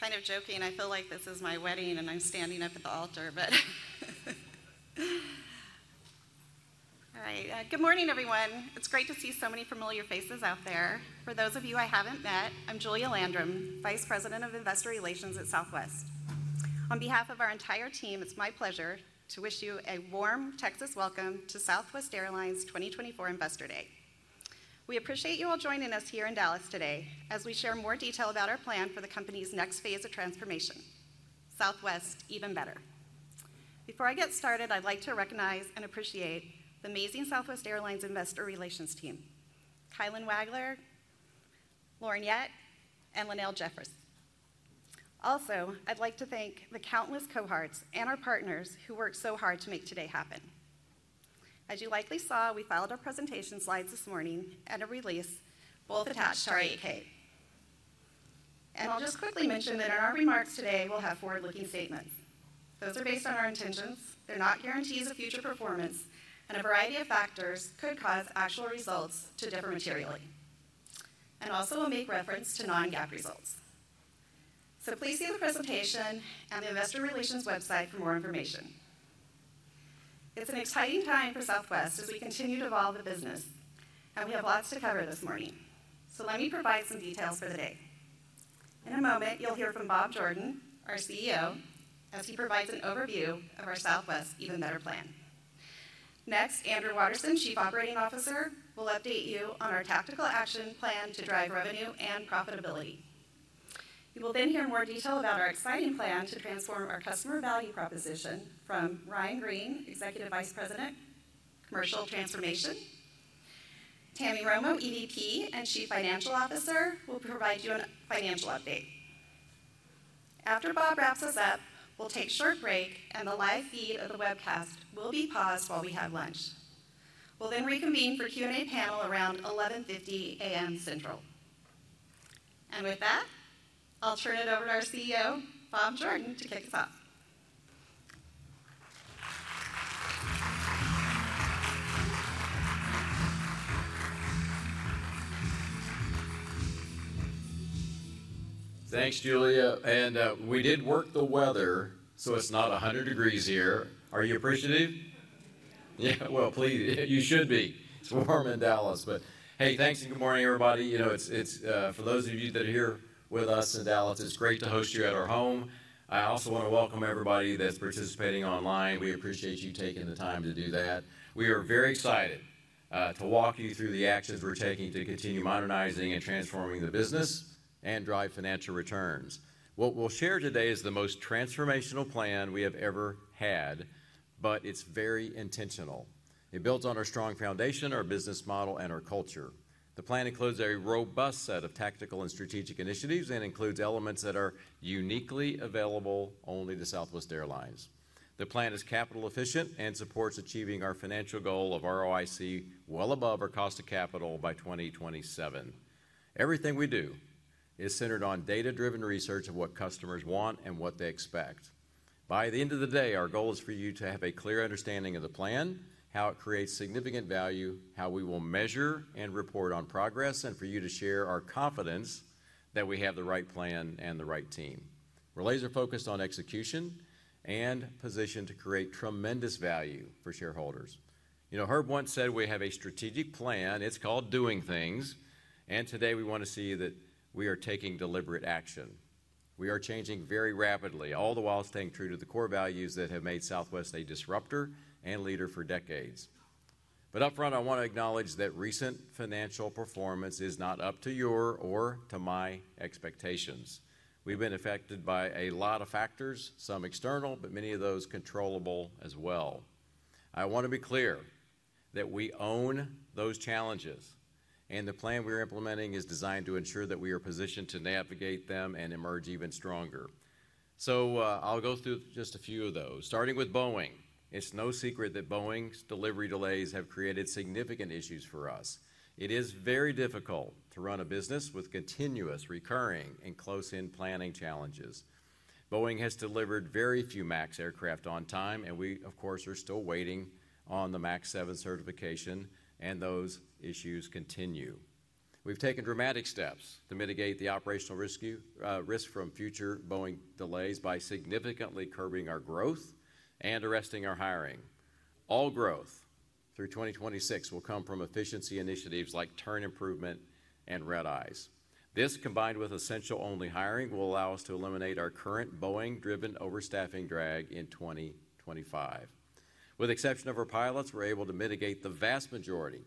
I was kind of joking. I feel like this is my wedding and I'm standing up at the altar, but all right. Good morning, everyone. It's great to see so many familiar faces out there. For those of you I haven't met, I'm Julia Landrum, Vice President of Investor Relations at Southwest. On behalf of our entire team, it's my pleasure to wish you a warm Texas welcome to Southwest Airlines' 2024 Investor Day. We appreciate you all joining us here in Dallas today as we share more detail about our plan for the company's next phase of transformation, Southwest Even Better. Before I get started, I'd like to recognize and appreciate the amazing Southwest Airlines Investor Relations team, Kailan Wagler, Lauren Yett, and Lenel Jefferis. Also, I'd like to thank the countless cohorts and our partners who worked so hard to make today happen. As you likely saw, we filed our presentation slides this morning and a release, both attached to our 8-K. And I'll just quickly mention that in our remarks today, we'll have forward-looking statements. Those are based on our intentions. They're not guarantees of future performance, and a variety of factors could cause actual results to differ materially. And also, we'll make reference to non-GAAP results. So please see the presentation and the Investor Relations website for more information. It's an exciting time for Southwest as we continue to evolve the business, and we have lots to cover this morning. So let me provide some details for the day. In a moment, you'll hear from Bob Jordan, our CEO, as he provides an overview of our Southwest Even Better plan. Next, Andrew Watterson, Chief Operating Officer, will update you on our tactical action plan to drive revenue and profitability. You will then hear more detail about our exciting plan to transform our customer value proposition from Ryan Green, Executive Vice President, Commercial Transformation. Tammy Romo, EVP and Chief Financial Officer, will provide you a financial update. After Bob wraps us up, we'll take a short break, and the live feed of the webcast will be paused while we have lunch. We'll then reconvene for Q&A panel around 11:50 A.M. Central. And with that, I'll turn it over to our CEO, Bob Jordan, to kick us off. Thanks, Julia, and we did work the weather, so it's not a hundred degrees here. Are you appreciative? Yeah, well, please, you should be. It's warm in Dallas, but hey, thanks and good morning, everybody. You know, it's for those of you that are here with us in Dallas. It's great to host you at our home. I also want to welcome everybody that's participating online. We appreciate you taking the time to do that. We are very excited to walk you through the actions we're taking to continue modernizing and transforming the business and drive financial returns. What we'll share today is the most transformational plan we have ever had, but it's very intentional. It builds on our strong foundation, our business model, and our culture. The plan includes a robust set of tactical and strategic initiatives and includes elements that are uniquely available only to Southwest Airlines. The plan is capital efficient and supports achieving our financial goal of ROIC well above our cost of capital by 2027. Everything we do is centered on data-driven research of what customers want and what they expect. By the end of the day, our goal is for you to have a clear understanding of the plan, how it creates significant value, how we will measure and report on progress, and for you to share our confidence that we have the right plan and the right team. We're laser-focused on execution and positioned to create tremendous value for shareholders. You know, Herb once said, "We have a strategic plan. It's called doing things," and today we want to see that we are taking deliberate action. We are changing very rapidly, all the while staying true to the core values that have made Southwest a disruptor and leader for decades. But upfront, I want to acknowledge that recent financial performance is not up to your or to my expectations. We've been affected by a lot of factors, some external, but many of those controllable as well. I want to be clear that we own those challenges, and the plan we're implementing is designed to ensure that we are positioned to navigate them and emerge even stronger. So, I'll go through just a few of those, starting with Boeing. It's no secret that Boeing's delivery delays have created significant issues for us. It is very difficult to run a business with continuous, recurring, and close-in planning challenges. Boeing has delivered very few MAX aircraft on time, and we, of course, are still waiting on the MAX 7 certification, and those issues continue. We've taken dramatic steps to mitigate the operational risk from future Boeing delays by significantly curbing our growth and arresting our hiring. All growth through 2026 will come from efficiency initiatives like turn improvement and red-eyes. This, combined with essential-only hiring, will allow us to eliminate our current Boeing-driven overstaffing drag in 2025. With the exception of our pilots, we're able to mitigate the vast majority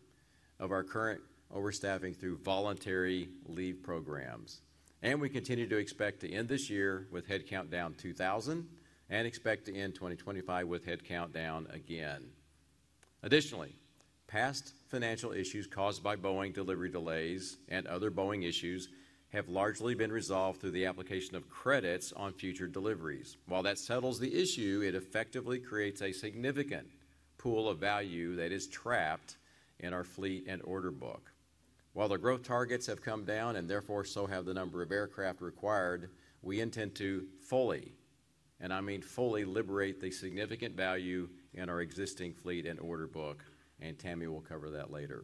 of our current overstaffing through voluntary leave programs, and we continue to expect to end this year with headcount down 2,000 and expect to end 2025 with headcount down again. Additionally, past financial issues caused by Boeing delivery delays and other Boeing issues have largely been resolved through the application of credits on future deliveries. While that settles the issue, it effectively creates a significant pool of value that is trapped in our fleet and order book. While the growth targets have come down and therefore, so have the number of aircraft required, we intend to fully, and I mean fully liberate the significant value in our existing fleet and order book, and Tammy will cover that later.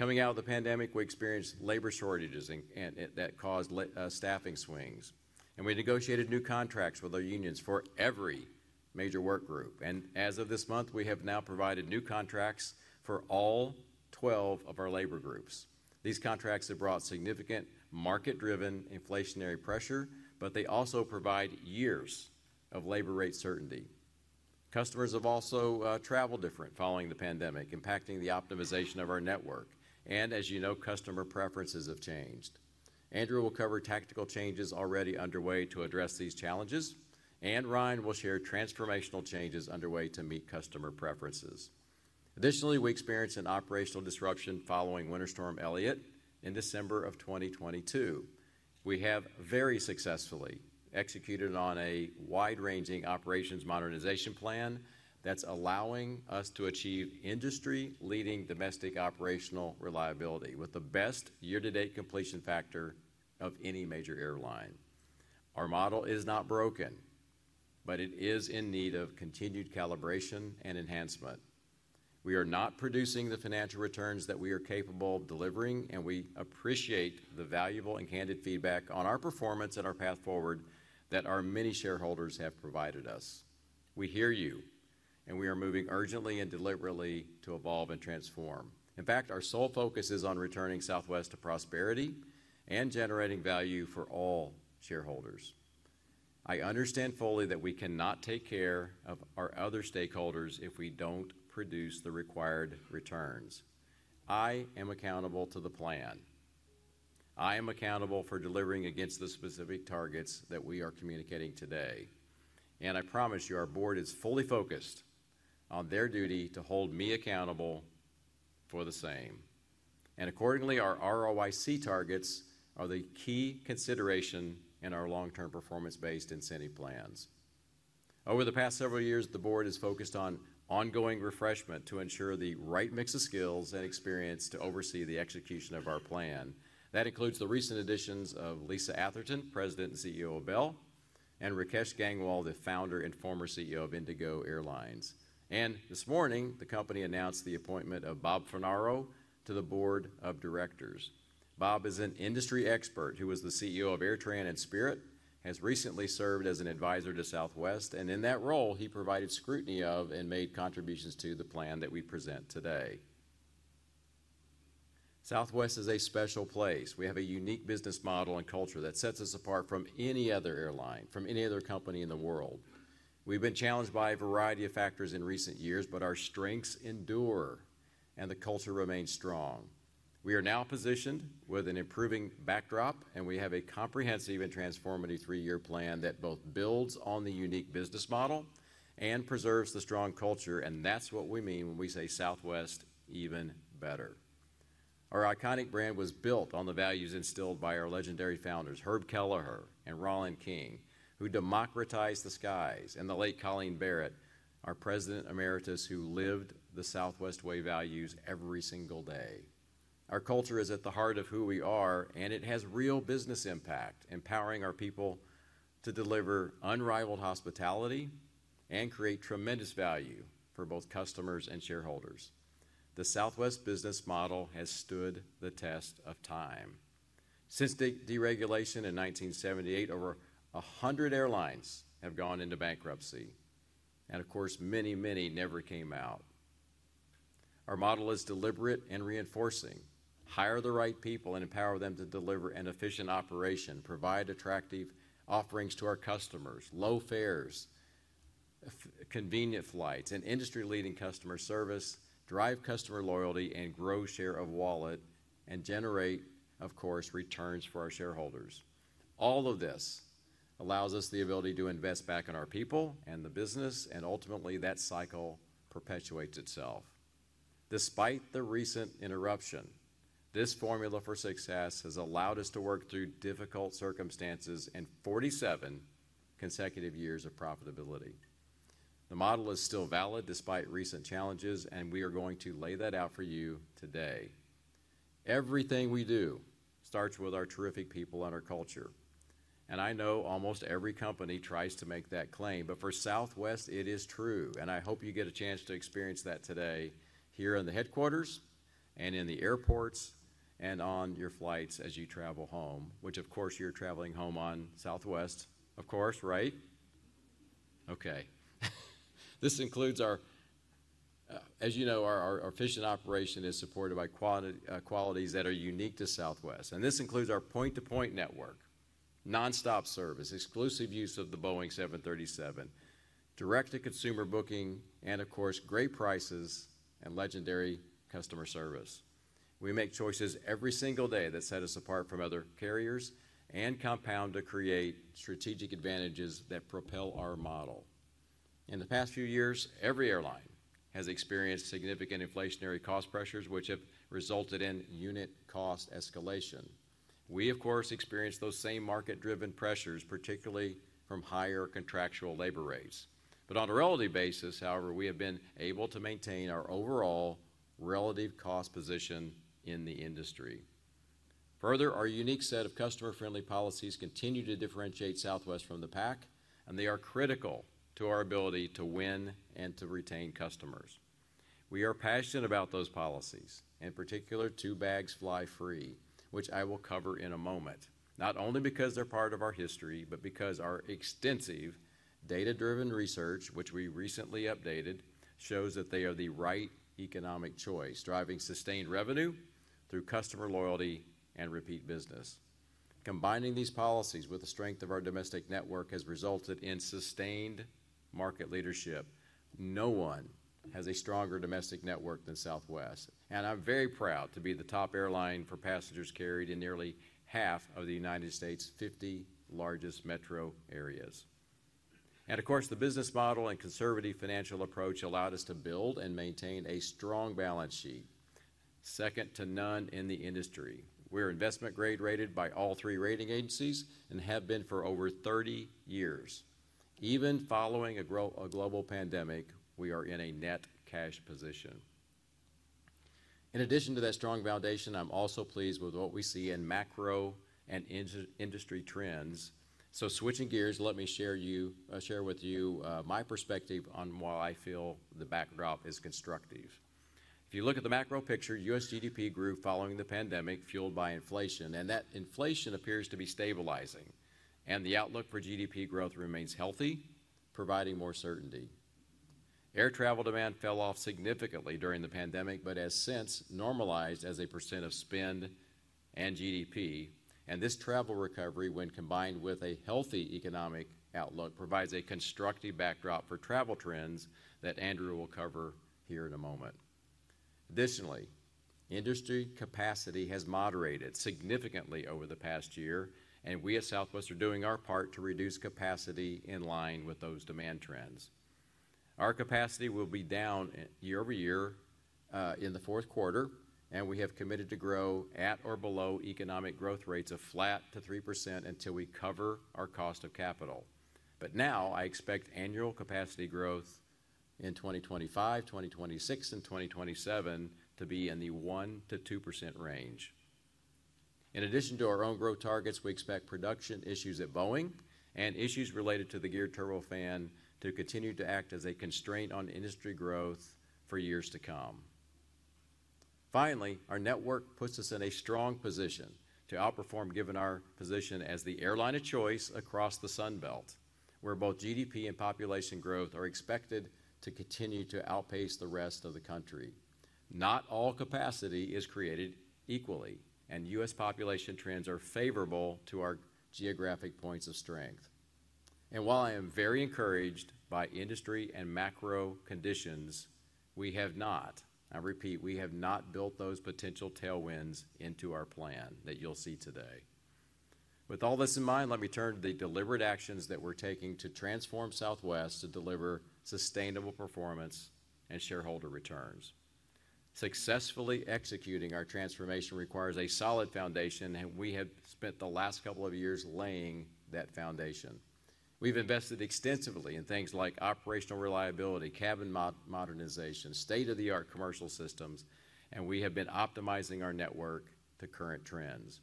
Coming out of the pandemic, we experienced labor shortages and that caused staffing swings, and we negotiated new contracts with our unions for every major work group, and as of this month, we have now provided new contracts for all 12 of our labor groups. These contracts have brought significant market-driven inflationary pressure, but they also provide years of labor rate certainty. Customers have also traveled differently following the pandemic, impacting the optimization of our network, and as you know, customer preferences have changed. Andrew will cover tactical changes already underway to address these challenges, and Ryan will share transformational changes underway to meet customer preferences. Additionally, we experienced an operational disruption following Winter Storm Elliott in December of 2022. We have very successfully executed on a wide-ranging operations modernization plan that's allowing us to achieve industry-leading domestic operational reliability with the best year-to-date completion factor of any major airline. Our model is not broken, but it is in need of continued calibration and enhancement. We are not producing the financial returns that we are capable of delivering, and we appreciate the valuable and candid feedback on our performance and our path forward that our many shareholders have provided us. We hear you, and we are moving urgently and deliberately to evolve and transform. In fact, our sole focus is on returning Southwest to prosperity and generating value for all shareholders. I understand fully that we cannot take care of our other stakeholders if we don't produce the required returns. I am accountable to the plan. I am accountable for delivering against the specific targets that we are communicating today, and I promise you, our board is fully focused on their duty to hold me accountable for the same, and accordingly, our ROIC targets are the key consideration in our long-term performance-based incentive plans. Over the past several years, the board has focused on ongoing refreshment to ensure the right mix of skills and experience to oversee the execution of our plan. That includes the recent additions of Lisa Atherton, President and CEO of Bell, and Rakesh Gangwal, the founder and former CEO of IndiGo Airlines, and this morning, the company announced the appointment of Bob Fornaro to the Board of Directors. Bob is an industry expert who was the CEO of AirTran and Spirit, has recently served as an advisor to Southwest, and in that role, he provided scrutiny of and made contributions to the plan that we present today. Southwest is a special place. We have a unique business model and culture that sets us apart from any other airline, from any other company in the world. We've been challenged by a variety of factors in recent years, but our strengths endure and the culture remains strong. We are now positioned with an improving backdrop, and we have a comprehensive and transformative three-year plan that both builds on the unique business model and preserves the strong culture, and that's what we mean when we say Southwest Even Better. Our iconic brand was built on the values instilled by our legendary founders, Herb Kelleher and Rollin King, who democratized the skies, and the late Colleen Barrett, our president emeritus, who lived the Southwest Way values every single day. Our culture is at the heart of who we are, and it has real business impact, empowering our people to deliver unrivaled hospitality and create tremendous value for both customers and shareholders. The Southwest business model has stood the test of time. Since deregulation in 1978, over a hundred airlines have gone into bankruptcy, and of course, many, many never came out. Our model is deliberate and reinforcing. Hire the right people and empower them to deliver an efficient operation, provide attractive offerings to our customers, low fares, convenient flights and industry-leading customer service, drive customer loyalty and grow share of wallet, and generate, of course, returns for our shareholders. All of this allows us the ability to invest back in our people and the business, and ultimately, that cycle perpetuates itself. Despite the recent interruption, this formula for success has allowed us to work through difficult circumstances and 47 consecutive years of profitability. The model is still valid despite recent challenges, and we are going to lay that out for you today. Everything we do starts with our terrific people and our culture, and I know almost every company tries to make that claim, but for Southwest, it is true, and I hope you get a chance to experience that today here in the headquarters and in the airports and on your flights as you travel home, which of course, you're traveling home on Southwest, of course, right? Okay. As you know, our efficient operation is supported by qualities that are unique to Southwest, and this includes our point-to-point network, nonstop service, exclusive use of the Boeing 737, direct-to-consumer booking, and of course, great prices and legendary customer service. We make choices every single day that set us apart from other carriers and compound to create strategic advantages that propel our model. In the past few years, every airline has experienced significant inflationary cost pressures, which have resulted in unit cost escalation. We, of course, experienced those same market-driven pressures, particularly from higher contractual labor rates. But on a relative basis, however, we have been able to maintain our overall relative cost position in the industry. Further, our unique set of customer-friendly policies continue to differentiate Southwest from the pack, and they are critical to our ability to win and to retain customers. We are passionate about those policies, in particular, Bags Fly Free, which I will cover in a moment, not only because they're part of our history, but because our extensive data-driven research, which we recently updated, shows that they are the right economic choice, driving sustained revenue through customer loyalty and repeat business. Combining these policies with the strength of our domestic network has resulted in sustained market leadership. No one has a stronger domestic network than Southwest, and I'm very proud to be the top airline for passengers carried in nearly half of the United States' 50 largest metro areas. And of course, the business model and conservative financial approach allowed us to build and maintain a strong balance sheet, second to none in the industry. We're investment grade rated by all three rating agencies and have been for over 30 years. Even following a global pandemic, we are in a net cash position. In addition to that strong foundation, I'm also pleased with what we see in macro and industry trends. So switching gears, let me share with you my perspective on why I feel the backdrop is constructive. If you look at the macro picture, US GDP grew following the pandemic, fueled by inflation, and that inflation appears to be stabilizing, and the outlook for GDP growth remains healthy, providing more certainty. Air travel demand fell off significantly during the pandemic, but has since normalized as a % of spend and GDP, and this travel recovery, when combined with a healthy economic outlook, provides a constructive backdrop for travel trends that Andrew will cover here in a moment. Additionally, industry capacity has moderated significantly over the past year, and we as Southwest are doing our part to reduce capacity in line with those demand trends. Our capacity will be down year-over-year in the Q4, and we have committed to grow at or below economic growth rates of flat to 3% until we cover our cost of capital. But now, I expect annual capacity growth in 2025, 2026, and 2027 to be in the 1%-2% range. In addition to our own growth targets, we expect production issues at Boeing and issues related to the Geared Turbofan to continue to act as a constraint on industry growth for years to come. Finally, our network puts us in a strong position to outperform, given our position as the airline of choice across the Sun Belt, where both GDP and population growth are expected to continue to outpace the rest of the country. Not all capacity is created equally, and US population trends are favorable to our geographic points of strength. And while I am very encouraged by industry and macro conditions, we have not, I repeat, we have not built those potential tailwinds into our plan that you'll see today. With all this in mind, let me turn to the deliberate actions that we're taking to transform Southwest to deliver sustainable performance and shareholder returns. Successfully executing our transformation requires a solid foundation, and we have spent the last couple of years laying that foundation. We've invested extensively in things like operational reliability, cabin modernization, state-of-the-art commercial systems, and we have been optimizing our network to current trends.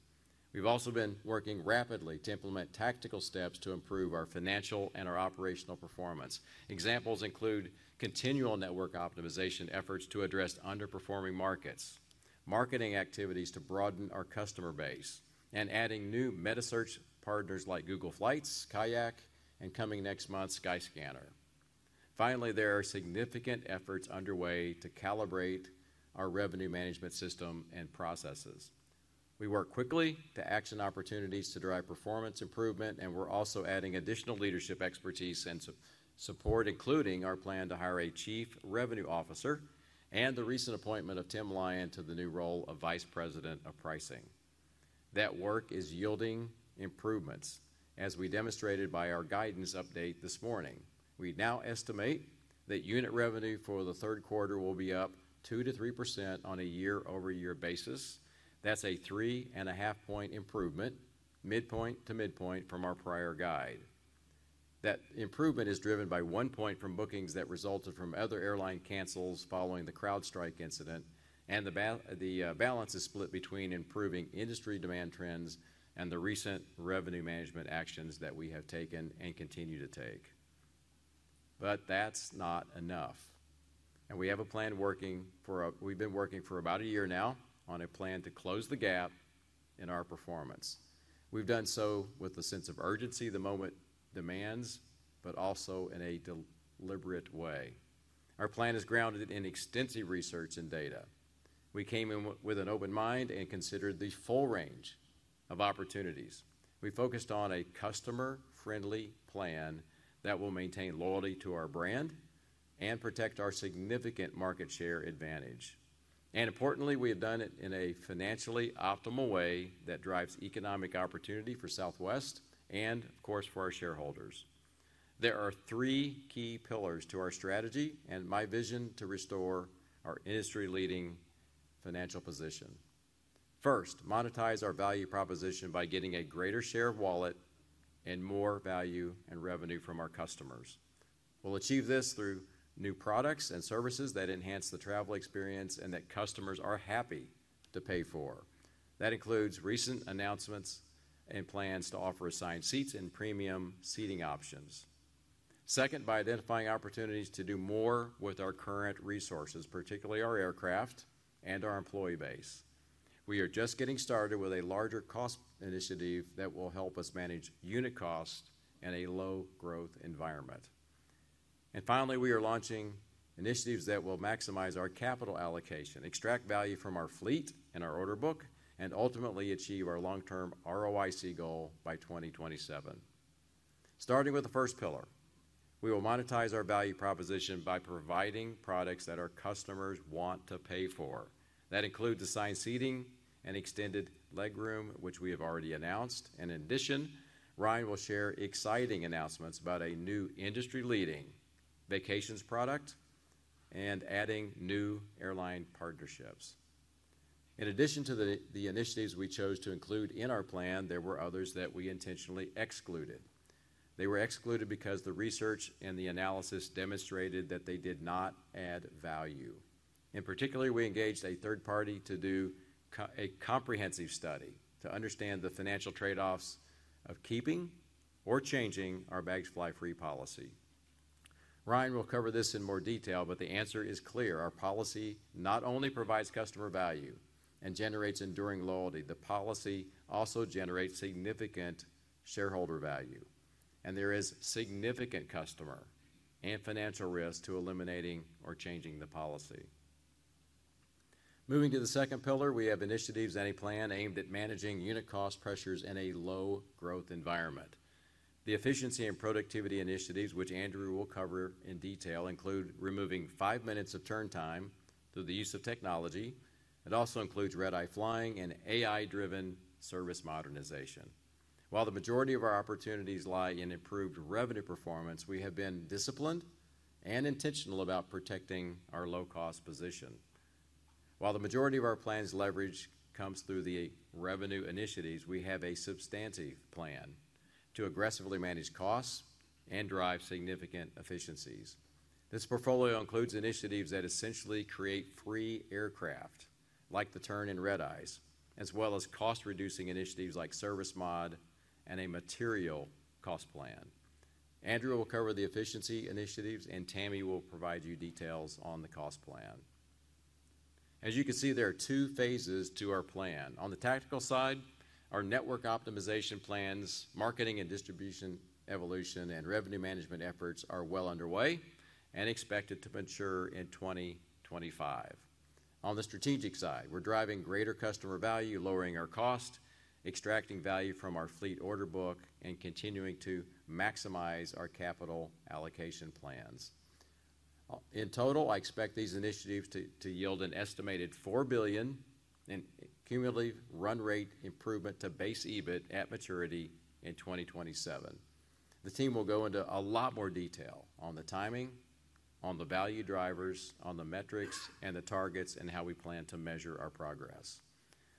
We've also been working rapidly to implement tactical steps to improve our financial and our operational performance. Examples include continual network optimization efforts to address underperforming markets, marketing activities to broaden our customer base, and adding new metasearch partners like Google Flights, Kayak, and coming next month, Skyscanner. Finally, there are significant efforts underway to calibrate our revenue management system and processes. We work quickly to action opportunities to drive performance improvement, and we're also adding additional leadership expertise and support, including our plan to hire a chief revenue officer and the recent appointment of Tim Lyon to the new role of Vice President of Pricing. That work is yielding improvements, as we demonstrated by our guidance update this morning. We now estimate that unit revenue for the Q3 will be up 2%-3% on a year-over-year basis. That's a 3.5-point improvement, midpoint to midpoint, from our prior guide. That improvement is driven by 1 point from bookings that resulted from other airline cancels following the CrowdStrike incident, and the balance is split between improving industry demand trends and the recent revenue management actions that we have taken and continue to take. But that's not enough, and we have a plan. We've been working for about a year now on a plan to close the gap in our performance. We've done so with a sense of urgency the moment demands, but also in a deliberate way. Our plan is grounded in extensive research and data. We came in with an open mind and considered the full range of opportunities. We focused on a customer-friendly plan that will maintain loyalty to our brand and protect our significant market share advantage. And importantly, we have done it in a financially optimal way that drives economic opportunity for Southwest and, of course, for our shareholders. There are three key pillars to our strategy and my vision to restore our industry-leading financial position. First, monetize our value proposition by getting a greater share of wallet and more value and revenue from our customers. We'll achieve this through new products and services that enhance the travel experience and that customers are happy to pay for. That includes recent announcements and plans to offer assigned seats and premium seating options. Second, by identifying opportunities to do more with our current resources, particularly our aircraft and our employee base. We are just getting started with a larger cost initiative that will help us manage unit cost in a low growth environment. And finally, we are launching initiatives that will maximize our capital allocation, extract value from our fleet and our order book, and ultimately achieve our long-term ROIC goal by 2027. Starting with the first pillar, we will monetize our value proposition by providing products that our customers want to pay for. That includes assigned seating and extended legroom, which we have already announced. In addition, Ryan will share exciting announcements about a new industry-leading vacations product and adding new airline partnerships. In addition to the initiatives we chose to include in our plan, there were others that we intentionally excluded. They were excluded because the research and the analysis demonstrated that they did not add value. In particular, we engaged a third party to do a comprehensive study to understand the financial trade-offs of keeping or changing our Bags Fly Free policy. Ryan will cover this in more detail, but the answer is clear: Our policy not only provides customer value and generates enduring loyalty, the policy also generates significant shareholder value, and there is significant customer and financial risk to eliminating or changing the policy. Moving to the second pillar, we have initiatives and a plan aimed at managing unit cost pressures in a low growth environment. The efficiency and productivity initiatives, which Andrew will cover in detail, include removing five minutes of turn time through the use of technology. It also includes red-eye flying and AI-driven service modernization. While the majority of our opportunities lie in improved revenue performance, we have been disciplined and intentional about protecting our low-cost position. While the majority of our plan's leverage comes through the revenue initiatives, we have a substantive plan to aggressively manage costs and drive significant efficiencies. This portfolio includes initiatives that essentially create free aircraft, like the turn in red-eyes, as well as cost-reducing initiatives like service mod and a material cost plan. Andrew will cover the efficiency initiatives, and Tammy will provide you details on the cost plan. As you can see, there are two phases to our plan. On the tactical side, our network optimization plans, marketing and distribution evolution, and revenue management efforts are well underway and expected to mature in 2025. On the strategic side, we're driving greater customer value, lowering our cost, extracting value from our fleet order book, and continuing to maximize our capital allocation plans. In total, I expect these initiatives to yield an estimated $4 billion in cumulative run rate improvement to base EBIT at maturity in 2027. The team will go into a lot more detail on the timing, on the value drivers, on the metrics and the targets, and how we plan to measure our progress.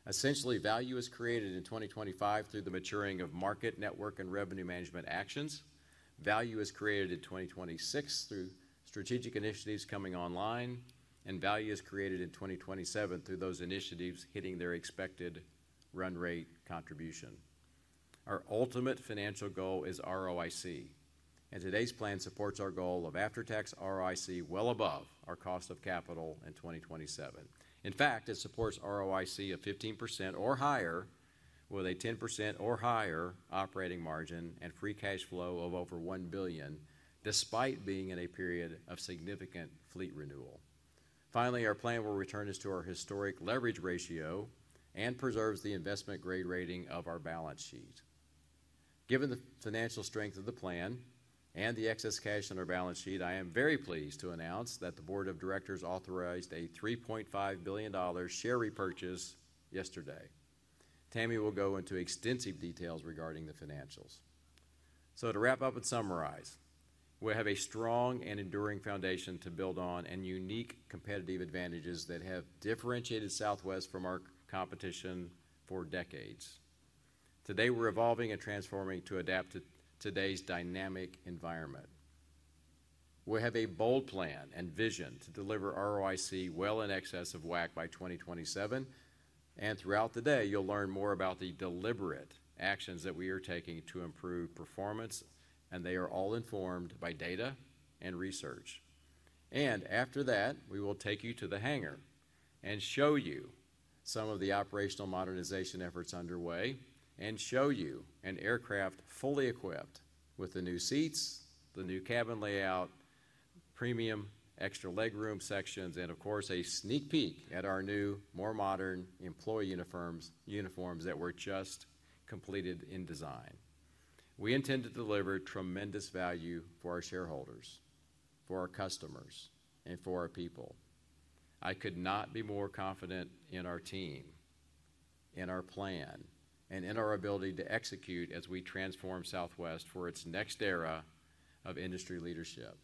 Essentially, value is created in 2025 through the maturing of market, network, and revenue management actions. Value is created in 2026 through strategic initiatives coming online, and value is created in 2027 through those initiatives hitting their expected run rate contribution. Our ultimate financial goal is ROIC, and today's plan supports our goal of after-tax ROIC well above our cost of capital in 2027. In fact, it supports ROIC of 15% or higher, with a 10% or higher operating margin and free cash flow of over $1 billion, despite being in a period of significant fleet renewal. Finally, our plan will return us to our historic leverage ratio and preserves the investment grade rating of our balance sheet. Given the financial strength of the plan and the excess cash on our balance sheet, I am very pleased to announce that the board of directors authorized a $3.5 billion share repurchase yesterday. Tammy will go into extensive details regarding the financials. So to wrap up and summarize, we have a strong and enduring foundation to build on and unique competitive advantages that have differentiated Southwest from our competition for decades. Today, we're evolving and transforming to adapt to today's dynamic environment. We have a bold plan and vision to deliver ROIC well in excess of WACC by 2027, and throughout the day, you'll learn more about the deliberate actions that we are taking to improve performance, and they are all informed by data and research. And after that, we will take you to the hangar and show you some of the operational modernization efforts underway and show you an aircraft fully equipped with the new seats, the new cabin layout, premium extra legroom sections, and of course, a sneak peek at our new, more modern employee uniforms, uniforms that were just completed in design. We intend to deliver tremendous value for our shareholders, for our customers, and for our people. I could not be more confident in our team, in our plan, and in our ability to execute as we transform Southwest for its next era of industry leadership.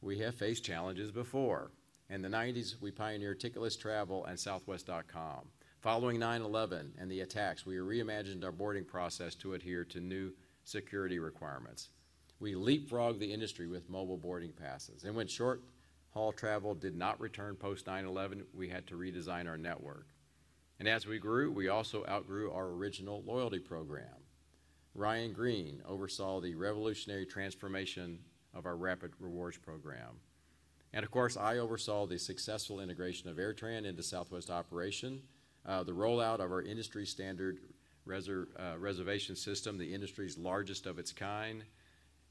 We have faced challenges before. In the '90s, we pioneered ticketless travel and southwest.com. Following 9/11 and the attacks, we reimagined our boarding process to adhere to new security requirements. We leapfrogged the industry with mobile boarding passes, and when short-haul travel did not return post 9/11, we had to redesign our network, and as we grew, we also outgrew our original loyalty program. Ryan Green oversaw the revolutionary transformation of our Rapid Rewards program, and of course, I oversaw the successful integration of AirTran into Southwest operation, the rollout of our industry-standard reservation system, the industry's largest of its kind,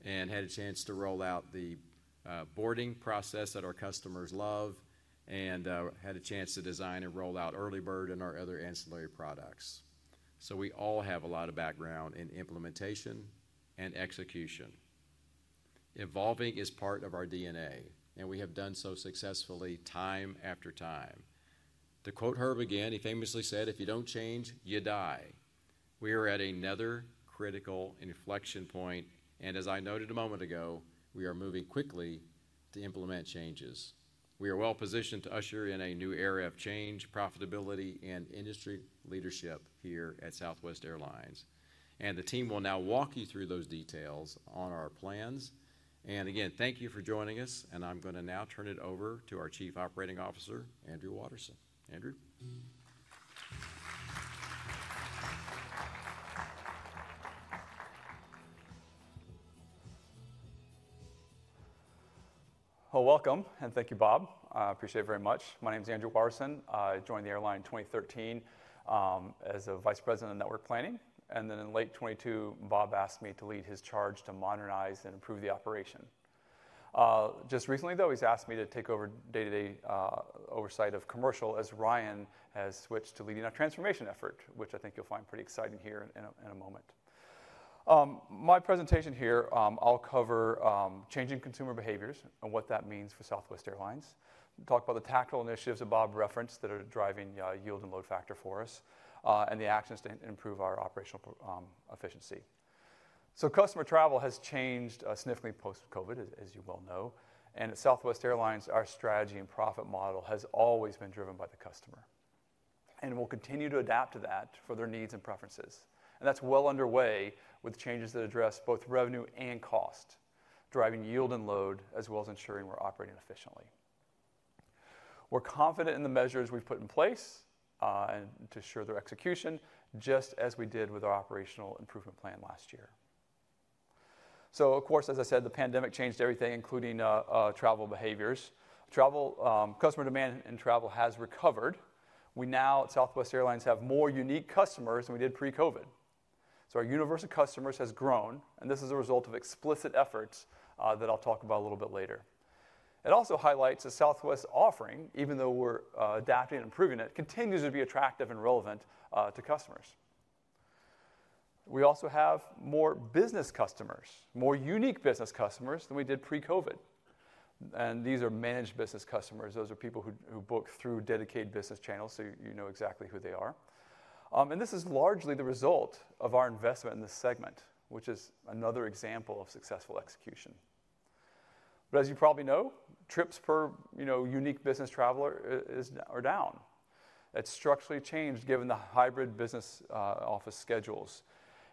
and had a chance to roll out the boarding process that our customers love and had a chance to design and roll out EarlyBird and our other ancillary products, so we all have a lot of background in implementation and execution. Evolving is part of our DNA, and we have done so successfully time after time. To quote Herb again, he famously said, "If you don't change, you die." We are at another critical inflection point, and as I noted a moment ago, we are moving quickly to implement changes. We are well positioned to usher in a new era of change, profitability, and industry leadership here at Southwest Airlines. And the team will now walk you through those details on our plans. And again, thank you for joining us, and I'm gonna now turn it over to our Chief Operating Officer, Andrew Watterson. Andrew? Welcome, and thank you, Bob. I appreciate it very much. My name is Andrew Watterson. I joined the airline in 2013 as a Vice President of Network Planning, and then in late 2022, Bob asked me to lead his charge to modernize and improve the operation. Just recently, though, he's asked me to take over day-to-day oversight of commercial, as Ryan has switched to leading our transformation effort, which I think you'll find pretty exciting here in a moment. My presentation here, I'll cover changing consumer behaviors and what that means for Southwest Airlines, talk about the tactical initiatives that Bob referenced that are driving yield and load factor for us, and the actions to improve our operational efficiency. Customer travel has changed significantly post-COVID, as you well know. At Southwest Airlines, our strategy and profit model has always been driven by the customer, and we'll continue to adapt to that for their needs and preferences. That's well underway with changes that address both revenue and cost, driving yield and load, as well as ensuring we're operating efficiently. We're confident in the measures we've put in place and to ensure their execution, just as we did with our operational improvement plan last year. Of course, as I said, the pandemic changed everything, including travel behaviors. Customer demand and travel has recovered. We now, at Southwest Airlines, have more unique customers than we did pre-COVID. Our universe of customers has grown, and this is a result of explicit efforts that I'll talk about a little bit later. It also highlights that Southwest's offering, even though we're adapting and improving it, continues to be attractive and relevant to customers. We also have more business customers, more unique business customers than we did pre-COVID, and these are managed business customers. Those are people who book through dedicated business channels, so you know exactly who they are, and this is largely the result of our investment in this segment, which is another example of successful execution, but as you probably know, trips per, you know, unique business traveler are down. It's structurally changed given the hybrid business office schedules.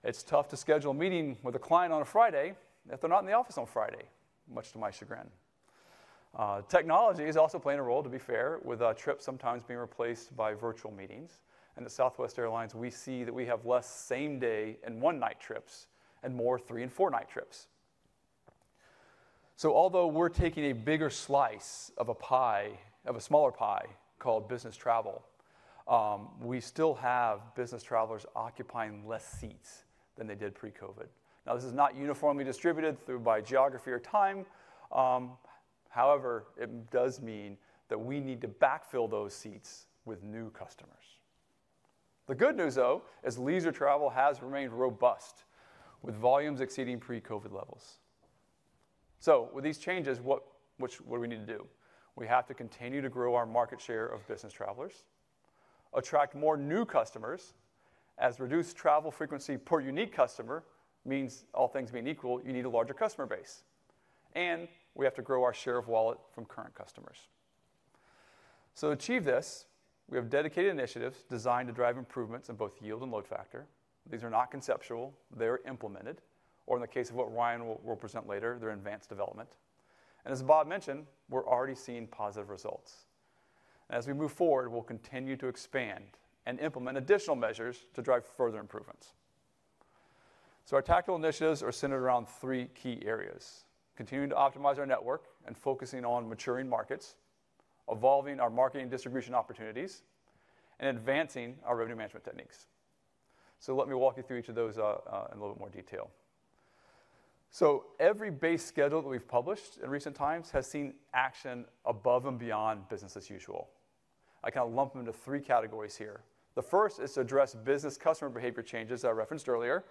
It's tough to schedule a meeting with a client on a Friday if they're not in the office on Friday, much to my chagrin. Technology is also playing a role, to be fair, with trips sometimes being replaced by virtual meetings. At Southwest Airlines, we see that we have less same-day and one-night trips and more 3- and 4-night trips. Although we're taking a bigger slice of a pie, of a smaller pie called business travel, we still have business travelers occupying less seats than they did pre-COVID. Now, this is not uniformly distributed throughout by geography or time. However, it does mean that we need to backfill those seats with new customers. The good news, though, is leisure travel has remained robust, with volumes exceeding pre-COVID levels. With these changes, what do we need to do? We have to continue to grow our market share of business travelers, attract more new customers, as reduced travel frequency per unique customer means, all things being equal, you need a larger customer base. We have to grow our share of wallet from current customers. So to achieve this, we have dedicated initiatives designed to drive improvements in both yield and load factor. These are not conceptual, they're implemented, or in the case of what Ryan will present later, they're in advanced development. And as Bob mentioned, we're already seeing positive results. As we move forward, we'll continue to expand and implement additional measures to drive further improvements. So our tactical initiatives are centered around three key areas: continuing to optimize our network and focusing on maturing markets, evolving our marketing distribution opportunities, and advancing our revenue management techniques. So let me walk you through each of those in a little more detail. Every base schedule that we've published in recent times has seen action above and beyond business as usual. I kind of lump them into three categories here. The first is to address business customer behavior changes that I referenced earlier.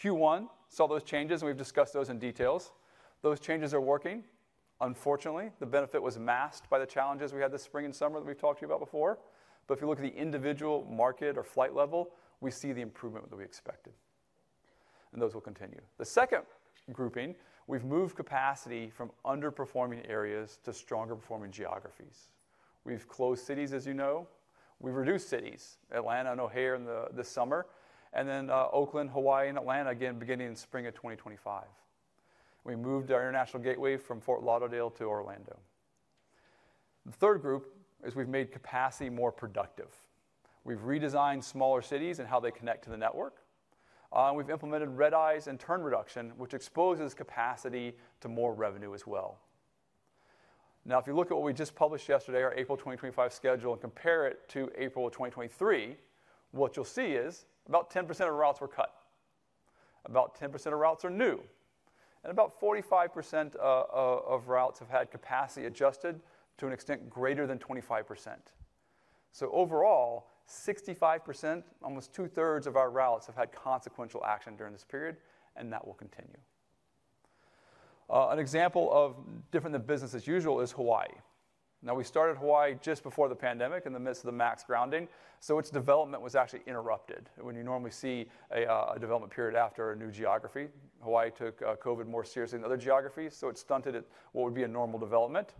Q1 saw those changes, and we've discussed those in details. Those changes are working. Unfortunately, the benefit was masked by the challenges we had this spring and summer that we've talked to you about before. But if you look at the individual market or flight level, we see the improvement that we expected and those will continue. The second grouping, we've moved capacity from underperforming areas to stronger performing geographies. We've closed cities, as you know. We've reduced cities, Atlanta and O'Hare in the summer, and then, Oakland, Hawaii, and Atlanta again, beginning in spring of 2025. We moved our international gateway from Fort Lauderdale to Orlando. The third group is we've made capacity more productive. We've redesigned smaller cities and how they connect to the network, and we've implemented red-eyes and turn reduction, which exposes capacity to more revenue as well. Now, if you look at what we just published yesterday, our April 2025 schedule, and compare it to April of 2023, what you'll see is about 10% of routes were cut, about 10% of routes are new, and about 45% of routes have had capacity adjusted to an extent greater than 25%. So overall, 65%, almost two-thirds of our routes, have had consequential action during this period, and that will continue. An example of different than business as usual is Hawaii. Now, we started Hawaii just before the pandemic in the midst of the MAX grounding, so its development was actually interrupted. When you normally see a development period after a new geography, Hawaii took COVID more seriously than other geographies, so it stunted what would be a normal development.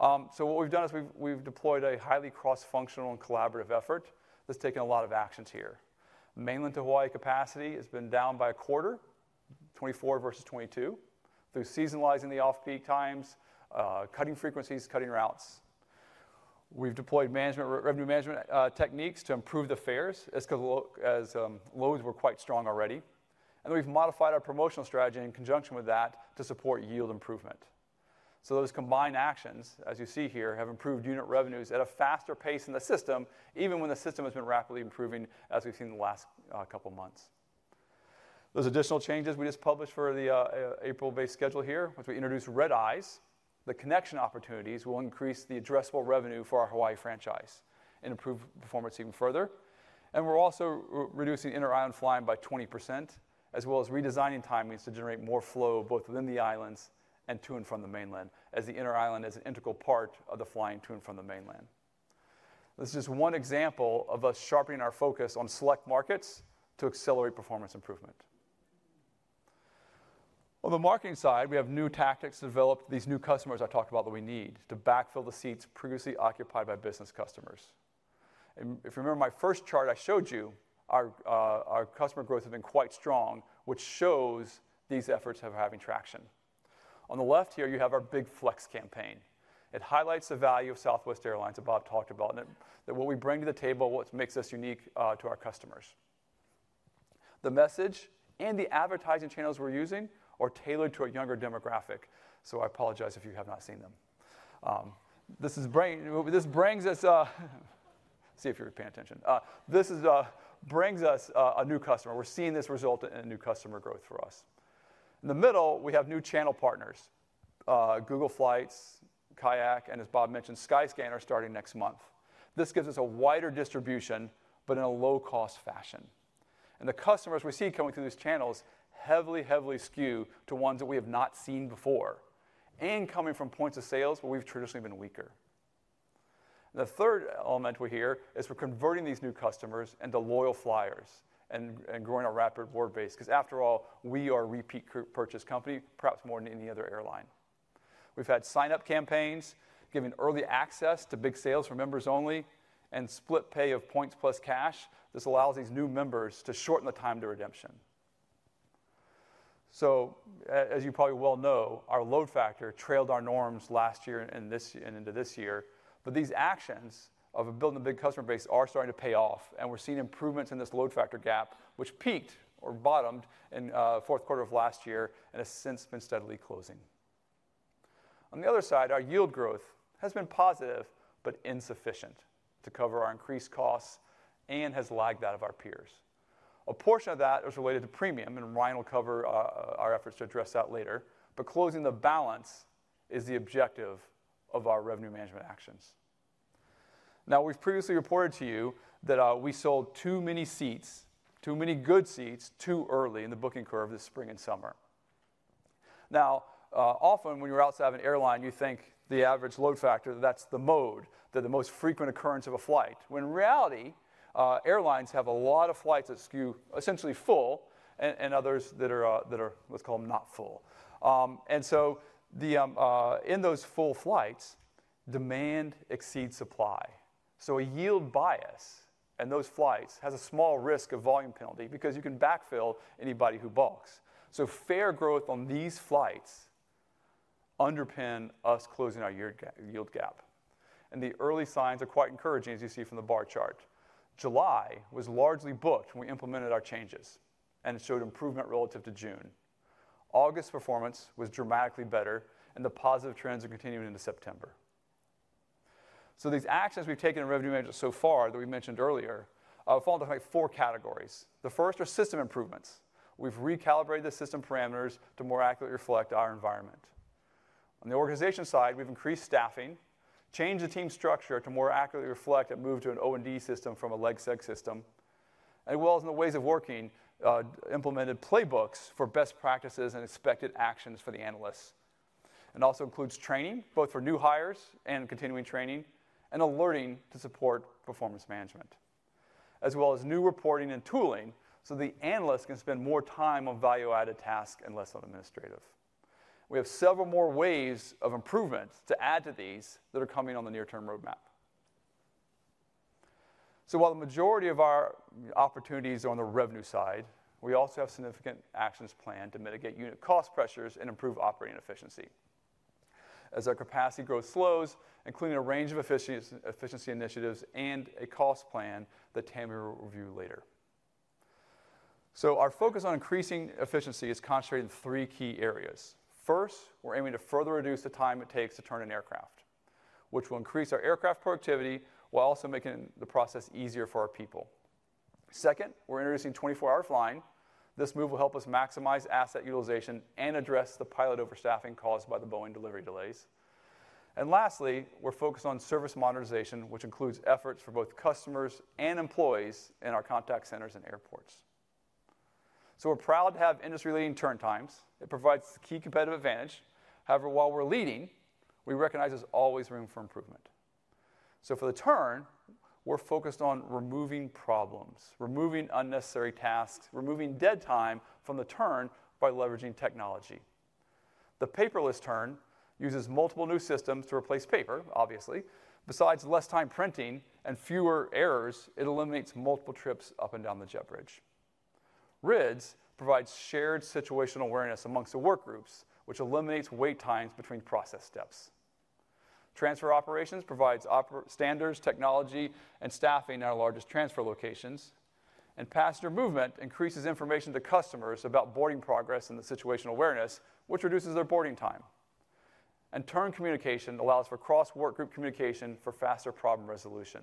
So what we've done is we've deployed a highly cross-functional and collaborative effort that's taken a lot of actions here. Mainland to Hawaii capacity has been down by a quarter, 2024 versus 2022, through seasonalizing the off-peak times, cutting frequencies, cutting routes. We've deployed revenue management techniques to improve the fares, as loads were quite strong already, and we've modified our promotional strategy in conjunction with that to support yield improvement. So those combined actions, as you see here, have improved unit revenues at a faster pace in the system, even when the system has been rapidly improving, as we've seen in the last couple of months. Those additional changes we just published for the April-based schedule here, which we introduced red-eyes. The connection opportunities will increase the addressable revenue for our Hawaii franchise and improve performance even further. And we're also reducing interisland flying by 20%, as well as redesigning timings to generate more flow both within the islands and to and from the mainland, as the interisland is an integral part of the flying to and from the mainland. This is just one example of us sharpening our focus on select markets to accelerate performance improvement. On the marketing side, we have new tactics to develop these new customers I talked about that we need to backfill the seats previously occupied by business customers. And if you remember my first chart I showed you, our customer growth has been quite strong, which shows these efforts having traction. On the left here, you have our Big Flex campaign. It highlights the value of Southwest Airlines that Bob talked about, and that what we bring to the table, what makes us unique to our customers. The message and the advertising channels we're using are tailored to a younger demographic, so I apologize if you have not seen them. This brings us, see if you're paying attention. This brings us a new customer. We're seeing this result in a new customer growth for us. In the middle, we have new channel partners, Google Flights, KAYAK, and as Bob mentioned, Skyscanner starting next month. This gives us a wider distribution, but in a low-cost fashion. The customers we see coming through these channels heavily, heavily skew to ones that we have not seen before and coming from points of sales where we've traditionally been weaker. The third element we hear is we're converting these new customers into loyal flyers and growing our Rapid Rewards base, 'cause after all, we are a repeat purchase company, perhaps more than any other airline. We've had sign-up campaigns, given early access to big sales for members only, and split pay of points plus cash. This allows these new members to shorten the time to redemption. So as you probably well know, our load factor trailed our norms last year and this year, and into this year. But these actions of building a big customer base are starting to pay off, and we're seeing improvements in this load factor gap, which peaked or bottomed in Q4 of last year and has since been steadily closing. On the other side, our yield growth has been positive but insufficient to cover our increased costs and has lagged that of our peers. A portion of that is related to premium, and Ryan will cover our efforts to address that later, but closing the balance is the objective of our revenue management actions. Now, we've previously reported to you that we sold too many seats, too many good seats, too early in the booking curve this spring and summer. Now, often when you're outside of an airline, you think the average load factor, that's the mode, that the most frequent occurrence of a flight. When in reality, airlines have a lot of flights that skew essentially full and others that are, let's call them, not full. So, in those full flights, demand exceeds supply. So a yield bias in those flights has a small risk of volume penalty because you can backfill anybody who balks. So fare growth on these flights underpin us closing our year yield gap, and the early signs are quite encouraging, as you see from the bar chart. July was largely booked when we implemented our changes, and it showed improvement relative to June. August's performance was dramatically better, and the positive trends are continuing into September. These actions we've taken in revenue management so far that we mentioned earlier fall into four categories. The first are system improvements. We've recalibrated the system parameters to more accurately reflect our environment. On the organization side, we've increased staffing, changed the team structure to more accurately reflect and move to an O&D system from a leg-seg system, and well, as in the ways of working, implemented playbooks for best practices and expected actions for the analysts. It also includes training, both for new hires and continuing training, and alerting to support performance management, as well as new reporting and tooling, so the analyst can spend more time on value-added task and less on administrative. We have several more ways of improvement to add to these that are coming on the near-term roadmap. So while the majority of our opportunities are on the revenue side, we also have significant actions planned to mitigate unit cost pressures and improve operating efficiency. As our capacity growth slows, including a range of efficiency initiatives and a cost plan that Tammy will review later. So our focus on increasing efficiency is concentrated in three key areas. First, we're aiming to further reduce the time it takes to turn an aircraft, which will increase our aircraft productivity while also making the process easier for our people. Second, we're introducing 24-hour flying. This move will help us maximize asset utilization and address the pilot overstaffing caused by the Boeing delivery delays. And lastly, we're focused on service modernization, which includes efforts for both customers and employees in our contact centers and airports. So we're proud to have industry-leading turn times. It provides key competitive advantage. However, while we're leading, we recognize there's always room for improvement. So for the turn, we're focused on removing problems, removing unnecessary tasks, removing dead time from the turn by leveraging technology. The paperless turn uses multiple new systems to replace paper, obviously. Besides less time printing and fewer errors, it eliminates multiple trips up and down the jet bridge. RIDS provides shared situational awareness among the workgroups, which eliminates wait times between process steps. Transfer operations provides operational standards, technology, and staffing at our largest transfer locations, and passenger movement increases information to customers about boarding progress and the situational awareness, which reduces their boarding time. Turn communication allows for cross-work group communication for faster problem resolution.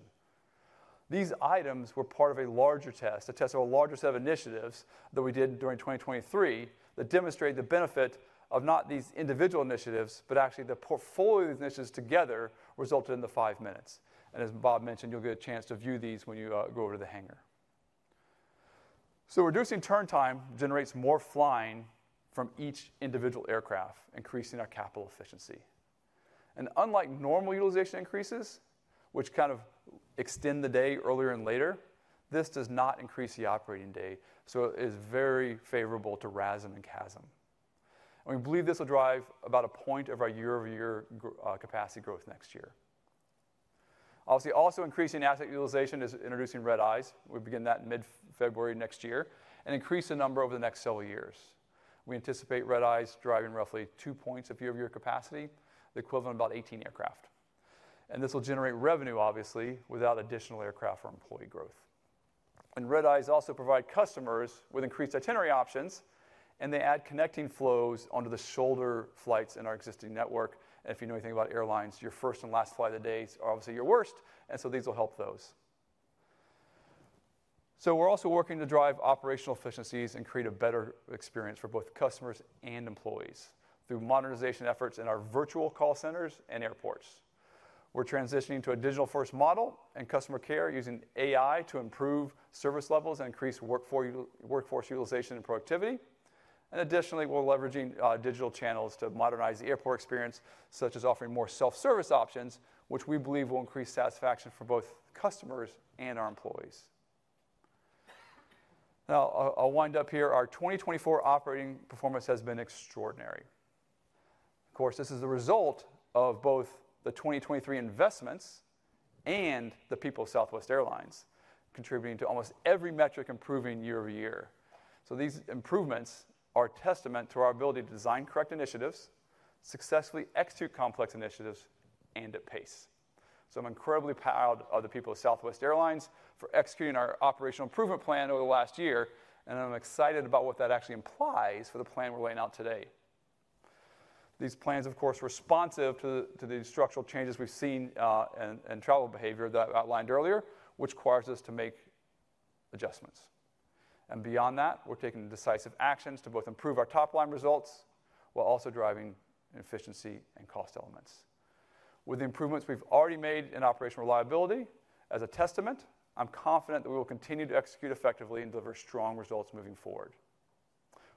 These items were part of a larger test, a test of a larger set of initiatives that we did during 2023, that demonstrated the benefit of not these individual initiatives, but actually the portfolio of initiatives together resulted in the five minutes. And as Bob mentioned, you'll get a chance to view these when you go over to the hangar. Reducing turn time generates more flying from each individual aircraft, increasing our capital efficiency. And unlike normal utilization increases, which kind of extend the day earlier and later, this does not increase the operating day, so it's very favorable to RASM and CASM. And we believe this will drive about a point of our year-over-year capacity growth next year. Obviously, also increasing asset utilization is introducing red-eyes. We begin that in mid-February next year and increase the number over the next several years. We anticipate red-eyes driving roughly two points of year-over-year capacity, the equivalent of about 18 aircraft. And this will generate revenue, obviously, without additional aircraft or employee growth. And red-eyes also provide customers with increased itinerary options, and they add connecting flows onto the shoulder flights in our existing network. If you know anything about airlines, your first and last flight of the day is obviously your worst, and so these will help those. So we're also working to drive operational efficiencies and create a better experience for both customers and employees through modernization efforts in our virtual call centers and airports. We're transitioning to a digital-first model and customer care, using AI to improve service levels and increase workforce utilization and productivity. Additionally, we're leveraging digital channels to modernize the airport experience, such as offering more self-service options, which we believe will increase satisfaction for both customers and our employees. Now, I'll wind up here. Our 2024 operating performance has been extraordinary. Of course, this is a result of both the 2023 investments and the people of Southwest Airlines, contributing to almost every metric improving year-over-year. These improvements are a testament to our ability to design correct initiatives, successfully execute complex initiatives, and at pace. I'm incredibly proud of the people of Southwest Airlines for executing our operational improvement plan over the last year, and I'm excited about what that actually implies for the plan we're laying out today. These plans, of course, responsive to the structural changes we've seen in travel behavior that I outlined earlier, which requires us to make adjustments, and beyond that, we're taking decisive actions to both improve our top-line results while also driving efficiency and cost elements. With the improvements we've already made in operational reliability, as a testament, I'm confident that we will continue to execute effectively and deliver strong results moving forward.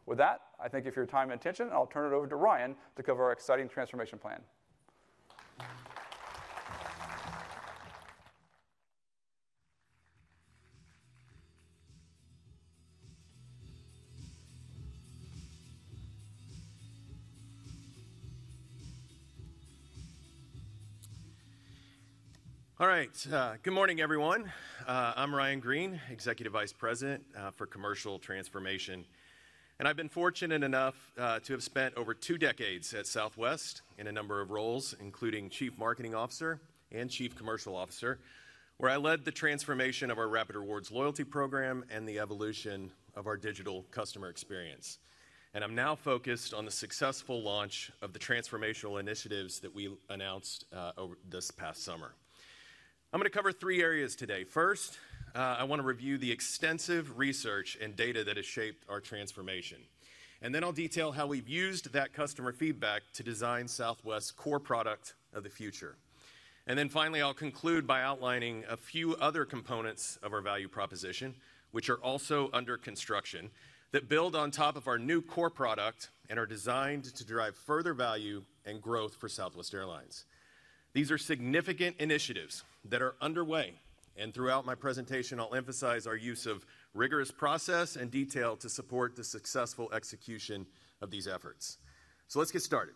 With that, I thank you for your time and attention, and I'll turn it over to Ryan to cover our exciting transformation plan. All right, good morning, everyone. I'm Ryan Green, Executive Vice President for Commercial Transformation, and I've been fortunate enough to have spent over two decades at Southwest in a number of roles, including Chief Marketing Officer and Chief Commercial Officer, where I led the transformation of our Rapid Rewards loyalty program and the evolution of our digital customer experience. And I'm now focused on the successful launch of the transformational initiatives that we announced over this past summer. I'm gonna cover three areas today. First, I want to review the extensive research and data that has shaped our transformation. And then I'll detail how we've used that customer feedback to design Southwest's core product of the future. And then finally, I'll conclude by outlining a few other components of our value proposition, which are also under construction, that build on top of our new core product and are designed to derive further value and growth for Southwest Airlines. These are significant initiatives that are underway, and throughout my presentation, I'll emphasize our use of rigorous process and detail to support the successful execution of these efforts. So let's get started.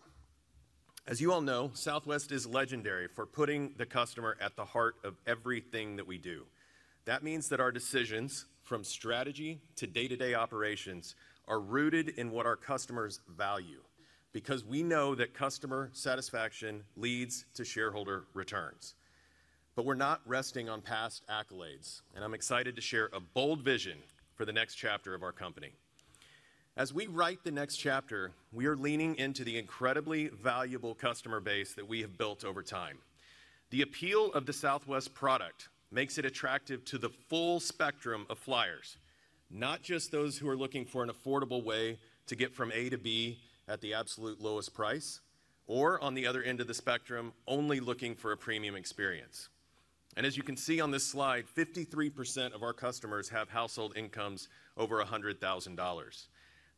As you all know, Southwest is legendary for putting the customer at the heart of everything that we do. That means that our decisions, from strategy to day-to-day operations, are rooted in what our customers value, because we know that customer satisfaction leads to shareholder returns. But we're not resting on past accolades, and I'm excited to share a bold vision for the next chapter of our company. As we write the next chapter, we are leaning into the incredibly valuable customer base that we have built over time. The appeal of the Southwest product makes it attractive to the full spectrum of flyers, not just those who are looking for an affordable way to get from A to B at the absolute lowest price, or, on the other end of the spectrum, only looking for a premium experience. As you can see on this slide, 53% of our customers have household incomes over $100,000.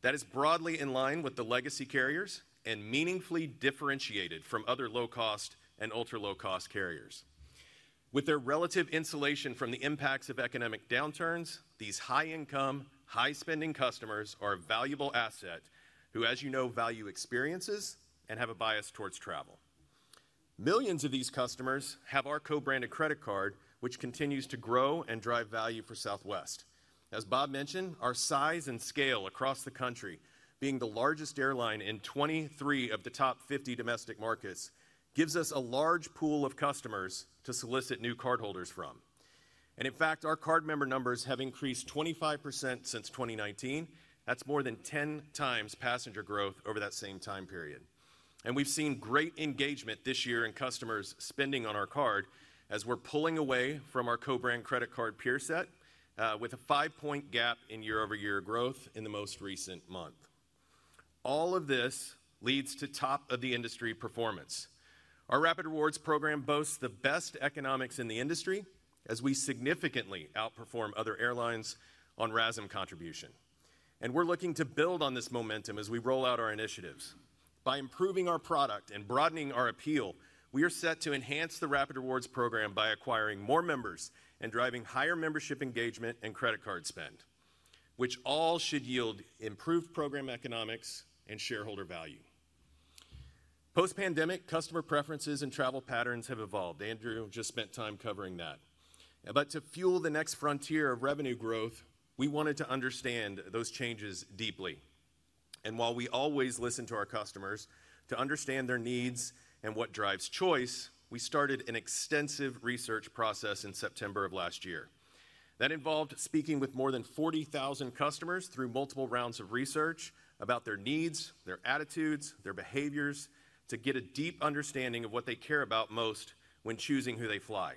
That is broadly in line with the legacy carriers and meaningfully differentiated from other low-cost and ultra-low-cost carriers. With their relative insulation from the impacts of economic downturns, these high-income, high-spending customers are a valuable asset who, as you know, value experiences and have a bias towards travel. Millions of these customers have our co-branded credit card, which continues to grow and drive value for Southwest. As Bob mentioned, our size and scale across the country, being the largest airline in 23 of the top 50 domestic markets, gives us a large pool of customers to solicit new cardholders from. And in fact, our card member numbers have increased 25% since 2019. That's more than 10 times passenger growth over that same time period. And we've seen great engagement this year in customers spending on our card as we're pulling away from our co-brand credit card peer set with a five-point gap in year-over-year growth in the most recent month. All of this leads to top-of-the-industry performance. Our Rapid Rewards program boasts the best economics in the industry as we significantly outperform other airlines on RASM contribution, and we're looking to build on this momentum as we roll out our initiatives. By improving our product and broadening our appeal, we are set to enhance the Rapid Rewards program by acquiring more members and driving higher membership engagement and credit card spend, which all should yield improved program economics and shareholder value. Post-pandemic, customer preferences and travel patterns have evolved. Andrew just spent time covering that, but to fuel the next frontier of revenue growth, we wanted to understand those changes deeply, and while we always listen to our customers to understand their needs and what drives choice, we started an extensive research process in September of last year. That involved speaking with more than 40,000 customers through multiple rounds of research about their needs, their attitudes, their behaviors, to get a deep understanding of what they care about most when choosing who they fly.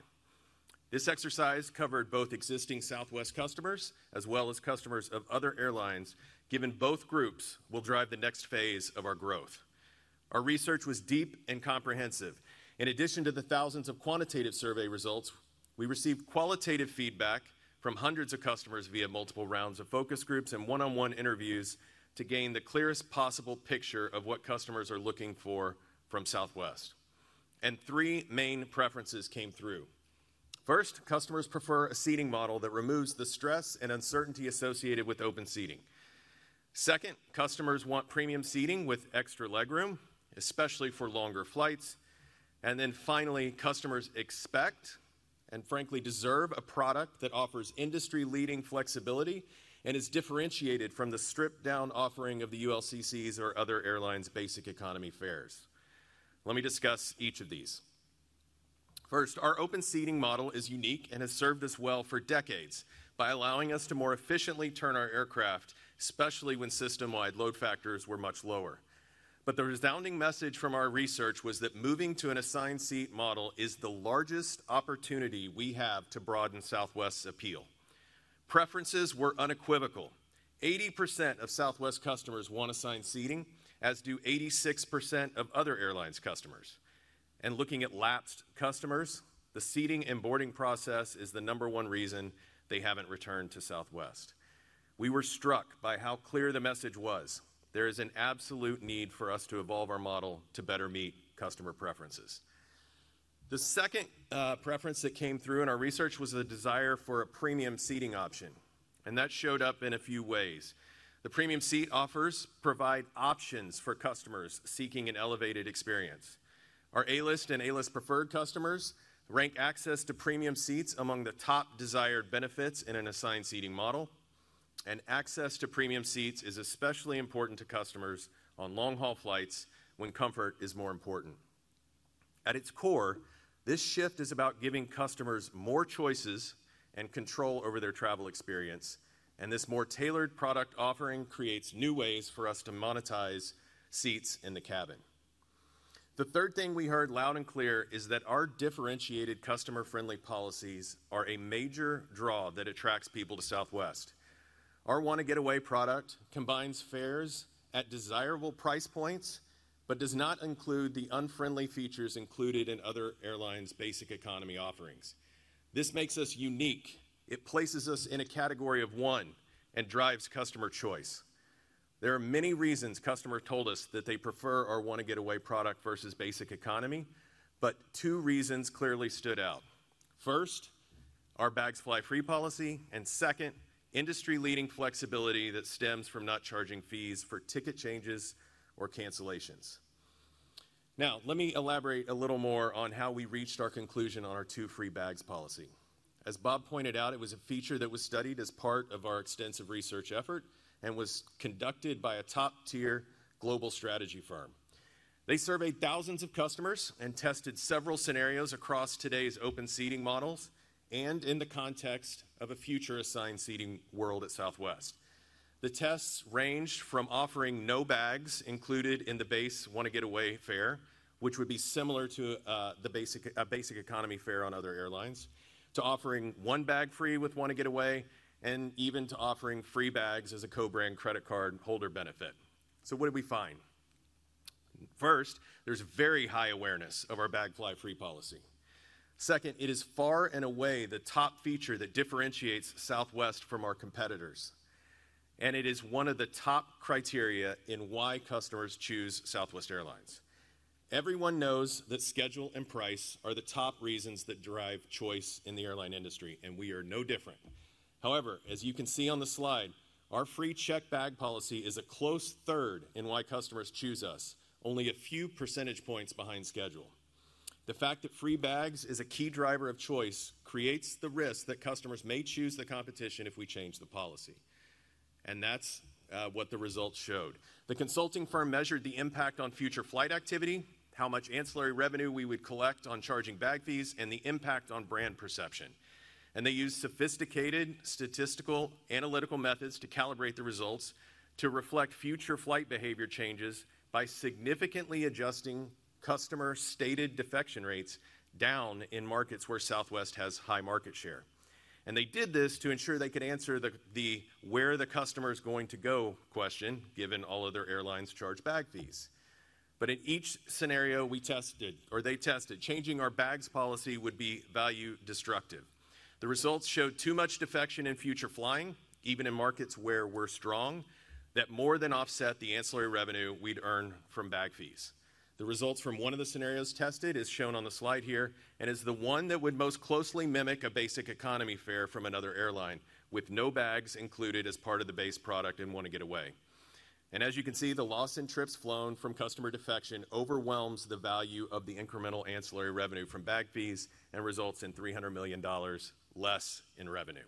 This exercise covered both existing Southwest customers as well as customers of other airlines, given both groups will drive the next phase of our growth. Our research was deep and comprehensive. In addition to the thousands of quantitative survey results, we received qualitative feedback from hundreds of customers via multiple rounds of focus groups and one-on-one interviews to gain the clearest possible picture of what customers are looking for from Southwest. And three main preferences came through. First, customers prefer a seating model that removes the stress and uncertainty associated with open seating. Second, customers want premium seating with extra legroom, especially for longer flights. And then finally, customers expect, and frankly deserve, a product that offers industry-leading flexibility and is differentiated from the stripped-down offering of the ULCCs or other airlines' basic economy fares. Let me discuss each of these. First, our open seating model is unique and has served us well for decades by allowing us to more efficiently turn our aircraft, especially when system-wide load factors were much lower. But the resounding message from our research was that moving to an assigned seat model is the largest opportunity we have to broaden Southwest's appeal. Preferences were unequivocal. 80% of Southwest customers want assigned seating, as do 86% of other airlines' customers. And looking at lapsed customers, the seating and boarding process is the number one reason they haven't returned to Southwest. We were struck by how clear the message was. There is an absolute need for us to evolve our model to better meet customer preferences. The second preference that came through in our research was the desire for a premium seating option, and that showed up in a few ways. The premium seat offers provide options for customers seeking an elevated experience. Our A-List and A-List Preferred customers rank access to premium seats among the top desired benefits in an assigned seating model, and access to premium seats is especially important to customers on long-haul flights when comfort is more important. At its core, this shift is about giving customers more choices and control over their travel experience, and this more tailored product offering creates new ways for us to monetize seats in the cabin. The third thing we heard loud and clear is that our differentiated customer-friendly policies are a major draw that attracts people to Southwest. Our Wanna Get Away product combines fares at desirable price points but does not include the unfriendly features included in other airlines' Basic Economy offerings. This makes us unique. It places us in a category of one and drives customer choice. There are many reasons customers told us that they prefer our Wanna Get Away product versus Basic Economy, but two reasons clearly stood out. First, our Bags Fly Free policy, and second, industry-leading flexibility that stems from not charging fees for ticket changes or cancellations. Now, let me elaborate a little more on how we reached our conclusion on our two free bags policy. As Bob pointed out, it was a feature that was studied as part of our extensive research effort and was conducted by a top-tier global strategy firm. They surveyed thousands of customers and tested several scenarios across today's open seating models and in the context of a future assigned seating world at Southwest. The tests ranged from offering no bags included in the base Wanna Get Away fare, which would be similar to the Basic Economy fare on other airlines, to offering one bag free with Wanna Get Away, and even to offering free bags as a co-brand credit card holder benefit. So what did we find? First, there's very high awareness of our Bags Fly Free policy. Second, it is far and away the top feature that differentiates Southwest from our competitors, and it is one of the top criteria in why customers choose Southwest Airlines. Everyone knows that schedule and price are the top reasons that drive choice in the airline industry, and we are no different. However, as you can see on the slide, our free checked bag policy is a close third in why customers choose us, only a few percentage points behind schedule. The fact that free bags is a key driver of choice creates the risk that customers may choose the competition if we change the policy, and that's what the results showed. The consulting firm measured the impact on future flight activity, how much ancillary revenue we would collect on charging bag fees, and the impact on brand perception, and they used sophisticated statistical analytical methods to calibrate the results to reflect future flight behavior changes by significantly adjusting customer-stated defection rates down in markets where Southwest has high market share, and they did this to ensure they could answer the where-the-customer's-going-to-go question, given all other airlines charge bag fees. But in each scenario we tested, or they tested, changing our bags policy would be value destructive. The results showed too much defection in future flying, even in markets where we're strong, that more than offset the ancillary revenue we'd earn from bag fees. The results from one of the scenarios tested is shown on the slide here and is the one that would most closely mimic a Basic Economy fare from another airline, with no bags included as part of the base product in Wanna Get Away. And as you can see, the loss in trips flown from customer defection overwhelms the value of the incremental ancillary revenue from bag fees and results in $300 million less in revenue.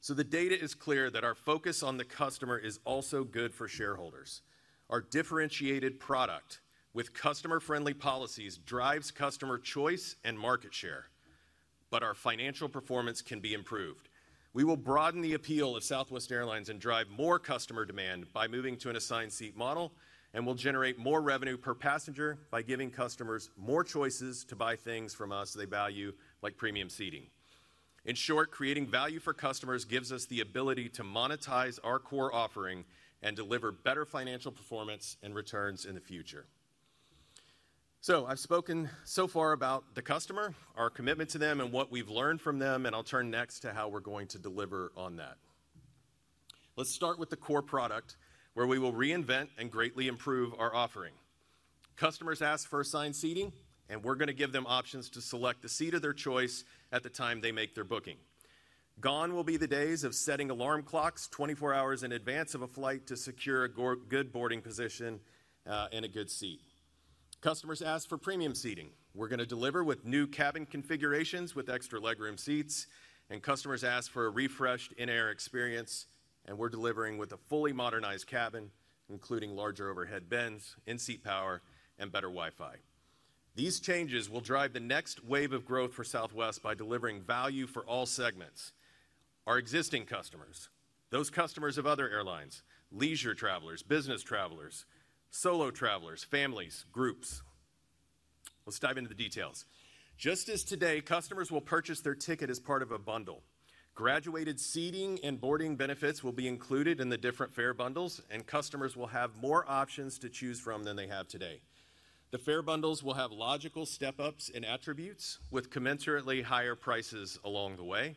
So the data is clear that our focus on the customer is also good for shareholders. Our differentiated product with customer-friendly policies drives customer choice and market share, but our financial performance can be improved. We will broaden the appeal of Southwest Airlines and drive more customer demand by moving to an assigned seat model, and we'll generate more revenue per passenger by giving customers more choices to buy things from us they value, like premium seating. In short, creating value for customers gives us the ability to monetize our core offering and deliver better financial performance and returns in the future. So I've spoken so far about the customer, our commitment to them, and what we've learned from them, and I'll turn next to how we're going to deliver on that. Let's start with the core product, where we will reinvent and greatly improve our offering. Customers ask for assigned seating, and we're gonna give them options to select the seat of their choice at the time they make their booking. Gone will be the days of setting alarm clocks 24 hours in advance of a flight to secure a good boarding position, and a good seat. Customers ask for premium seating. We're gonna deliver with new cabin configurations with extra legroom seats. And customers ask for a refreshed in-air experience, and we're delivering with a fully modernized cabin, including larger overhead bins, in-seat power, and better Wi-Fi. These changes will drive the next wave of growth for Southwest by delivering value for all segments: our existing customers, those customers of other airlines, leisure travelers, business travelers, solo travelers, families, groups. Let's dive into the details. Just as today, customers will purchase their ticket as part of a bundle. Graduated seating and boarding benefits will be included in the different fare bundles, and customers will have more options to choose from than they have today. The fare bundles will have logical step-ups and attributes with commensurately higher prices along the way,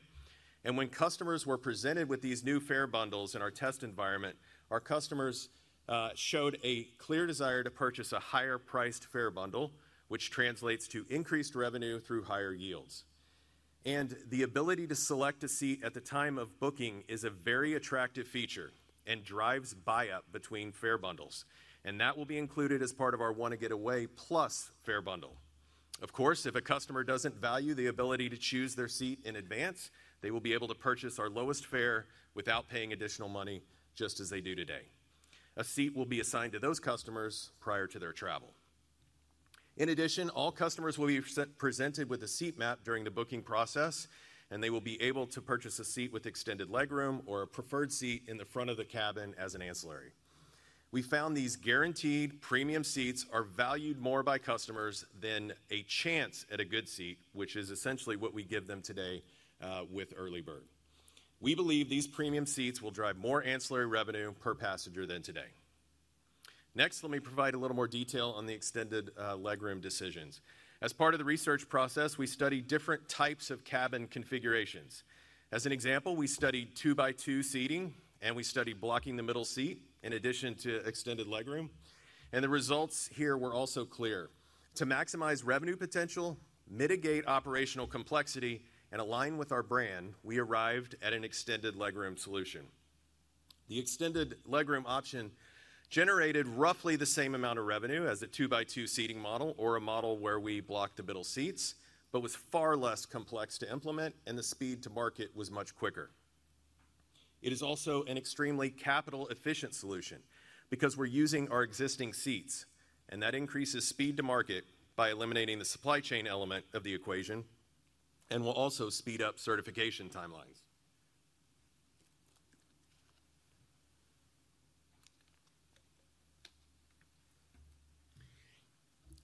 and when customers were presented with these new fare bundles in our test environment, our customers showed a clear desire to purchase a higher-priced fare bundle, which translates to increased revenue through higher yields, and the ability to select a seat at the time of booking is a very attractive feature and drives buy-up between fare bundles, and that will be included as part of our Wanna Get Away Plus fare bundle. Of course, if a customer doesn't value the ability to choose their seat in advance, they will be able to purchase our lowest fare without paying additional money, just as they do today. A seat will be assigned to those customers prior to their travel. In addition, all customers will be presented with a seat map during the booking process, and they will be able to purchase a seat with extended legroom or a preferred seat in the front of the cabin as an ancillary. We found these guaranteed premium seats are valued more by customers than a chance at a good seat, which is essentially what we give them today with EarlyBird. We believe these premium seats will drive more ancillary revenue per passenger than today. Next, let me provide a little more detail on the extended legroom decisions. As part of the research process, we studied different types of cabin configurations. As an example, we studied two-by-two seating, and we studied blocking the middle seat in addition to extended legroom, and the results here were also clear. To maximize revenue potential, mitigate operational complexity, and align with our brand, we arrived at an extended legroom solution. The extended legroom option generated roughly the same amount of revenue as a two-by-two seating model or a model where we block the middle seats, but was far less complex to implement, and the speed to market was much quicker. It is also an extremely capital-efficient solution because we're using our existing seats, and that increases speed to market by eliminating the supply chain element of the equation and will also speed up certification timelines.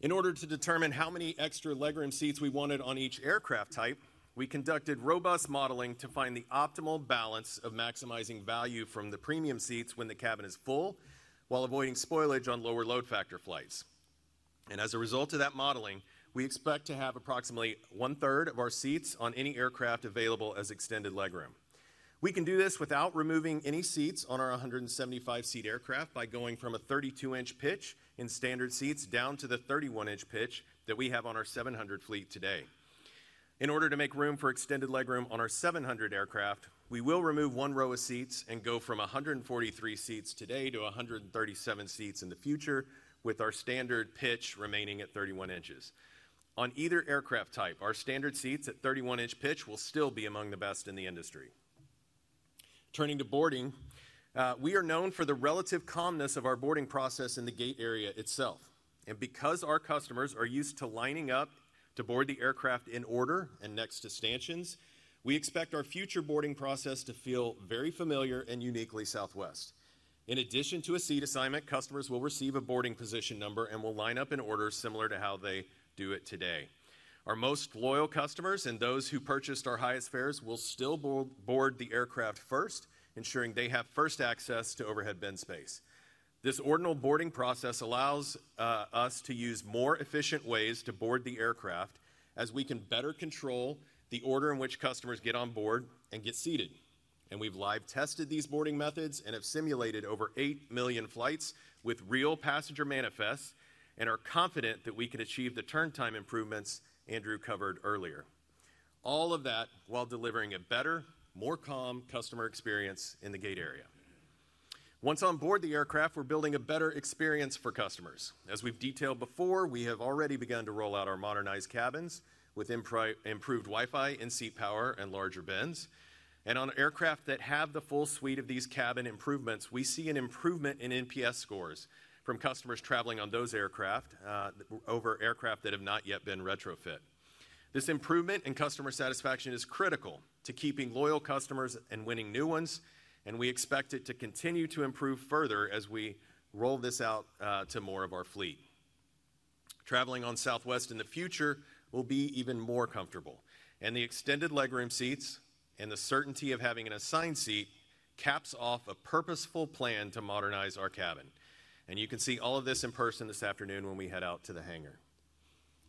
In order to determine how many extra legroom seats we wanted on each aircraft type, we conducted robust modeling to find the optimal balance of maximizing value from the premium seats when the cabin is full, while avoiding spoilage on lower load factor flights. As a result of that modeling, we expect to have approximately one-third of our seats on any aircraft available as extended legroom. We can do this without removing any seats on our 175-seat aircraft by going from a 32-inch pitch in standard seats down to the 31-inch pitch that we have on our 700 fleet today. In order to make room for extended legroom on our 700 aircraft, we will remove one row of seats and go from 143 seats today to 137 seats in the future, with our standard pitch remaining at 31 inches. On either aircraft type, our standard seats at 31-inch pitch will still be among the best in the industry. Turning to boarding, we are known for the relative calmness of our boarding process in the gate area itself. Because our customers are used to lining up to board the aircraft in order and next to stanchions, we expect our future boarding process to feel very familiar and uniquely Southwest. In addition to a seat assignment, customers will receive a boarding position number and will line up in order similar to how they do it today. Our most loyal customers and those who purchased our highest fares will still board the aircraft first, ensuring they have first access to overhead bin space. This ordinal boarding process allows us to use more efficient ways to board the aircraft, as we can better control the order in which customers get on board and get seated. We've live tested these boarding methods and have simulated over 18 million flights with real passenger manifests and are confident that we can achieve the turn time improvements Andrew covered earlier. All of that while delivering a better, more calm customer experience in the gate area. Once on board the aircraft, we're building a better experience for customers. As we've detailed before, we have already begun to roll out our modernized cabins with improved Wi-Fi, in-seat power, and larger bins, and on aircraft that have the full suite of these cabin improvements, we see an improvement in NPS scores from customers traveling on those aircraft over aircraft that have not yet been retrofit. This improvement in customer satisfaction is critical to keeping loyal customers and winning new ones, and we expect it to continue to improve further as we roll this out to more of our fleet. Traveling on Southwest in the future will be even more comfortable, and the extended legroom seats and the certainty of having an assigned seat caps off a purposeful plan to modernize our cabin, and you can see all of this in person this afternoon when we head out to the hangar.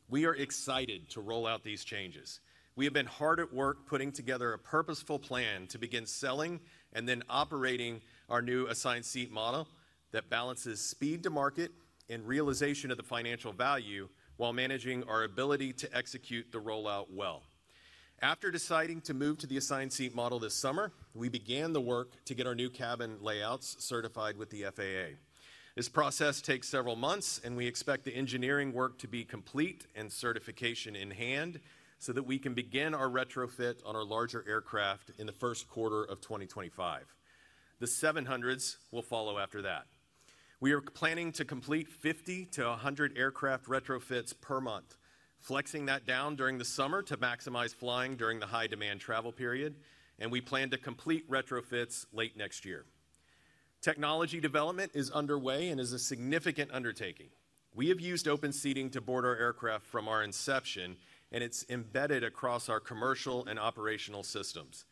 We are excited to roll out these changes. We have been hard at work putting together a purposeful plan to begin selling and then operating our new assigned seat model that balances speed to market and realization of the financial value while managing our ability to execute the rollout well. After deciding to move to the assigned seat model this summer, we began the work to get our new cabin layouts certified with the FAA. This process takes several months, and we expect the engineering work to be complete and certification in hand so that we can begin our retrofit on our larger aircraft in the Q1 of 2025. The 700s will follow after that. We are planning to complete 50 to 100 aircraft retrofits per month, flexing that down during the summer to maximize flying during the high-demand travel period, and we plan to complete retrofits late next year. Technology development is underway and is a significant undertaking. We have used open seating to board our aircraft from our inception, and it's embedded across our commercial and operational systems.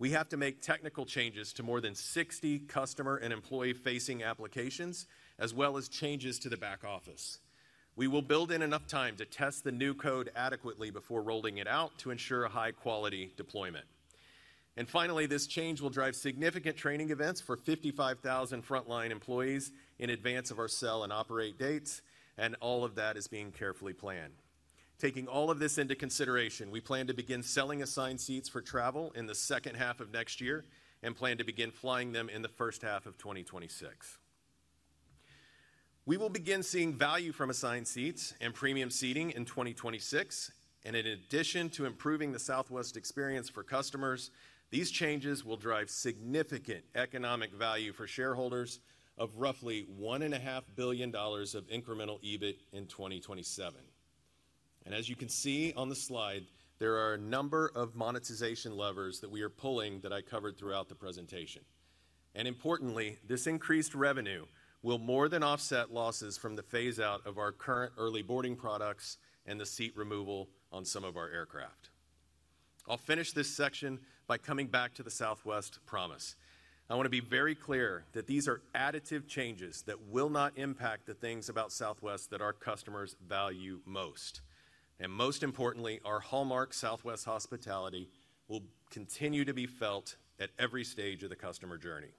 We have to make technical changes to more than 60 customer and employee-facing applications, as well as changes to the back office. We will build in enough time to test the new code adequately before rolling it out to ensure a high-quality deployment, and finally, this change will drive significant training events for 55,000 frontline employees in advance of our sell and operate dates, and all of that is being carefully planned. Taking all of this into consideration, we plan to begin selling assigned seats for travel in the H2 of next year and plan to begin flying them in the H1 of 2026. We will begin seeing value from assigned seats and premium seating in 2026, and in addition to improving the Southwest experience for customers, these changes will drive significant economic value for shareholders of roughly $1.5 billion of incremental EBIT in 2027. And as you can see on the slide, there are a number of monetization levers that we are pulling that I covered throughout the presentation. And importantly, this increased revenue will more than offset losses from the phaseout of our current early boarding products and the seat removal on some of our aircraft. I'll finish this section by coming back to the Southwest Promise. I want to be very clear that these are additive changes that will not impact the things about Southwest that our customers value most. And most importantly, our hallmark Southwest hospitality will continue to be felt at every stage of the customer journey.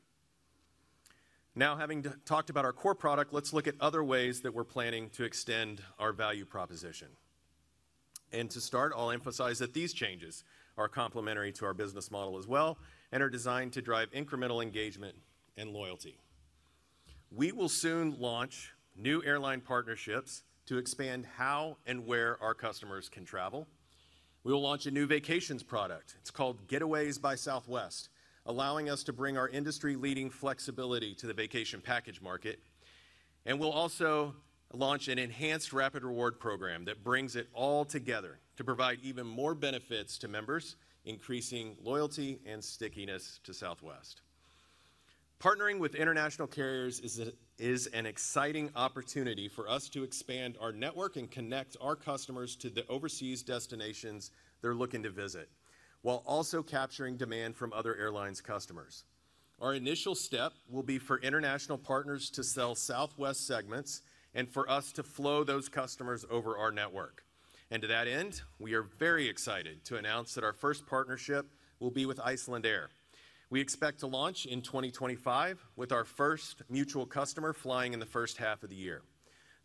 Now, having talked about our core product, let's look at other ways that we're planning to extend our value proposition. And to start, I'll emphasize that these changes are complementary to our business model as well, and are designed to drive incremental engagement and loyalty. We will soon launch new airline partnerships to expand how and where our customers can travel. We will launch a new vacations product, it's called Getaways by Southwest, allowing us to bring our industry-leading flexibility to the vacation package market. And we'll also launch an enhanced Rapid Rewards program that brings it all together to provide even more benefits to members, increasing loyalty and stickiness to Southwest. Partnering with international carriers is an exciting opportunity for us to expand our network and connect our customers to the overseas destinations they're looking to visit, while also capturing demand from other airlines' customers. Our initial step will be for international partners to sell Southwest segments and for us to flow those customers over our network. To that end, we are very excited to announce that our first partnership will be with Icelandair. We expect to launch in 2025, with our first mutual customer flying in the H1 of the year.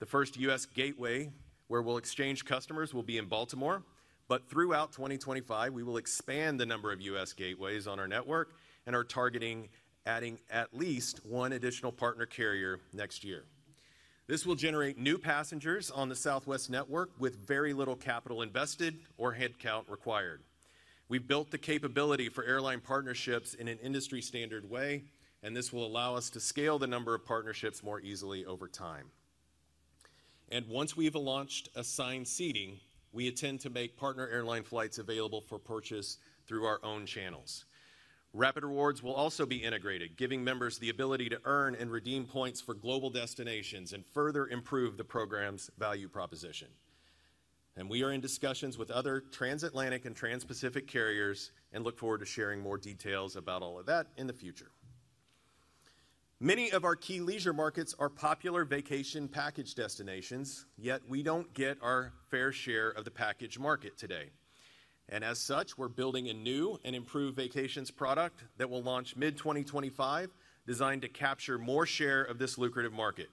The first US gateway where we'll exchange customers will be in Baltimore, but throughout 2025, we will expand the number of US gateways on our network and are targeting adding at least one additional partner carrier next year. This will generate new passengers on the Southwest network with very little capital invested or headcount required. We built the capability for airline partnerships in an industry-standard way, and this will allow us to scale the number of partnerships more easily over time. Once we've launched assigned seating, we intend to make partner airline flights available for purchase through our own channels. Rapid Rewards will also be integrated, giving members the ability to earn and redeem points for global destinations and further improve the program's value proposition. We are in discussions with other transatlantic and transpacific carriers and look forward to sharing more details about all of that in the future. Many of our key leisure markets are popular vacation package destinations, yet we don't get our fair share of the package market today. As such, we're building a new and improved vacations product that will launch mid-2025, designed to capture more share of this lucrative market.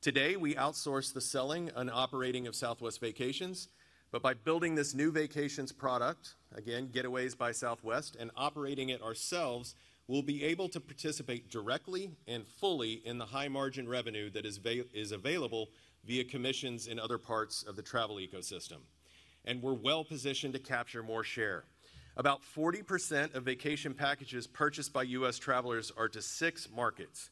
Today, we outsource the selling and operating of Southwest Vacations, but by building this new vacations product, again, Getaways by Southwest, and operating it ourselves, we'll be able to participate directly and fully in the high-margin revenue that is available via commissions in other parts of the travel ecosystem. We're well-positioned to capture more share. About 40% of vacation packages purchased by US travelers are to six markets,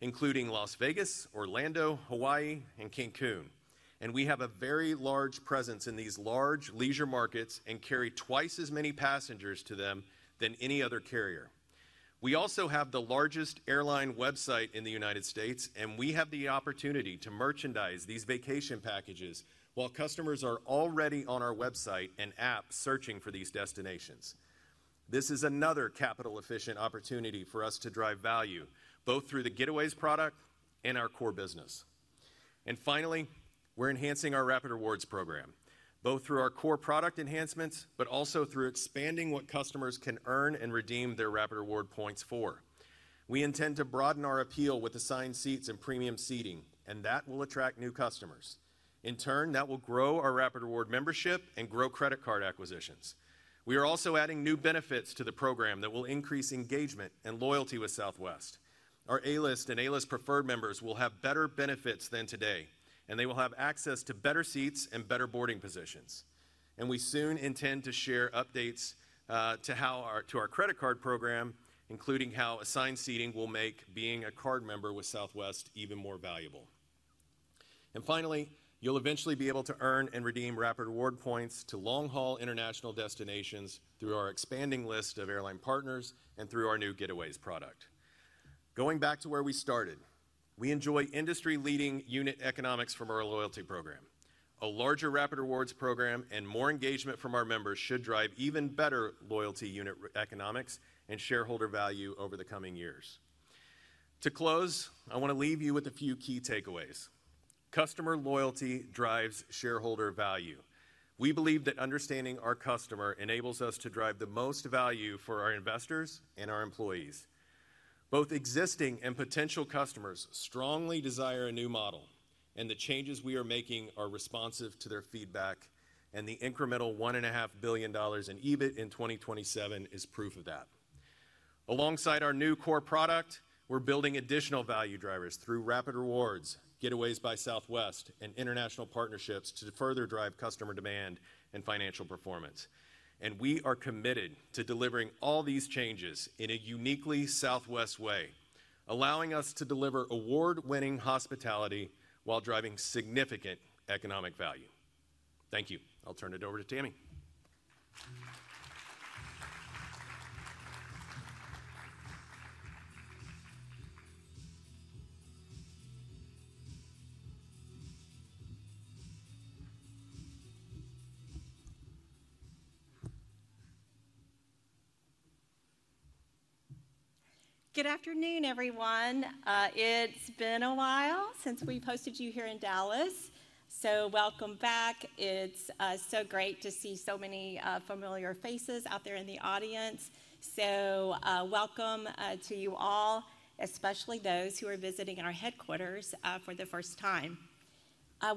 including Las Vegas, Orlando, Hawaii, and Cancun, and we have a very large presence in these large leisure markets and carry twice as many passengers to them than any other carrier. We also have the largest airline website in the United States, and we have the opportunity to merchandise these vacation packages while customers are already on our website and app searching for these destinations. This is another capital-efficient opportunity for us to drive value, both through the Getaways product and our core business. Finally, we're enhancing our Rapid Rewards program, both through our core product enhancements, but also through expanding what customers can earn and redeem their Rapid Rewards points for. We intend to broaden our appeal with assigned seats and premium seating, and that will attract new customers. In turn, that will grow our Rapid Rewards membership and grow credit card acquisitions. We are also adding new benefits to the program that will increase engagement and loyalty with Southwest. Our A-List and A-List Preferred members will have better benefits than today, and they will have access to better seats and better boarding positions, and we soon intend to share updates to how our credit card program, including how assigned seating will make being a card member with Southwest even more valuable, and finally, you'll eventually be able to earn and redeem Rapid Rewards points to long-haul international destinations through our expanding list of airline partners and through our new Getaways product. Going back to where we started, we enjoy industry-leading unit economics from our loyalty program. A larger Rapid Rewards program and more engagement from our members should drive even better loyalty unit economics and shareholder value over the coming years. To close, I want to leave you with a few key takeaways. Customer loyalty drives shareholder value. We believe that understanding our customer enables us to drive the most value for our investors and our employees. Both existing and potential customers strongly desire a new model, and the changes we are making are responsive to their feedback, and the incremental $1.5 billion in EBIT in 2027 is proof of that. Alongside our new core product, we're building additional value drivers through Rapid Rewards, Getaways by Southwest, and international partnerships to further drive customer demand and financial performance. We are committed to delivering all these changes in a uniquely Southwest way, allowing us to deliver award-winning hospitality while driving significant economic value. Thank you. I'll turn it over to Tammy. Good afternoon, everyone. It's been a while since we've hosted you here in Dallas, so welcome back. It's so great to see so many familiar faces out there in the audience. So, welcome to you all, especially those who are visiting our headquarters for the first time.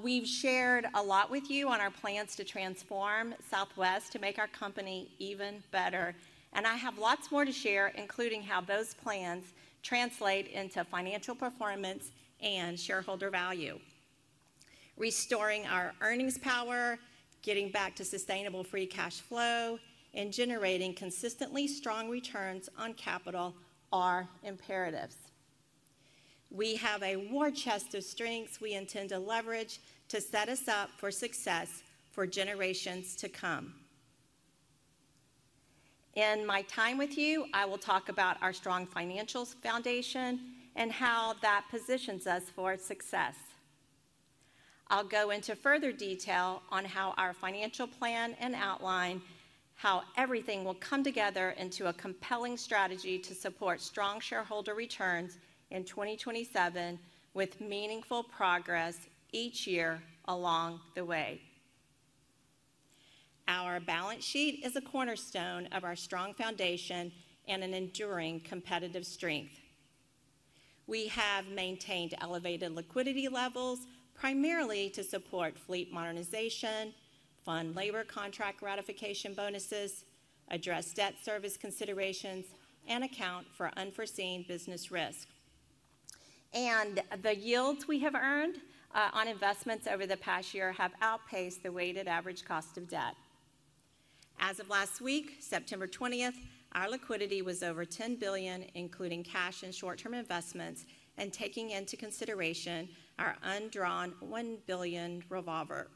We've shared a lot with you on our plans to transform Southwest to make our company even better, and I have lots more to share, including how those plans translate into financial performance and shareholder value. Restoring our earnings power, getting back to sustainable free cash flow, and generating consistently strong returns on capital are imperatives. We have a war chest of strengths we intend to leverage to set us up for success for generations to come. In my time with you, I will talk about our strong financials foundation and how that positions us for success. I'll go into further detail on how our financial plan and outline how everything will come together into a compelling strategy to support strong shareholder returns in 2027, with meaningful progress each year along the way. Our balance sheet is a cornerstone of our strong foundation and an enduring competitive strength. We have maintained elevated liquidity levels, primarily to support fleet modernization, fund labor contract ratification bonuses, address debt service considerations, and account for unforeseen business risk. And the yields we have earned on investments over the past year have outpaced the weighted average cost of debt. As of last week, September twentieth, our liquidity was over $10 billion, including cash and short-term investments, and taking into consideration our undrawn $1 billion revolver.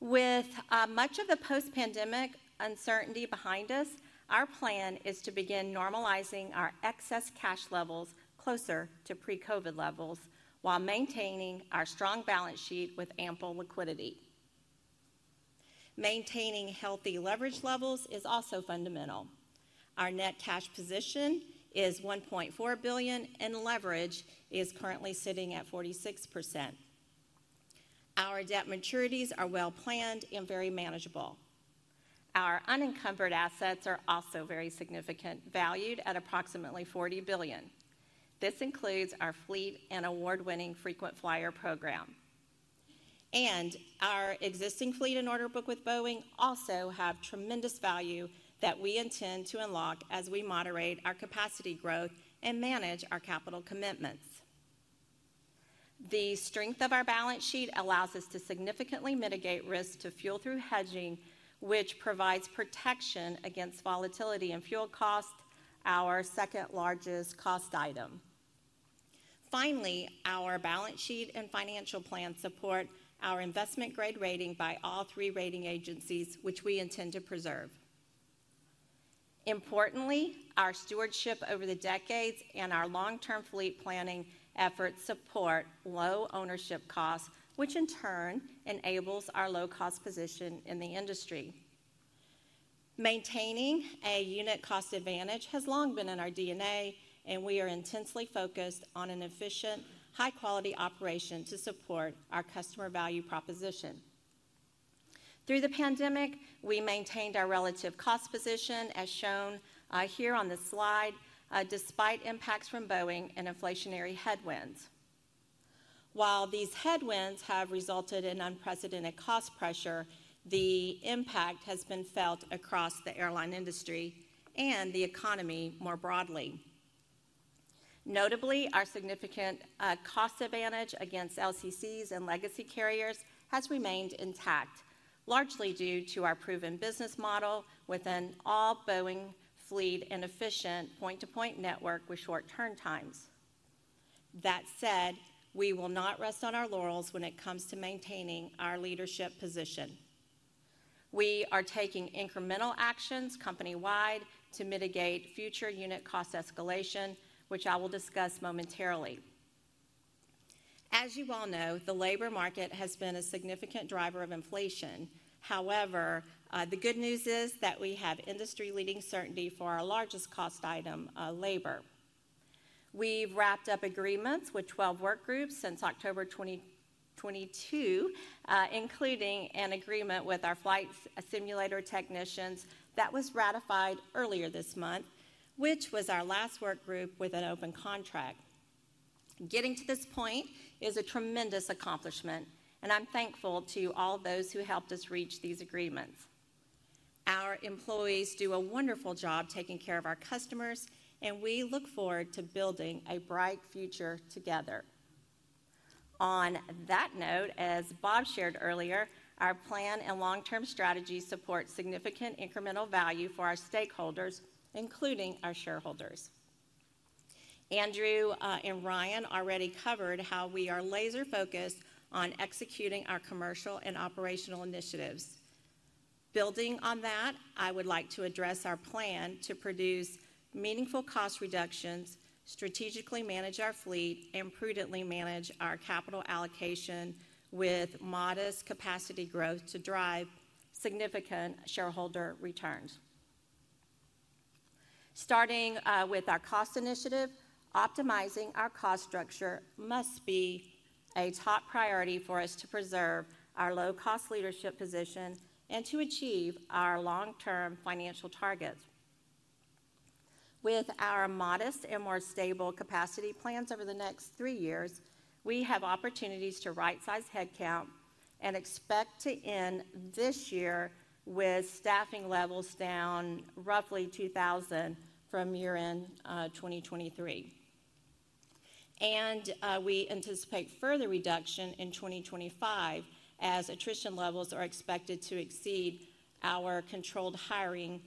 With much of the post-pandemic uncertainty behind us, our plan is to begin normalizing our excess cash levels closer to pre-COVID levels while maintaining our strong balance sheet with ample liquidity. Maintaining healthy leverage levels is also fundamental. Our net cash position is $1.4 billion, and leverage is currently sitting at 46%. Our debt maturities are well planned and very manageable. Our unencumbered assets are also very significant, valued at approximately $40 billion. This includes our fleet and award-winning frequent flyer program, and our existing fleet and order book with Boeing also have tremendous value that we intend to unlock as we moderate our capacity growth and manage our capital commitments. The strength of our balance sheet allows us to significantly mitigate risk to fuel through hedging, which provides protection against volatility and fuel cost, our second largest cost item. Finally, our balance sheet and financial plan support our investment grade rating by all three rating agencies, which we intend to preserve. Importantly, our stewardship over the decades and our long-term fleet planning efforts support low ownership costs, which in turn enables our low cost position in the industry. Maintaining a unit cost advantage has long been in our DNA, and we are intensely focused on an efficient, high-quality operation to support our customer value proposition. Through the pandemic, we maintained our relative cost position, as shown here on the slide, despite impacts from Boeing and inflationary headwinds. While these headwinds have resulted in unprecedented cost pressure, the impact has been felt across the airline industry and the economy more broadly. Notably, our significant cost advantage against LCCs and legacy carriers has remained intact, largely due to our proven business model with an all-Boeing fleet and efficient point-to-point network with short turn times. That said, we will not rest on our laurels when it comes to maintaining our leadership position. We are taking incremental actions company-wide to mitigate future unit cost escalation, which I will discuss momentarily. As you all know, the labor market has been a significant driver of inflation. However, the good news is that we have industry-leading certainty for our largest cost item, labor. We've wrapped up agreements with 12 work groups since October 2022, including an agreement with our flight simulator technicians that was ratified earlier this month, which was our last work group with an open contract. Getting to this point is a tremendous accomplishment, and I'm thankful to all those who helped us reach these agreements. Our employees do a wonderful job taking care of our customers, and we look forward to building a bright future together. On that note, as Bob shared earlier, our plan and long-term strategy support significant incremental value for our stakeholders, including our shareholders. Andrew and Ryan already covered how we are laser focused on executing our commercial and operational initiatives. Building on that, I would like to address our plan to produce meaningful cost reductions, strategically manage our fleet, and prudently manage our capital allocation with modest capacity growth to drive significant shareholder returns. Starting with our cost initiative, optimizing our cost structure must be a top priority for us to preserve our low-cost leadership position and to achieve our long-term financial targets. With our modest and more stable capacity plans over the next three years, we have opportunities to right-size headcount and expect to end this year with staffing levels down roughly 2,000 from year-end 2023. And we anticipate further reduction in 2025 as attrition levels are expected to exceed our controlled hiring,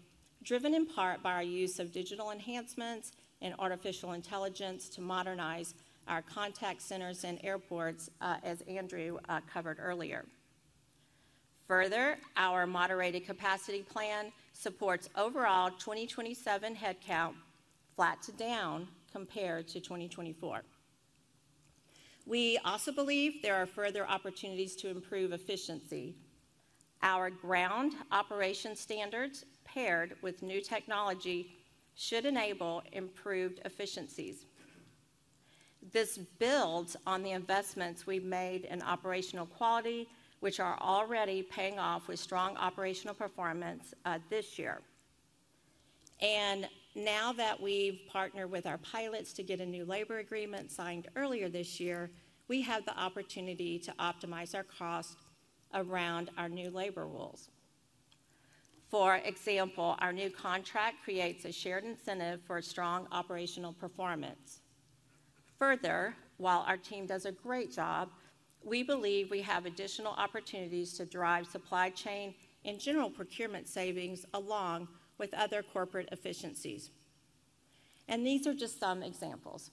driven in part by our use of digital enhancements and artificial intelligence to modernize our contact centers and airports, as Andrew covered earlier. Further, our moderated capacity plan supports overall 2027 headcount flat to down compared to 2024. We also believe there are further opportunities to improve efficiency. Our ground operation standards, paired with new technology, should enable improved efficiencies. This builds on the investments we've made in operational quality, which are already paying off with strong operational performance this year. And now that we've partnered with our pilots to get a new labor agreement signed earlier this year, we have the opportunity to optimize our cost around our new labor rules. For example, our new contract creates a shared incentive for strong operational performance. Further, while our team does a great job, we believe we have additional opportunities to drive supply chain and general procurement savings, along with other corporate efficiencies, and these are just some examples.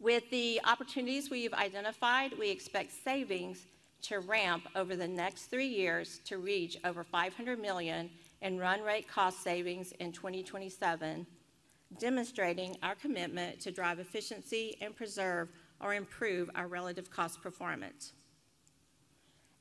With the opportunities we've identified, we expect savings to ramp over the next three years to reach over $500 million in run rate cost savings in 2027, demonstrating our commitment to drive efficiency and preserve or improve our relative cost performance.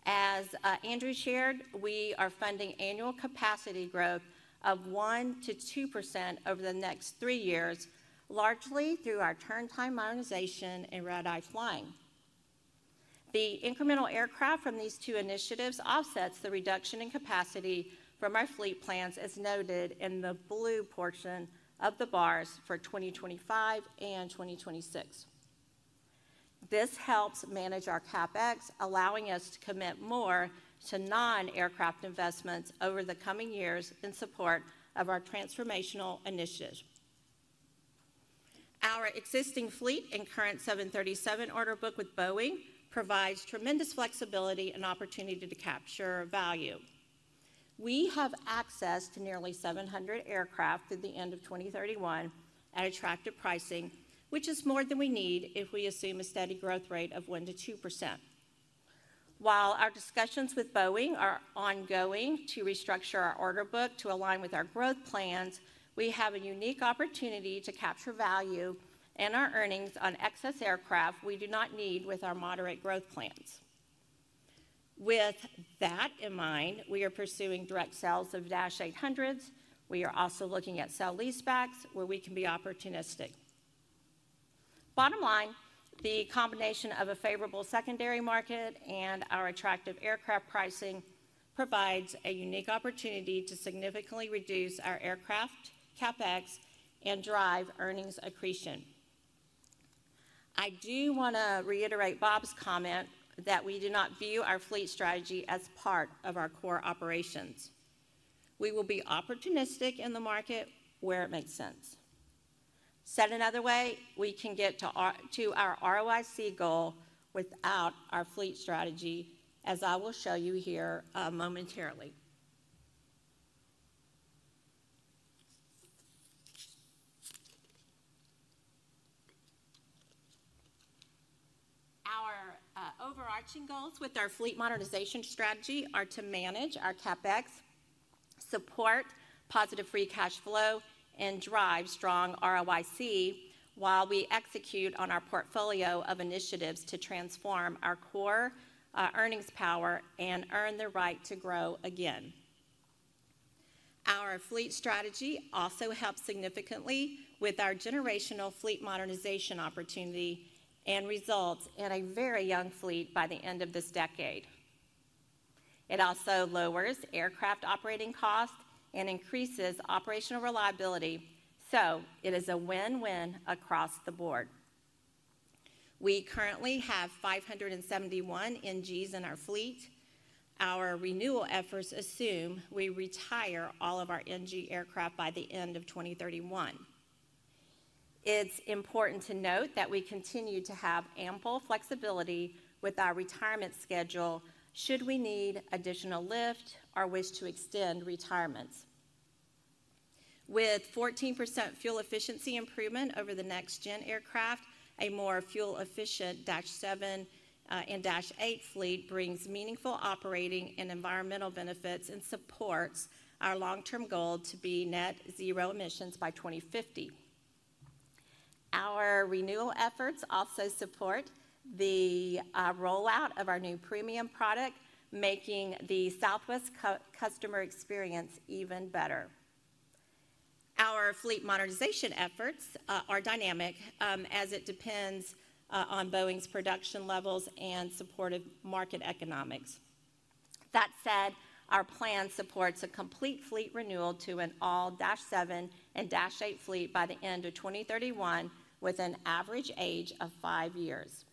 As Andrew shared, we are funding annual capacity growth of 1%-2% over the next three years, largely through our turn time monetization and red-eye flying. The incremental aircraft from these two initiatives offsets the reduction in capacity from our fleet plans, as noted in the blue portion of the bars for 2025 and 2026. This helps manage our CapEx, allowing us to commit more to non-aircraft investments over the coming years in support of our transformational initiatives. Our existing fleet and current 737 order book with Boeing provides tremendous flexibility and opportunity to capture value. We have access to nearly 700 aircraft through the end of 2031 at attractive pricing, which is more than we need if we assume a steady growth rate of 1%-2%. While our discussions with Boeing are ongoing to restructure our order book to align with our growth plans, we have a unique opportunity to capture value and our earnings on excess aircraft we do not need with our moderate growth plans. With that in mind, we are pursuing direct sales of dash 800s. We are also looking at sale-leasebacks, where we can be opportunistic. Bottom line, the combination of a favorable secondary market and our attractive aircraft pricing provides a unique opportunity to significantly reduce our aircraft CapEx and drive earnings accretion. I do want to reiterate Bob's comment that we do not view our fleet strategy as part of our core operations. We will be opportunistic in the market where it makes sense. Said another way, we can get to our ROIC goal without our fleet strategy, as I will show you here, momentarily. Our overarching goals with our fleet modernization strategy are to manage our CapEx, support positive free cash flow, and drive strong ROIC while we execute on our portfolio of initiatives to transform our core earnings power and earn the right to grow again. Our fleet strategy also helps significantly with our generational fleet modernization opportunity and results in a very young fleet by the end of this decade. It also lowers aircraft operating costs and increases operational reliability, so it is a win-win across the board. We currently have 571 NGs in our fleet. Our renewal efforts assume we retire all of our NG aircraft by the end of 2031. It's important to note that we continue to have ample flexibility with our retirement schedule should we need additional lift or wish to extend retirements. With 14% fuel efficiency improvement over the next gen aircraft, a more fuel efficient dash 7 and dash 8 fleet brings meaningful operating and environmental benefits and supports our long-term goal to be net zero emissions by 2050. Our renewal efforts also support the rollout of our new premium product, making the Southwest customer experience even better. Our fleet modernization efforts are dynamic, as it depends on Boeing's production levels and supportive market economics. That said, our plan supports a complete fleet renewal to an all dash 7 and dash 8 fleet by the end of 2031, with an average age of five years.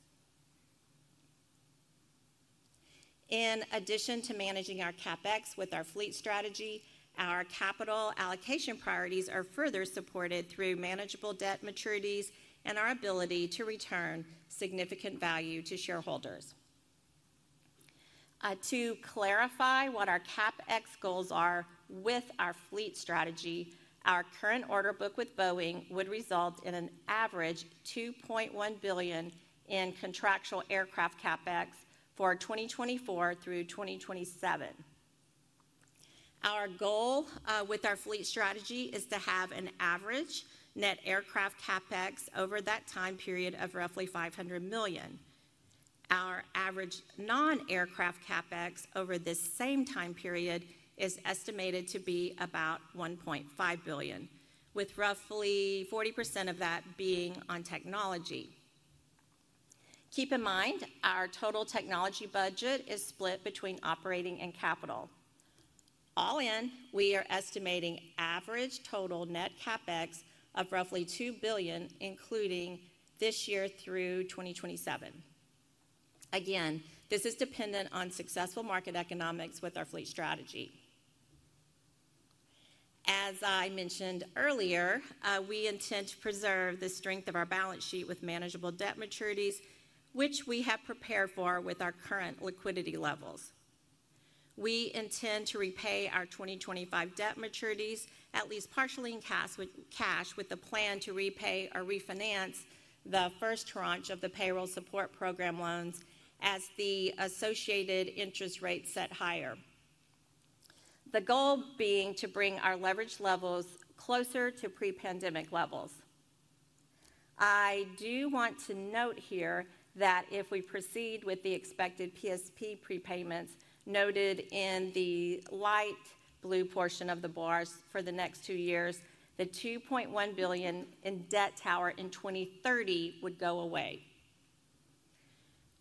In addition to managing our CapEx with our fleet strategy, our capital allocation priorities are further supported through manageable debt maturities and our ability to return significant value to shareholders. To clarify what our CapEx goals are with our fleet strategy, our current order book with Boeing would result in an average $2.1 billion in contractual aircraft CapEx for 2024 through 2027. Our goal with our fleet strategy is to have an average net aircraft CapEx over that time period of roughly $500 million. Our average non-aircraft CapEx over this same time period is estimated to be about $1.5 billion, with roughly 40% of that being on technology. Keep in mind, our total technology budget is split between operating and capital. All in, we are estimating average total net CapEx of roughly $2 billion, including this year through 2027. Again, this is dependent on successful market economics with our fleet strategy. As I mentioned earlier, we intend to preserve the strength of our balance sheet with manageable debt maturities, which we have prepared for with our current liquidity levels. We intend to repay our 2025 debt maturities at least partially in cash, with a plan to repay or refinance the first tranche of the Payroll Support Program loans as the associated interest rates set higher. The goal being to bring our leverage levels closer to pre-pandemic levels. I do want to note here that if we proceed with the expected PSP prepayments noted in the light blue portion of the bars for the next two years, the $2.1 billion in debt tower in 2030 would go away.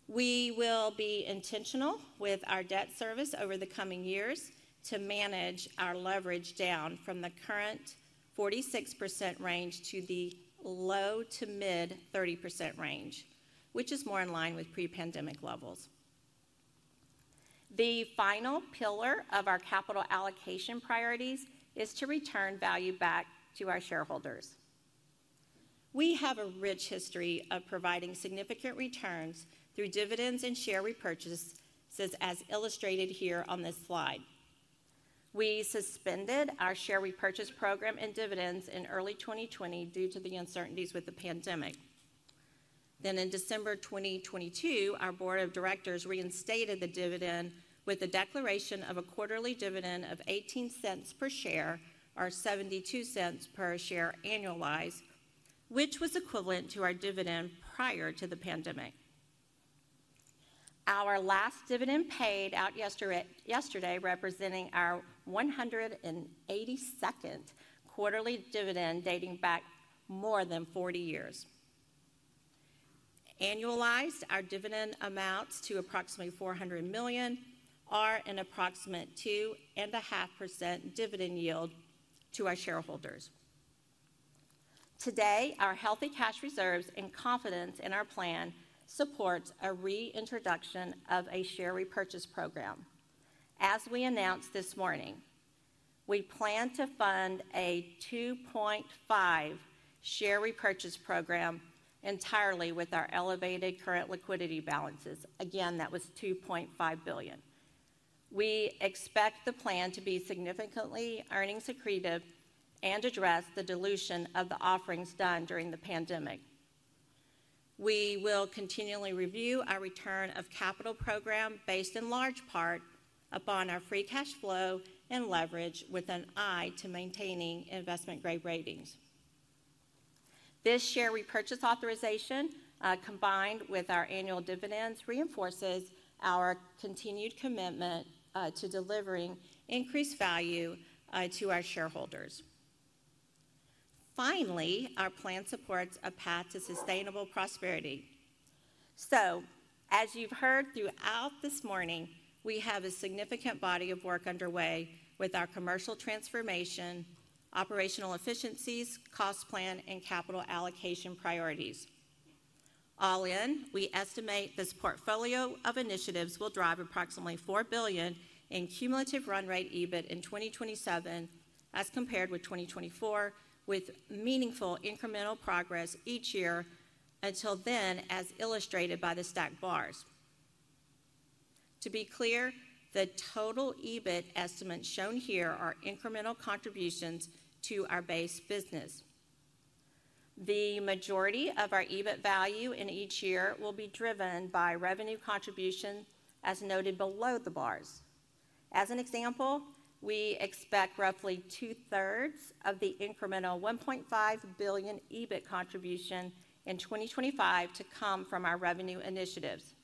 We will be intentional with our debt service over the coming years to manage our leverage down from the current 46% range to the low-to-mid 30% range, which is more in line with pre-pandemic levels. The final pillar of our capital allocation priorities is to return value back to our shareholders. We have a rich history of providing significant returns through dividends and share repurchases, as illustrated here on this slide. We suspended our share repurchase program and dividends in early 2020 due to the uncertainties with the pandemic. Then in December 2022, our board of directors reinstated the dividend with a declaration of a quarterly dividend of $0.18 per share, or $0.72 per share annualized, which was equivalent to our dividend prior to the pandemic. Our last dividend paid out yesterday, representing our 182nd quarterly dividend, dating back more than 40 years. Annualized, our dividend amounts to approximately $400 million, or an approximate 2.5% dividend yield to our shareholders. Today, our healthy cash reserves and confidence in our plan supports a reintroduction of a share repurchase program. As we announced this morning, we plan to fund a $2.5 billion share repurchase program entirely with our elevated current liquidity balances. Again, that was $2.5 billion. We expect the plan to be significantly earnings accretive and address the dilution of the offerings done during the pandemic. We will continually review our return of capital program, based in large part upon our free cash flow and leverage, with an eye to maintaining investment-grade ratings. This share repurchase authorization, combined with our annual dividends, reinforces our continued commitment to delivering increased value to our shareholders. Finally, our plan supports a path to sustainable prosperity. So as you've heard throughout this morning, we have a significant body of work underway with our commercial transformation, operational efficiencies, cost plan, and capital allocation priorities. All in, we estimate this portfolio of initiatives will drive approximately $4 billion in cumulative run rate EBIT in 2027, as compared with 2024, with meaningful incremental progress each year until then, as illustrated by the stacked bars. To be clear, the total EBIT estimates shown here are incremental contributions to our base business. The majority of our EBIT value in each year will be driven by revenue contribution, as noted below the bars. As an example, we expect roughly two-thirds of the incremental $1.5 billion EBIT contribution in 2025 to come from our revenue initiatives.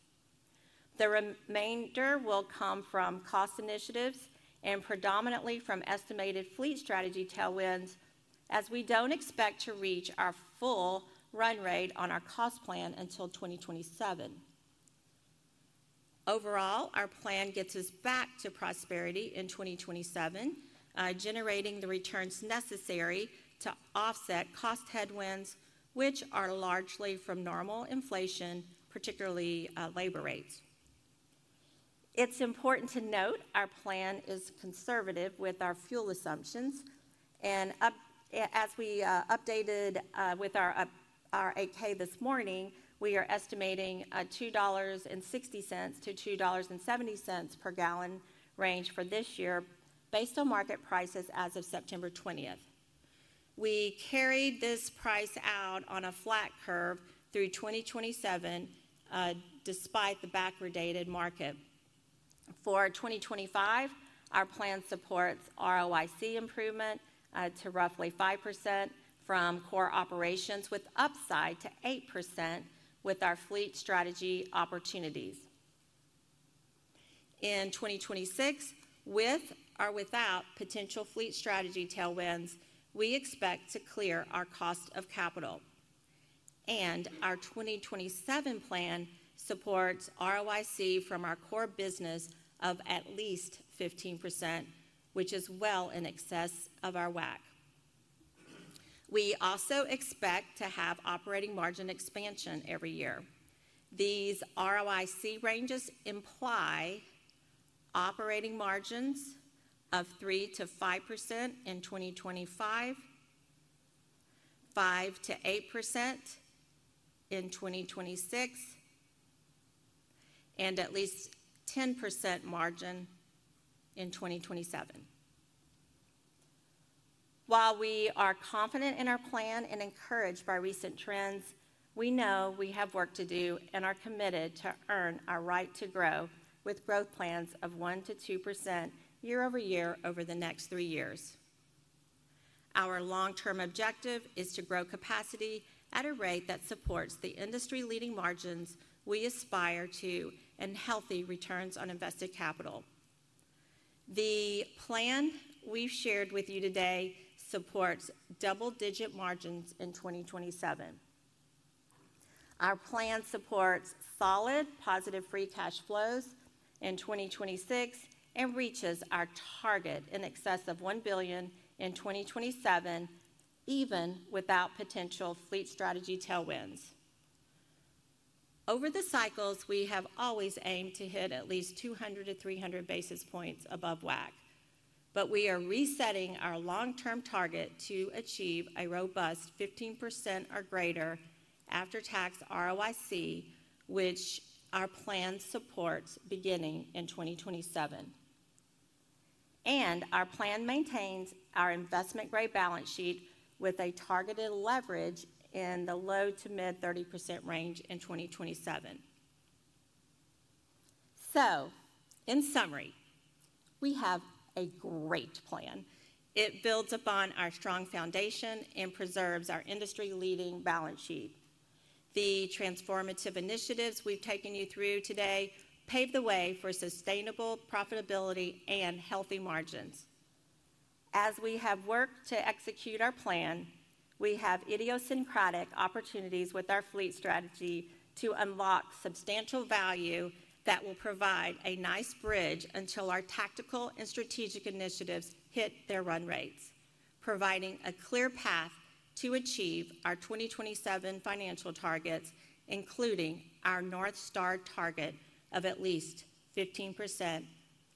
The remainder will come from cost initiatives and predominantly from estimated fleet strategy tailwinds, as we don't expect to reach our full run rate on our cost plan until 2027. Overall, our plan gets us back to prosperity in 2027, generating the returns necessary to offset cost headwinds, which are largely from normal inflation, particularly, labor rates. It's important to note our plan is conservative with our fuel assumptions, and as we updated with our 8-K this morning, we are estimating a $2.60-$2.70 per gallon range for this year, based on market prices as of September twentieth. We carried this price out on a flat curve through 2027, despite the backwardated market. For 2025, our plan supports ROIC improvement to roughly 5% from core operations, with upside to 8% with our fleet strategy opportunities. In 2026, with or without potential fleet strategy tailwinds, we expect to clear our cost of capital. Our 2027 plan supports ROIC from our core business of at least 15%, which is well in excess of our WACC. We also expect to have operating margin expansion every year. These ROIC ranges imply operating margins of 3%-5% in 2025, 5%-8% in 2026, and at least 10% margin in 2027. While we are confident in our plan and encouraged by recent trends, we know we have work to do and are committed to earn our right to grow, with growth plans of 1-2% year-over-year over the next three years. Our long-term objective is to grow capacity at a rate that supports the industry-leading margins we aspire to and healthy returns on invested capital. The plan we've shared with you today supports double-digit margins in 2027. Our plan supports solid, positive free cash flows in 2026 and reaches our target in excess of $1 billion in 2027, even without potential fleet strategy tailwinds. Over the cycles, we have always aimed to hit at least 200-300 basis points above WACC, but we are resetting our long-term target to achieve a robust 15% or greater after-tax ROIC, which our plan supports beginning in 2027. And our plan maintains our investment-grade balance sheet with a targeted leverage in the low to mid-30% range in 2027. So, in summary, we have a great plan. It builds upon our strong foundation and preserves our industry-leading balance sheet. The transformative initiatives we've taken you through today pave the way for sustainable profitability and healthy margins. As we have worked to execute our plan, we have idiosyncratic opportunities with our fleet strategy to unlock substantial value that will provide a nice bridge until our tactical and strategic initiatives hit their run rates, providing a clear path to achieve our 2027 financial targets, including our North Star target of at least 15%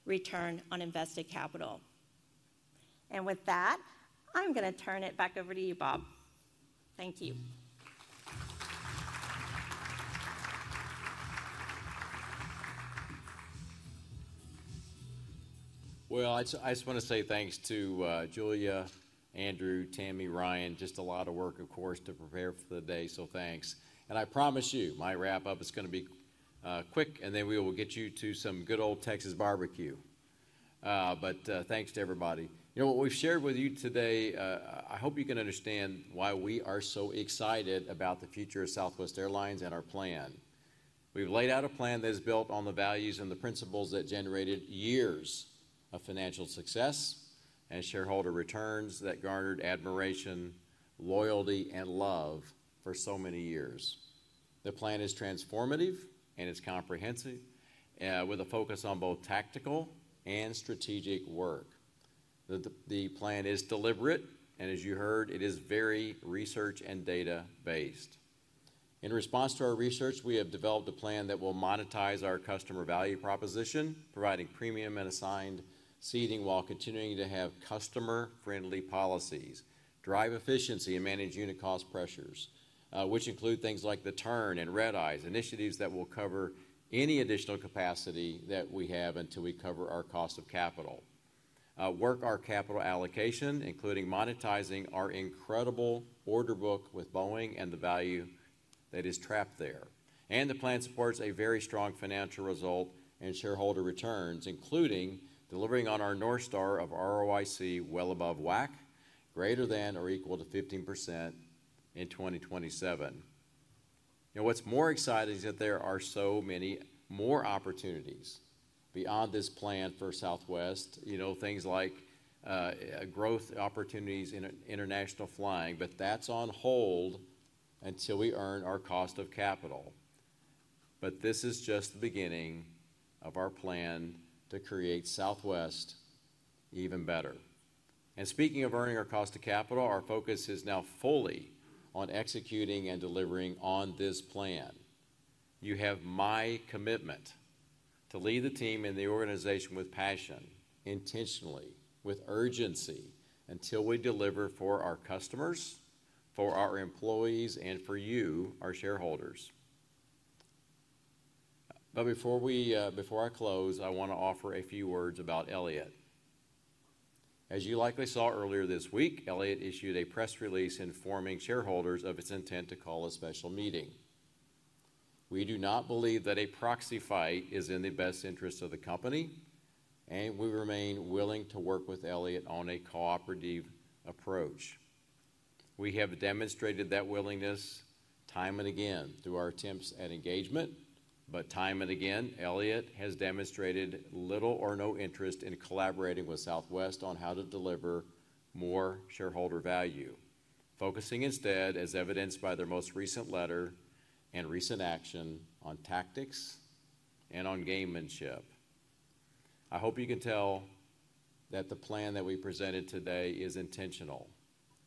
return on invested capital. And with that, I'm going to turn it back over to you, Bob. Thank you. I just want to say thanks to Julia, Andrew, Tammy, Ryan. Just a lot of work, of course, to prepare for the day, so thanks. I promise you, my wrap-up is going to be quick, and then we will get you to some good old Texas barbecue. But thanks to everybody. You know, what we've shared with you today, I hope you can understand why we are so excited about the future of Southwest Airlines and our plan. We've laid out a plan that is built on the values and the principles that generated years of financial success and shareholder returns that garnered admiration, loyalty, and love for so many years. The plan is transformative, and it's comprehensive, with a focus on both tactical and strategic work. The plan is deliberate, and as you heard, it is very research and data-based. In response to our research, we have developed a plan that will monetize our customer value proposition, providing premium and assigned seating while continuing to have customer-friendly policies, drive efficiency, and manage unit cost pressures, which include things like the turn and red eyes, initiatives that will cover any additional capacity that we have until we cover our cost of capital, work our capital allocation, including monetizing our incredible order book with Boeing and the value that is trapped there. The plan supports a very strong financial result and shareholder returns, including delivering on our North Star of ROIC well above WACC, greater than or equal to 15% in 2027. What's more exciting is that there are so many more opportunities beyond this plan for Southwest. You know, things like growth opportunities in international flying, but that's on hold until we earn our cost of capital. But this is just the beginning of our plan to create Southwest Even Better. And speaking of earning our cost of capital, our focus is now fully on executing and delivering on this plan. You have my commitment to lead the team and the organization with passion, intentionally, with urgency, until we deliver for our customers, for our employees, and for you, our shareholders. But before I close, I want to offer a few words about Elliott. As you likely saw earlier this week, Elliott issued a press release informing shareholders of its intent to call a special meeting. We do not believe that a proxy fight is in the best interest of the company, and we remain willing to work with Elliott on a cooperative approach. We have demonstrated that willingness time and again through our attempts at engagement, but time and again, Elliott has demonstrated little or no interest in collaborating with Southwest on how to deliver more shareholder value. Focusing instead, as evidenced by their most recent letter and recent action, on tactics and on gamesmanship. I hope you can tell that the plan that we presented today is intentional,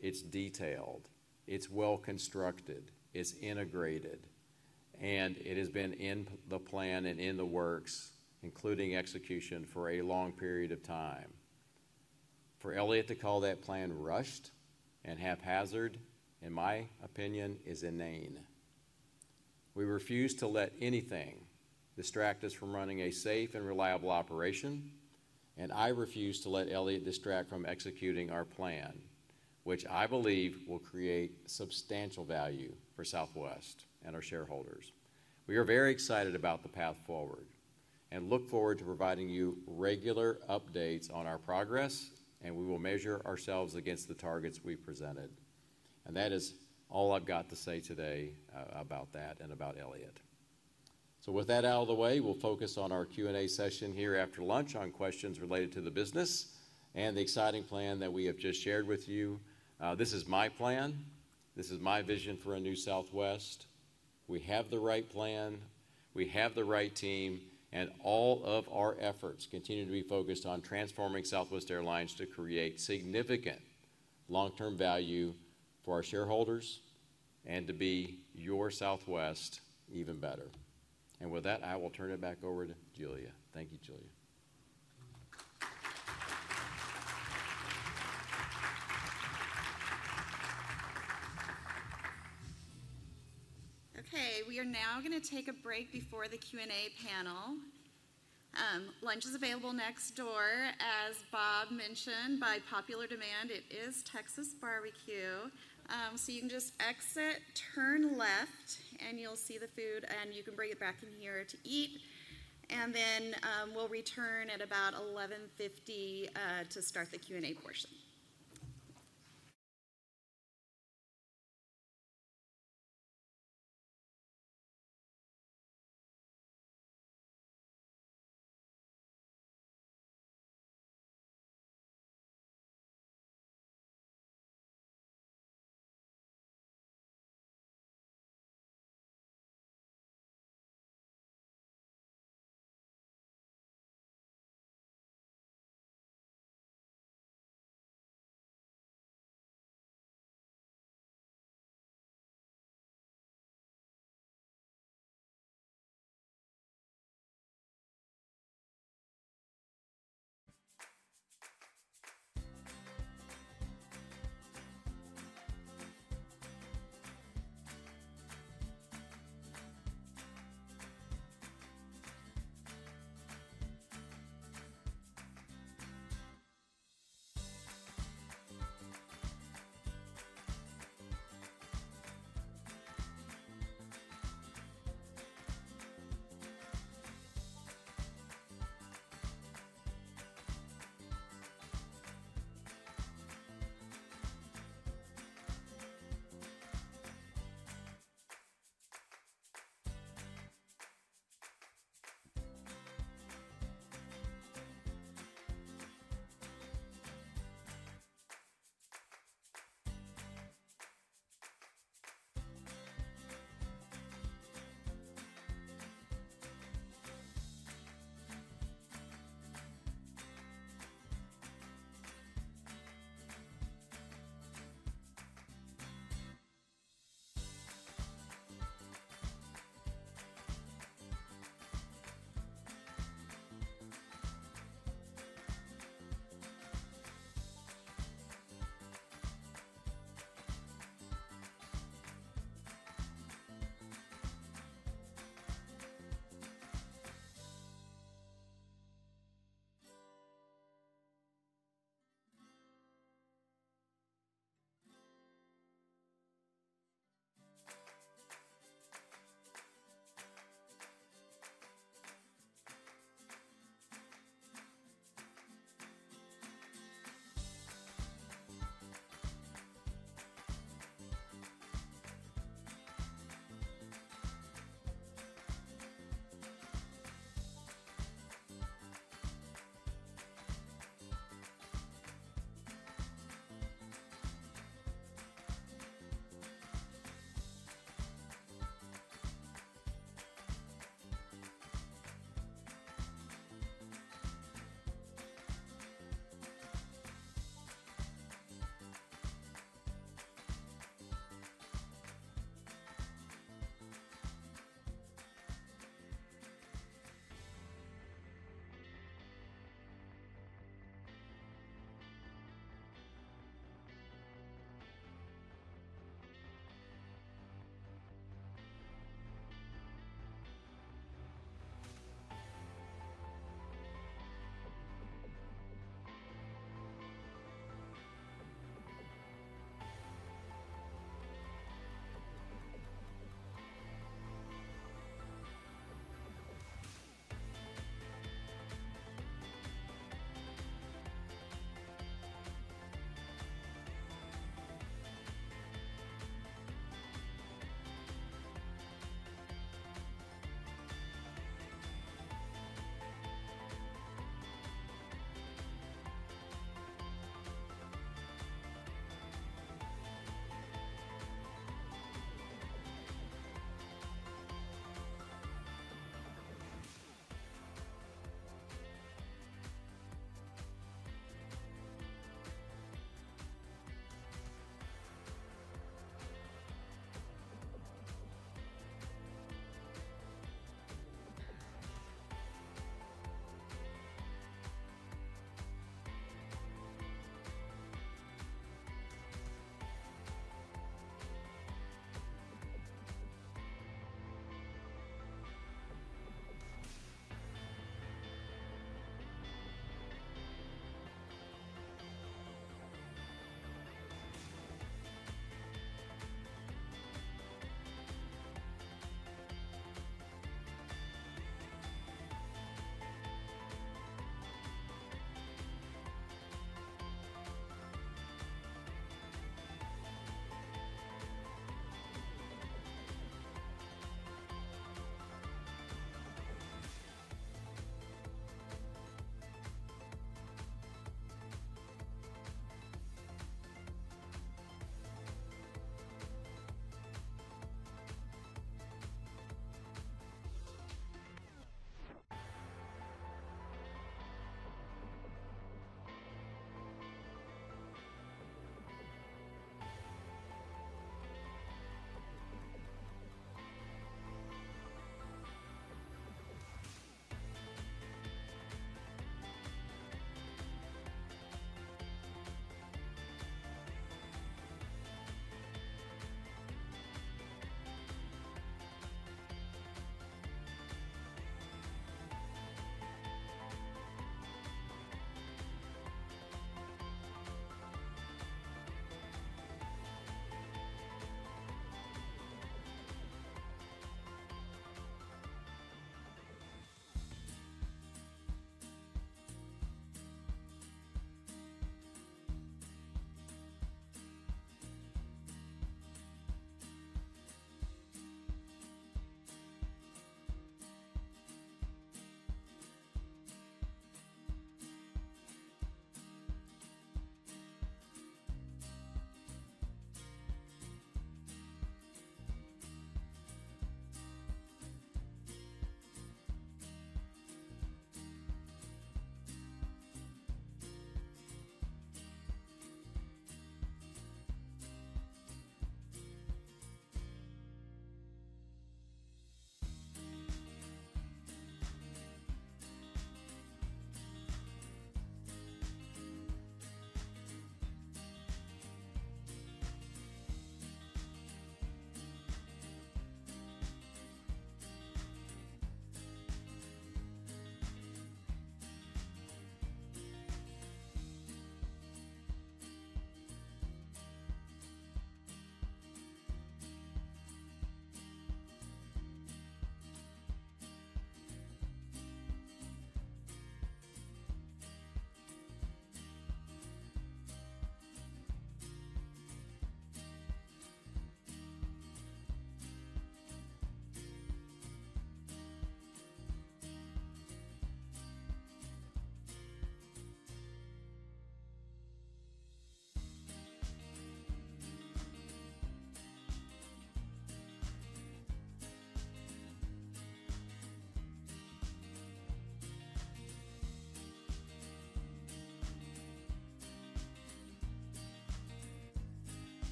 it's detailed, it's well-constructed, it's integrated, and it has been in the plan and in the works, including execution, for a long period of time. For Elliott to call that plan rushed and haphazard, in my opinion, is inane. We refuse to let anything distract us from running a safe and reliable operation, and I refuse to let Elliott distract from executing our plan, which I believe will create substantial value for Southwest and our shareholders. We are very excited about the path forward and look forward to providing you regular updates on our progress, and we will measure ourselves against the targets we presented, and that is all I've got to say today about that and about Elliott, so with that out of the way, we'll focus on our Q&A session here after lunch on questions related to the business and the exciting plan that we have just shared with you. This is my plan. This is my vision for a new Southwest. We have the right plan, we have the right team, and all of our efforts continue to be focused on transforming Southwest Airlines to create significant long-term value for our shareholders and to be your Southwest even better. And with that, I will turn it back over to Julia. Thank you, Julia. Okay, we are now going to take a break before the Q&A panel. Lunch is available next door. As Bob mentioned, by popular demand, it is Texas barbecue. So you can just exit, turn left, and you'll see the food, and you can bring it back in here to eat, and then we'll return at about 11:50 A.M. to start the Q&A portion.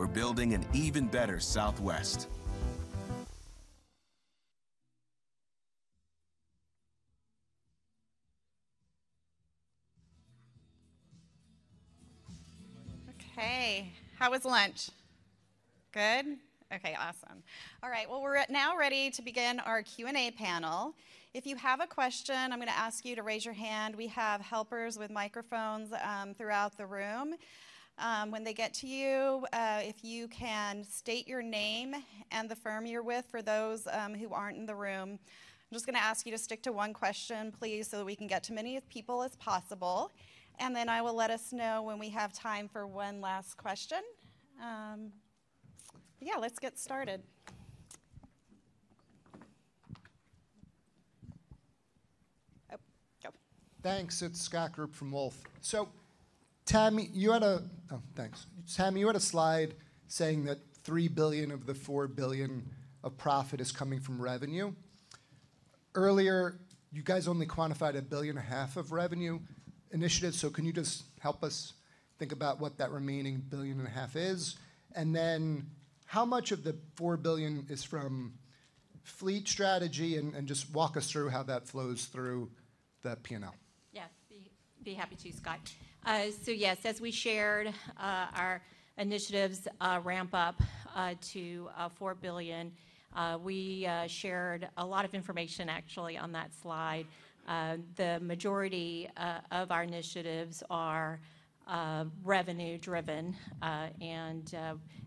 Okay, how was lunch? Good. Okay, awesome. All right, well, we're now ready to begin our Q&A panel. If you have a question, I'm going to ask you to raise your hand. We have helpers with microphones throughout the room. When they get to you, if you can state your name and the firm you're with, for those who aren't in the room. I'm just going to ask you to stick to one question, please, so that we can get to as many people as possible. And then I will let us know when we have time for one last question. Yeah, let's get started. Oh, go. Thanks. It's Scott Group from Wolfe. So Tammy, you had a slide saying that $3 billion of the $4 billion of profit is coming from revenue. Earlier, you guys only quantified $1.5 billion of revenue initiatives. So can you just help us think about what that remaining $1.5 billion is? And then how much of the $4 billion is from fleet strategy? And just walk us through how that flows through the P&L. Yes, be happy to, Scott. So yes, as we shared, our initiatives ramp up to $4 billion. We shared a lot of information actually on that slide. The majority of our initiatives are revenue driven, and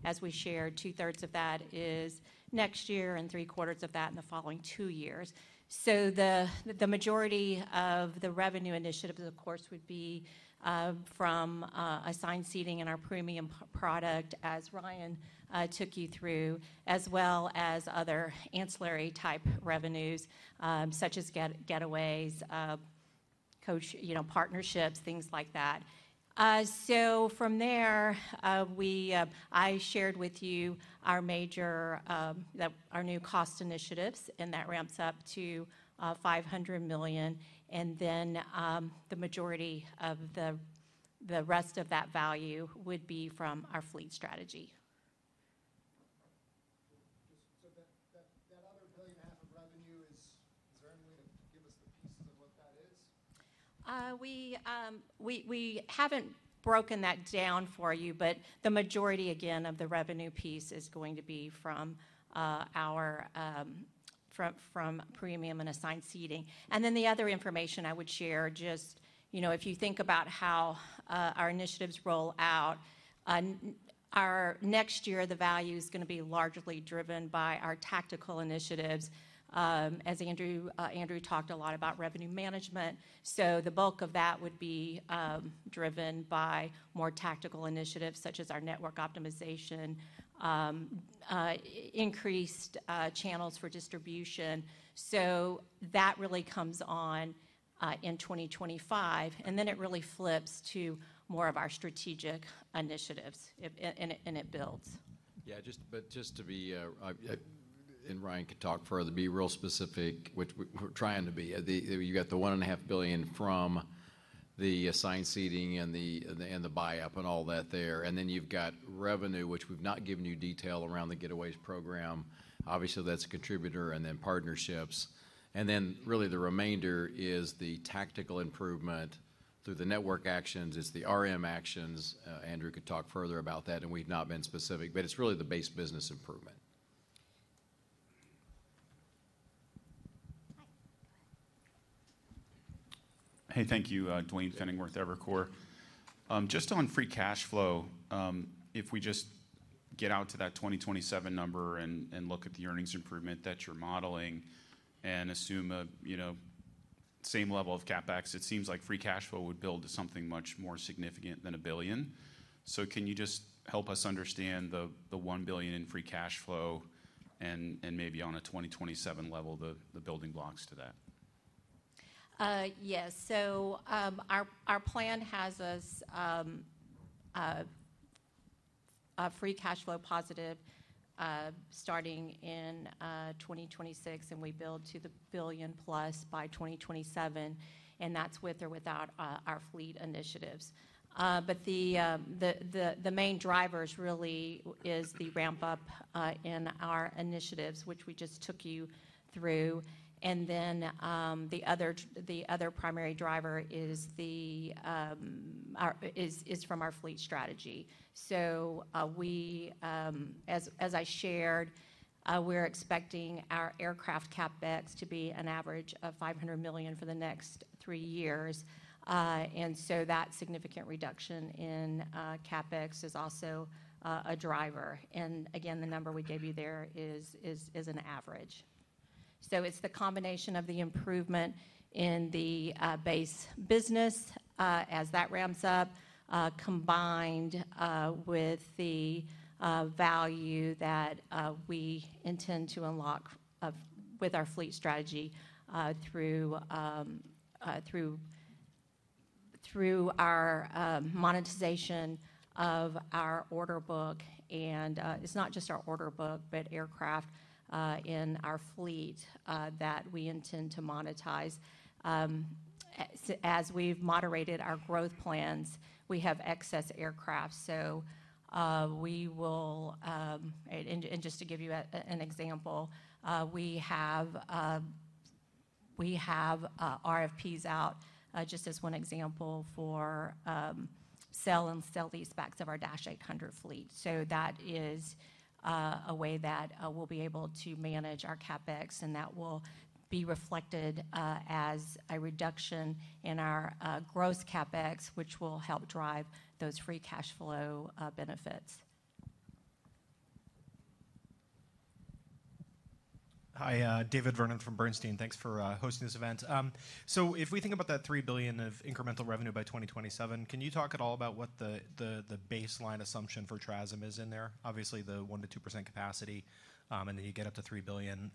as we shared, two-thirds of that is next year and three-quarters of that in the following two years. So the majority of the revenue initiatives, of course, would be from assigned seating and our premium product, as Ryan took you through, as well as other ancillary type revenues, such as Getaways, you know, partnerships, things like that. So from there, I shared with you our major, our new cost initiatives, and that ramps up to $500 million. And then, the majority of the rest of that value would be from our fleet strategy. Just so that other billion and a half of revenue, is there any way to give us the pieces of what that is? We haven't broken that down for you, but the majority, again, of the revenue piece is going to be from our premium and assigned seating. And then the other information I would share, just, you know, if you think about how our initiatives roll out our next year, the value is going to be largely driven by our tactical initiatives, as Andrew talked a lot about revenue management. So the bulk of that would be driven by more tactical initiatives, such as our network optimization, increased channels for distribution. So that really comes on in 2025, and then it really flips to more of our strategic initiatives, and it builds. Yeah, Ryan can talk further, be real specific, which we're trying to be. You got the $1.5 billion from the assigned seating and the buy-up and all that there. And then you've got revenue, which we've not given you detail around the Getaways program. Obviously, that's a contributor, and then partnerships. And then really the remainder is the tactical improvement through the network actions. It's the RM actions. Andrew could talk further about that, and we've not been specific, but it's really the base business improvement. Hey, thank you. Duane Pfennigwerth, Evercore. Just on free cash flow, if we just get out to that 2027 number and look at the earnings improvement that you're modeling and assume a, you know, same level of CapEx, it seems like free cash flow would build to something much more significant than $1 billion. So can you just help us understand the $1 billion in free cash flow and maybe on a 2027 level, the building blocks to that? Yes. So our plan has us free cash flow positive starting in 2026, and we build to $1 billion plus by 2027, and that's with or without our fleet initiatives. But the main drivers really is the ramp up in our initiatives, which we just took you through. And then the other primary driver is from our fleet strategy. So, as I shared, we're expecting our aircraft CapEx to be an average of $500 million for the next three years. And so that significant reduction in CapEx is also a driver. And again, the number we gave you there is an average. So it's the combination of the improvement in the base business as that ramps up combined with the value that we intend to unlock with our fleet strategy through our monetization of our order book. And it's not just our order book but aircraft in our fleet that we intend to monetize. As we've moderated our growth plans we have excess aircraft so we will. And just to give you an example we have RFPs out just as one example for sale-leasebacks of our dash 800 fleet. So that is a way that we'll be able to manage our CapEx, and that will be reflected as a reduction in our gross CapEx, which will help drive those free cash flow benefits. Hi, David Vernon from Bernstein. Thanks for hosting this event. So if we think about that $3 billion of incremental revenue by 2027, can you talk at all about what the baseline assumption for RASM is in there? Obviously, the 1%-2% capacity, and then you get up to $3 billion.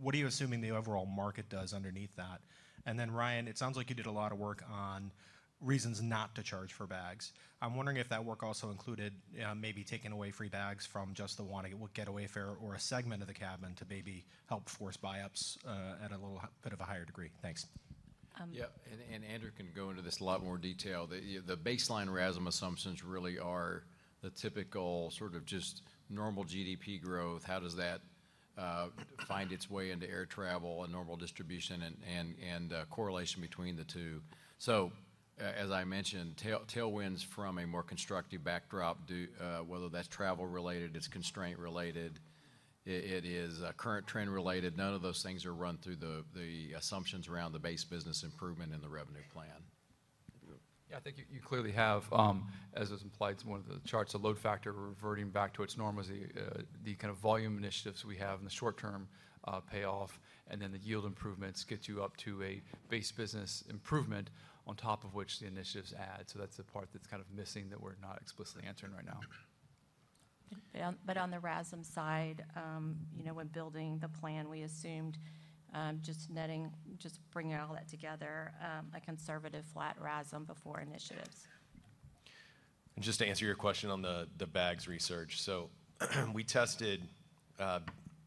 What are you assuming the overall market does underneath that? And then, Ryan, it sounds like you did a lot of work on reasons not to charge for bags. I'm wondering if that work also included maybe taking away free bags from just the Wanna Get Away fare or a segment of the cabin to maybe help force buy-ups at a little bit of a higher degree. Thanks. Um- Yeah, and Andrew can go into this in a lot more detail. The baseline RASM assumptions really are the typical sort of just normal GDP growth. How does that find its way into air travel and normal distribution and correlation between the two? So, as I mentioned, tailwinds from a more constructive backdrop do whether that's travel related, it's constraint related, it is current trend related, none of those things are run through the assumptions around the base business improvement and the revenue plan. Yeah, I think you clearly have, as is implied to one of the charts, a load factor reverting back to its norm as the kind of volume initiatives we have in the short term pay off, and then the yield improvements get you up to a base business improvement on top of which the initiatives add. So that's the part that's kind of missing, that we're not explicitly answering right now. Yeah, but on the RASM side, you know, when building the plan, we assumed, just netting, just bringing all that together, a conservative flat RASM before initiatives. Just to answer your question on the bags research. We tested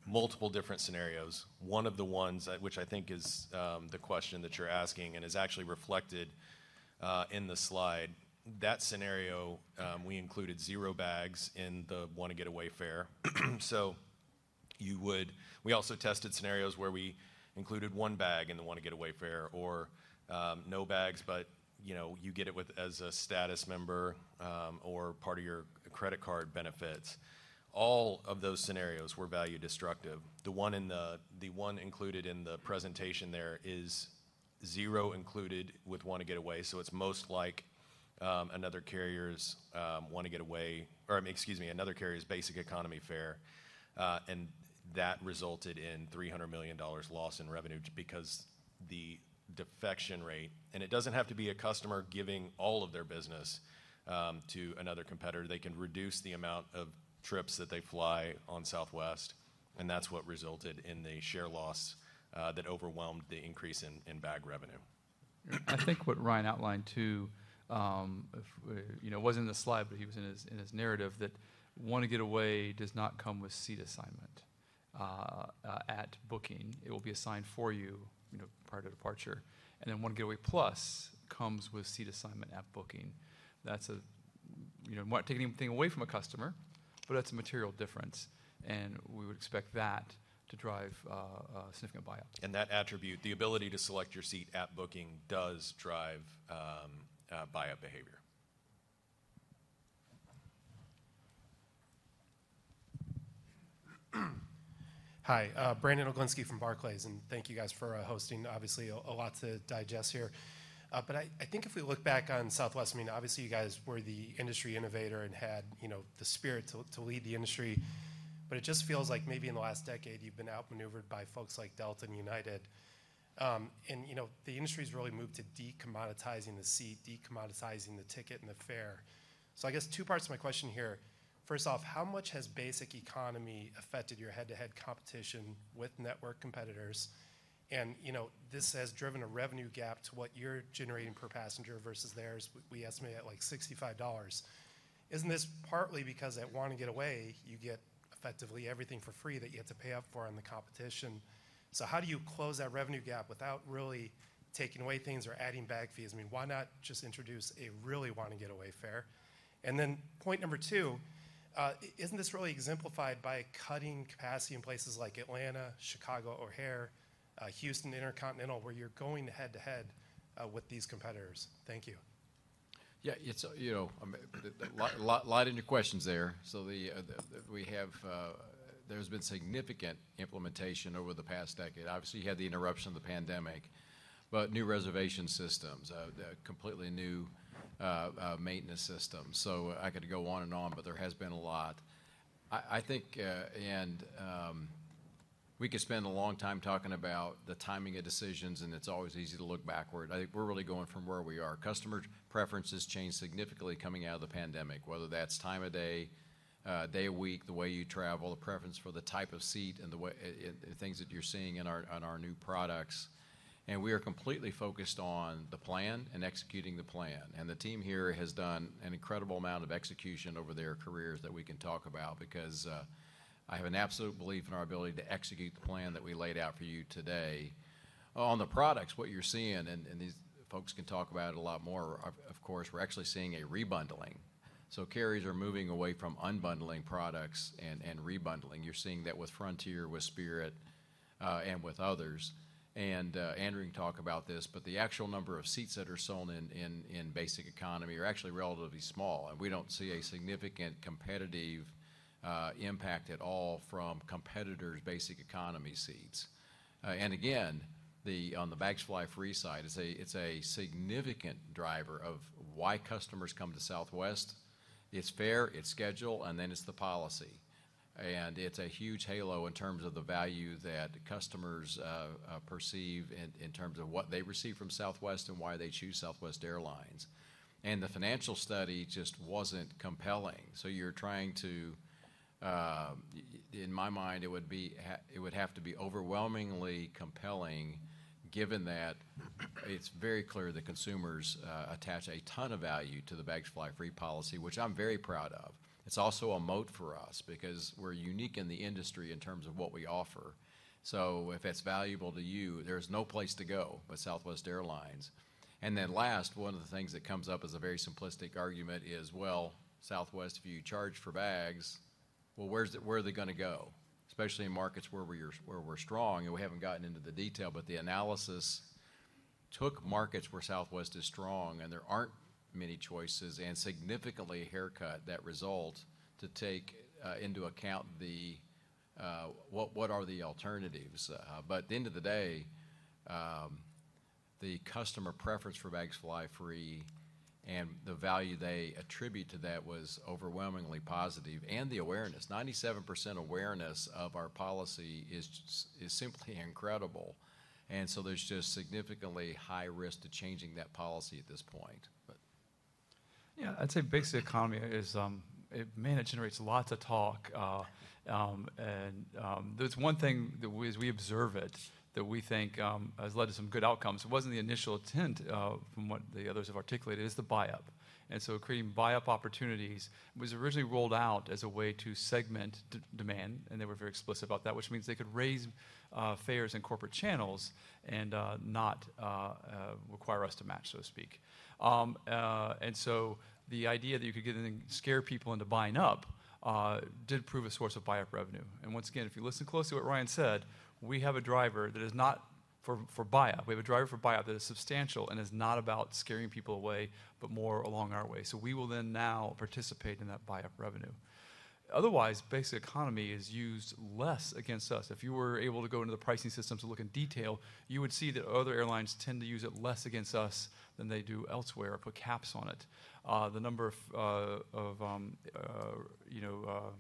multiple different scenarios. One of the ones, which I think is the question that you're asking and is actually reflected in the slide, that scenario, we included zero bags in the Wanna Get Away fare. We also tested scenarios where we included one bag in the Wanna Get Away fare or no bags, but you know, you get it with as a status member or part of your credit card benefits. All of those scenarios were value destructive. The one included in the presentation there is zero included with Wanna Get Away, so it's most like another carrier's Wanna Get Away, or excuse me, another carrier's Basic Economy fare. And that resulted in $300 million loss in revenue because the defection rate, and it doesn't have to be a customer giving all of their business to another competitor. They can reduce the amount of trips that they fly on Southwest, and that's what resulted in the share loss that overwhelmed the increase in bag revenue. I think what Ryan outlined, too, you know, wasn't in the slide, but he was in his narrative, that Wanna Get Away does not come with seat assignment at booking. It will be assigned for you, you know, prior to departure. And then Wanna Get Away Plus comes with seat assignment at booking. That's a, you know, not taking anything away from a customer, but that's a material difference, and we would expect that to drive a significant buy-up. That attribute, the ability to select your seat at booking, does drive buy-up behavior. Hi, Brandon Oglenski from Barclays, and thank you guys for hosting. Obviously, a lot to digest here. But I think if we look back on Southwest, I mean, obviously you guys were the industry innovator and had, you know, the spirit to lead the industry, but it just feels like maybe in the last decade you've been outmaneuvered by folks like Delta and United. And, you know, the industry's really moved to de-commoditizing the seat, de-commoditizing the ticket and the fare. So I guess two parts to my question here. First off, how much has basic economy affected your head-to-head competition with network competitors? And, you know, this has driven a revenue gap to what you're generating per passenger versus theirs, we estimate at, like, $65. Isn't this partly because at Wanna Get Away, you get effectively everything for free that you have to pay up for in the competition? So how do you close that revenue gap without really taking away things or adding bag fees? I mean, why not just introduce a really Wanna Get Away fare? And then point number two, isn't this really exemplified by cutting capacity in places like Atlanta, Chicago O'Hare, Houston Intercontinental, where you're going head-to-head with these competitors? Thank you. Yeah, it's, you know, a lot in your questions there. So the, we have, there's been significant implementation over the past decade. Obviously, you had the interruption of the pandemic, but new reservation systems, the completely new maintenance system. So I could go on and on, but there has been a lot. I think, and, we could spend a long time talking about the timing of decisions, and it's always easy to look backward. I think we're really going from where we are. Customer preferences changed significantly coming out of the pandemic, whether that's time of day, day of week, the way you travel, the preference for the type of seat and the way the things that you're seeing in our, on our new products. We are completely focused on the plan and executing the plan. The team here has done an incredible amount of execution over their careers that we can talk about because I have an absolute belief in our ability to execute the plan that we laid out for you today. On the products, what you're seeing, and these folks can talk about it a lot more, of course, we're actually seeing a rebundling. So carriers are moving away from unbundling products and rebundling. You're seeing that with Frontier, with Spirit, and with others. Andrew can talk about this, but the actual number of seats that are sold in basic economy are actually relatively small, and we don't see a significant competitive impact at all from competitors' basic economy seats. And again, on the Bags Fly Free side, it's a significant driver of why customers come to Southwest. It's fare, it's schedule, and then it's the policy, and it's a huge halo in terms of the value that customers perceive in terms of what they receive from Southwest and why they choose Southwest Airlines. And the financial study just wasn't compelling. In my mind, it would have to be overwhelmingly compelling, given that it's very clear that consumers attach a ton of value to the Bags Fly Free policy, which I'm very proud of. It's also a moat for us because we're unique in the industry in terms of what we offer. So if it's valuable to you, there's no place to go but Southwest Airlines. And then last, one of the things that comes up as a very simplistic argument is, well, Southwest, if you charge for bags, well, where's the, where are they gonna go? Especially in markets where we're, where we're strong, and we haven't gotten into the detail, but the analysis took markets where Southwest is strong and there aren't many choices, and significantly haircut that result to take into account the what are the alternatives. But at the end of the day, the customer preference for Bags Fly Free and the value they attribute to that was overwhelmingly positive, and the awareness. 97% awareness of our policy is just, is simply incredible, and so there's just significantly high risk to changing that policy at this point, but. Yeah, I'd say basic economy is, it generates lots of talk. And there's one thing that we, as we observe it, that we think, has led to some good outcomes. It wasn't the initial intent, from what the others have articulated, is the buy-up, and so creating buy-up opportunities was originally rolled out as a way to segment demand, and they were very explicit about that, which means they could raise, fares in corporate channels and, not require us to match, so to speak. And so the idea that you could get anything, scare people into buying up, did prove a source of buy-up revenue. And once again, if you listen closely to what Ryan said, we have a driver that is not for buy-up. We have a driver for buy-up that is substantial and is not about scaring people away, but more along our way, so we will then now participate in that buy-up revenue. Otherwise, basic economy is used less against us. If you were able to go into the pricing system to look in detail, you would see that other airlines tend to use it less against us than they do elsewhere, or put caps on it. The number of, of, you know,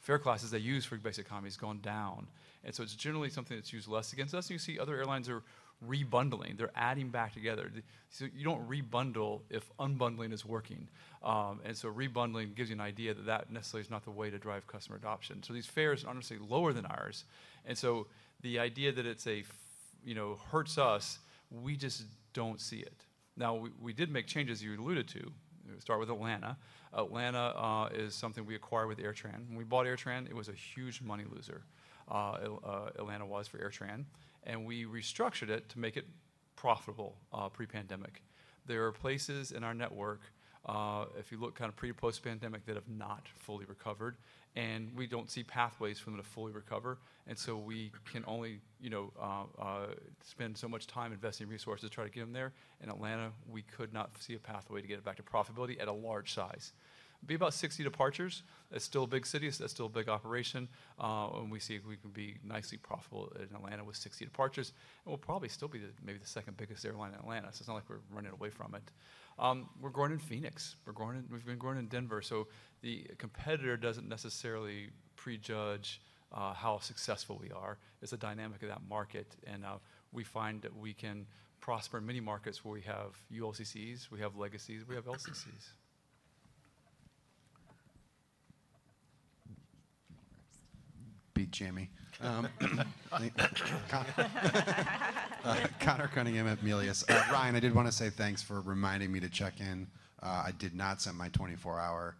fare classes they use for basic economy has gone down, and so it's generally something that's used less against us, and you see other airlines are rebundling. They're adding back together. So you don't rebundle if unbundling is working. And so rebundling gives you an idea that that necessarily is not the way to drive customer adoption. These fares are honestly lower than ours, and so the idea that it's a, you know, hurts us, we just don't see it. Now, we did make changes you alluded to. Start with Atlanta. Atlanta is something we acquired with AirTran. When we bought AirTran, it was a huge money loser. Atlanta was for AirTran, and we restructured it to make it profitable pre-pandemic. There are places in our network if you look kind of pre- and post-pandemic that have not fully recovered, and we don't see pathways for them to fully recover, and so we can only, you know, spend so much time investing resources to try to get them there. In Atlanta, we could not see a pathway to get it back to profitability at a large size. Be about 60 departures. That's still a big city. That's still a big operation, and we see if we can be nicely profitable in Atlanta with 60 departures, and we'll probably still be the, maybe the second biggest airline in Atlanta, so it's not like we're running away from it. We're growing in Phoenix. We're growing in, we've been growing in Denver, so the competitor doesn't necessarily prejudge how successful we are. It's the dynamic of that market, and we find that we can prosper in many markets where we have ULCCs, we have legacies, we have LCCs. Beat Jimmy. Conor Cunningham at Melius. Ryan, I did want to say thanks for reminding me to check in. I did not set my 24-hour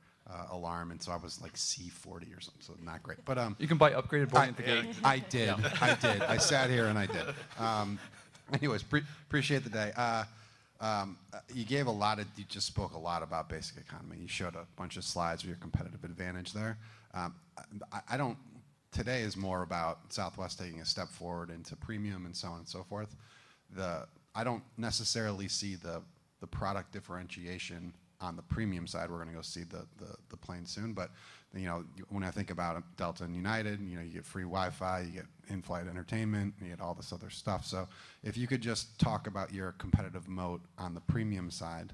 alarm, and so I was, like, C40 or something, so not great. But, You can buy upgraded boarding at the gate. I did. I did. I sat here, and I did. Anyways, appreciate the day. You gave a lot of, you just spoke a lot about basic economy. You showed a bunch of slides of your competitive advantage there. I don't, today is more about Southwest taking a step forward into premium and so on and so forth. I don't necessarily see the the product differentiation on the premium side. We're gonna go see the plane soon. But, you know, when I think about Delta and United, you know, you get free Wi-Fi, you get in-flight entertainment, you get all this other stuff. So if you could just talk about your competitive moat on the premium side,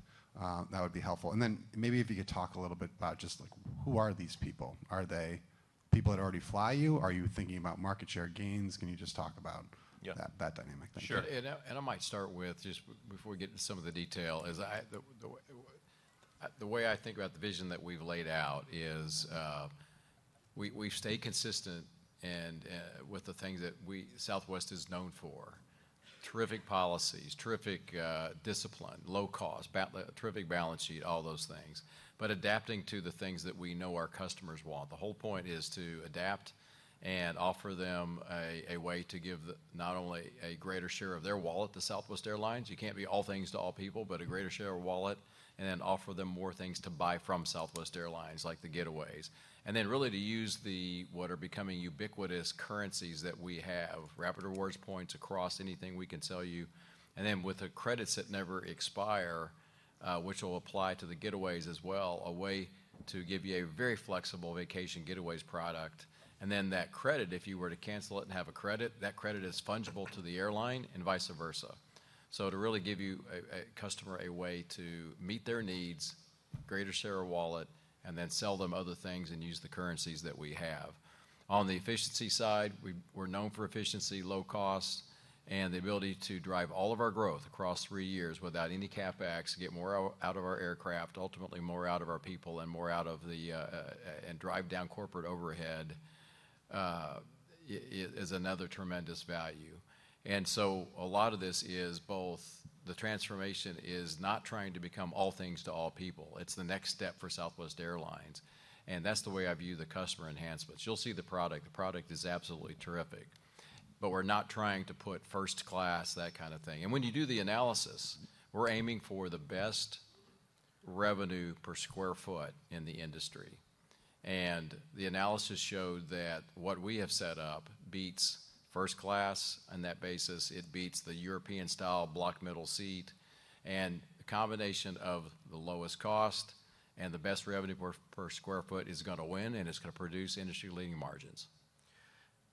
that would be helpful, and then maybe if you could talk a little bit about just, like, who are these people? Are they people that already fly you? Are you thinking about market share gains? Can you just talk about- Yeah that, that dynamic? Thank you. Sure. And I might start with just before we get into some of the detail. The way I think about the vision that we've laid out is we've stayed consistent with the things that Southwest is known for: terrific policies, terrific discipline, low cost, terrific balance sheet, all those things, but adapting to the things that we know our customers want. The whole point is to adapt and offer them a way to give not only a greater share of their wallet to Southwest Airlines. You can't be all things to all people, but a greater share of wallet, and then offer them more things to buy from Southwest Airlines, like the getaways. And then really to use the what are becoming ubiquitous currencies that we have, Rapid Rewards points across anything we can sell you, and then with the credits that never expire, which will apply to the Getaways as well, a way to give you a very flexible vacation Getaways product. And then that credit, if you were to cancel it and have a credit, that credit is fungible to the airline and vice versa. So to really give you a customer a way to meet their needs, greater share of wallet, and then sell them other things and use the currencies that we have. On the efficiency side, we're known for efficiency, low cost, and the ability to drive all of our growth across three years without any CapEx, get more out of our aircraft, ultimately more out of our people and more out of the and drive down corporate overhead is another tremendous value. And so a lot of this is both, the transformation is not trying to become all things to all people. It's the next step for Southwest Airlines, and that's the way I view the customer enhancements. You'll see the product. The product is absolutely terrific, but we're not trying to put first class, that kind of thing. And when you do the analysis, we're aiming for the best revenue per sq ft in the industry. And the analysis showed that what we have set up beats first class on that basis. It beats the European-style block middle seat, and a combination of the lowest cost and the best revenue per square foot is gonna win, and it's gonna produce industry-leading margins.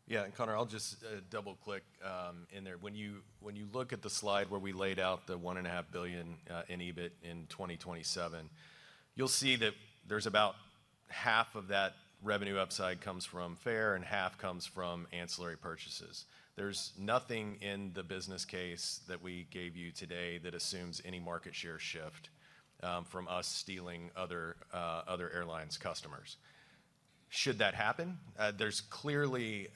Yeah, and Conor, I'll just double-click in there. When you look at the slide where we laid out the $1.5 billion in EBIT in 2027, you'll see that there's about half of that revenue upside comes from fare, and half comes from ancillary purchases. There's nothing in the business case that we gave you today that assumes any market share shift from us stealing other airlines' customers. Should that happen, there's clearly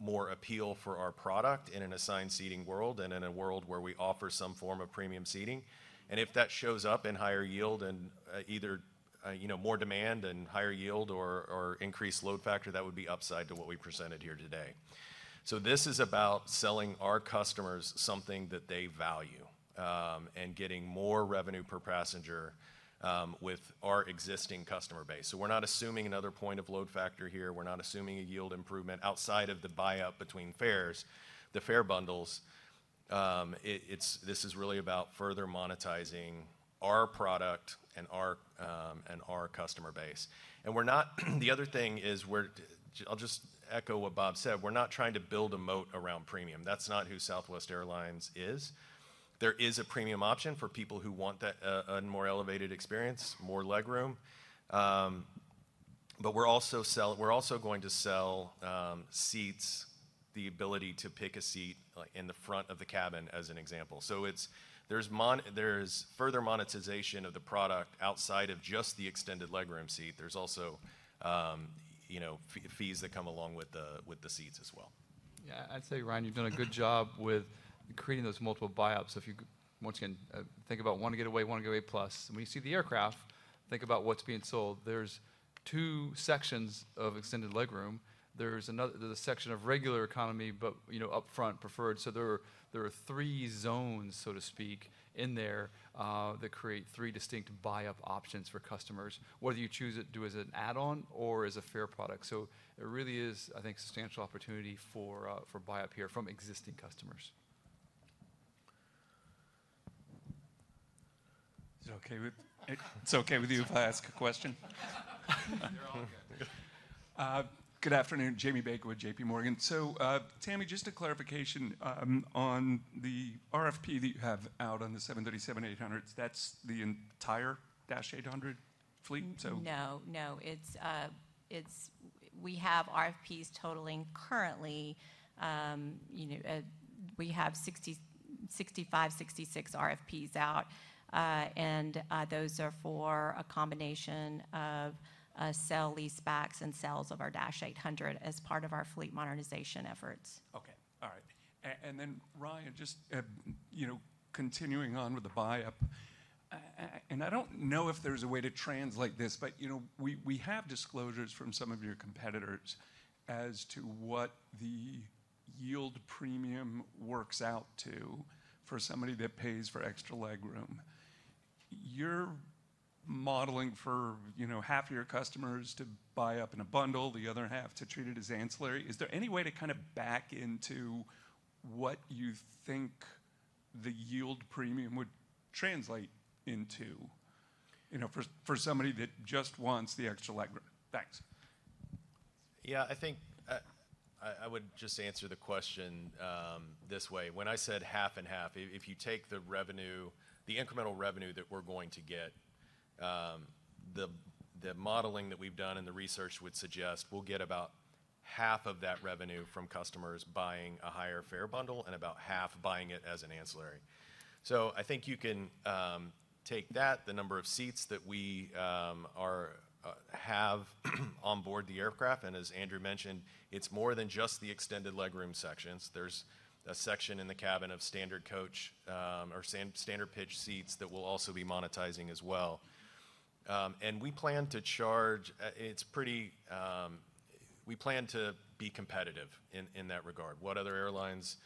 more appeal for our product in an assigned seating world and in a world where we offer some form of premium seating. And if that shows up in higher yield and either you know more demand and higher yield or increased load factor, that would be upside to what we presented here today. So this is about selling our customers something that they value, and getting more revenue per passenger with our existing customer base. We're not assuming another point of load factor here. We're not assuming a yield improvement outside of the buy-up between fares, the fare bundles. This is really about further monetizing our product and our customer base. The other thing is, I'll just echo what Bob said. We're not trying to build a moat around premium. That's not who Southwest Airlines is. There is a premium option for people who want that, a more elevated experience, more legroom. But we're also going to sell seats, the ability to pick a seat, like, in the front of the cabin, as an example. So it's, there's further monetization of the product outside of just the extended legroom seat. There's also, you know, fees that come along with the seats as well. Yeah, I'd say, Ryan, you've done a good job with creating those multiple buy-ups. So if you once again think about one Wanna Get Away, one Wanna Get Away Plus, when you see the aircraft, think about what's being sold. There's two sections of extended legroom. There's another, there's a section of regular economy, but, you know, up front, preferred. So there are, there are three zones, so to speak, in there that create three distinct buy-up options for customers, whether you choose it to do as an add-on or as a fare product. So there really is, I think, substantial opportunity for buy-up here from existing customers. It's okay with you if I ask a question? They're all good. Good afternoon, Jamie Baker with JPMorgan. So, Tammy, just a clarification on the RFP that you have out on the 737-800s, that's the entire 737-800 fleet? So- No, no, it's. It's. We have RFPs totaling currently, you know, we have 60, 65, 66 RFPs out, and those are for a combination of sale-leasebacks and sales of our dash 800 as part of our fleet modernization efforts. Okay, all right. And then, Ryan, just, you know, continuing on with the buy-up, and I don't know if there's a way to translate this, but, you know, we have disclosures from some of your competitors as to what the yield premium works out to for somebody that pays for extra legroom. You're modeling for, you know, half of your customers to buy up in a bundle, the other half to treat it as ancillary. Is there any way to kind of back into what you think the yield premium would translate into? You know, for somebody that just wants the extra legroom. Thanks. Yeah, I think I would just answer the question this way. When I said half and half, if you take the revenue, the incremental revenue that we're going to get, the modeling that we've done and the research would suggest we'll get about half of that revenue from customers buying a higher fare bundle and about half buying it as an ancillary. So I think you can take that, the number of seats that we have on board the aircraft, and as Andrew mentioned, it's more than just the extended legroom sections. There's a section in the cabin of standard coach or standard pitch seats that we'll also be monetizing as well. And we plan to charge. We plan to be competitive in that regard. What other airlines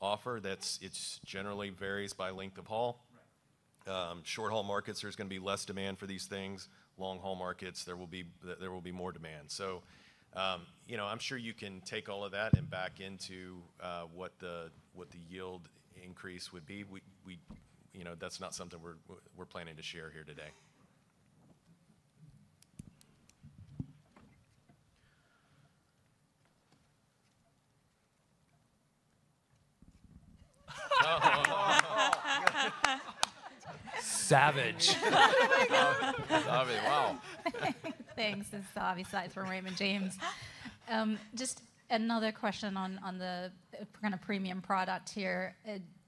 offer, that's, it's generally varies by length of haul. Short-haul markets, there's gonna be less demand for these things. Long-haul markets, there will be more demand. So, you know, I'm sure you can take all of that and back into what the yield increase would be. You know, that's not something we're planning to share here today. Savage! Oh, my God! Avi, wow. Thanks. This is Savanthi Syth from Raymond James. Just another question on the kind of premium product here.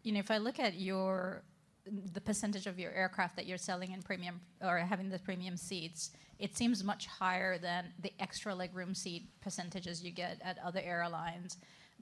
You know, if I look at the percentage of your aircraft that you're selling in premium or having the premium seats, it seems much higher than the extra legroom seat percentages you get at other airlines.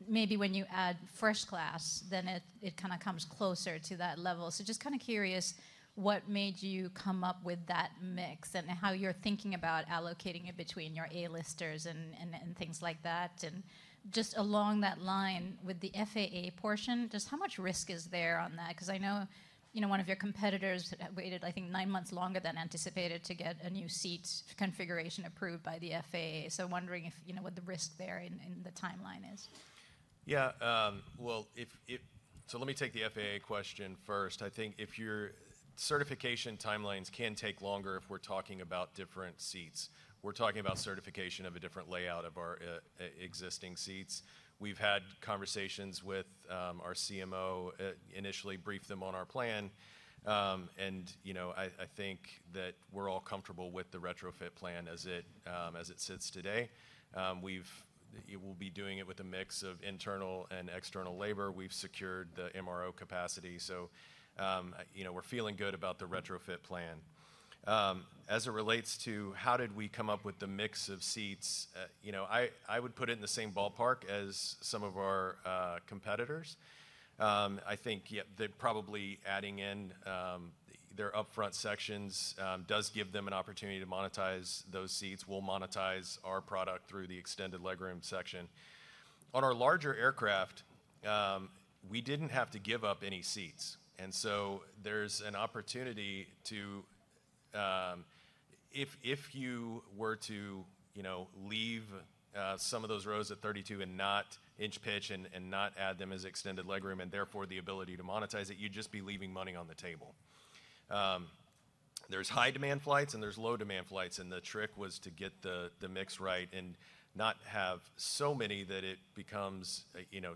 Maybe when you add first class, then it comes closer to that level. So just kind of curious, what made you come up with that mix and how you're thinking about allocating it between your A-List and things like that? And just along that line, with the FAA portion, just how much risk is there on that? 'Cause I know, you know, one of your competitors waited, I think, nine months longer than anticipated to get a new seat configuration approved by the FAA. Wondering if, you know, what the risk there in the timeline is? Yeah, well, so let me take the FAA question first. I think if your certification timelines can take longer if we're talking about different seats. We're talking about certification of a different layout of our existing seats. We've had conversations with our CMO, initially briefed them on our plan, and, you know, I think that we're all comfortable with the retrofit plan as it sits today. We will be doing it with a mix of internal and external labor. We've secured the MRO capacity, so, you know, we're feeling good about the retrofit plan. As it relates to how did we come up with the mix of seats, you know, I would put it in the same ballpark as some of our competitors. I think, yeah, that probably adding in their upfront sections does give them an opportunity to monetize those seats. We'll monetize our product through the extended legroom section. On our larger aircraft, we didn't have to give up any seats, and so there's an opportunity to, if you were to, you know, leave some of those rows at 32-inch pitch and not add them as extended legroom and therefore the ability to monetize it, you'd just be leaving money on the table. There's high demand flights and there's low demand flights, and the trick was to get the mix right and not have so many that it becomes, you know,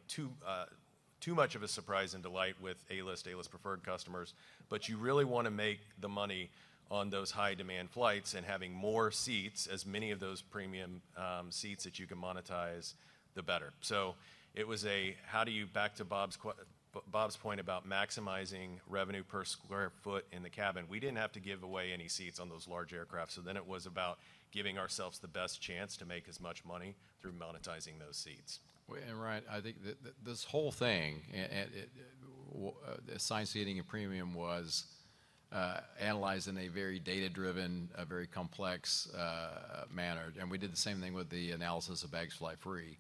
too much of a surprise and delight with A-List, A-List Preferred customers. But you really want to make the money on those high demand flights and having more seats, as many of those premium seats that you can monetize, the better. Back to Bob's point about maximizing revenue per square foot in the cabin, we didn't have to give away any seats on those large aircraft, so then it was about giving ourselves the best chance to make as much money through monetizing those seats. Ryan, I think this whole thing, assigned seating and premium, was analyzed in a very data-driven, a very complex manner, and we did the same thing with the analysis of Bags Fly Free.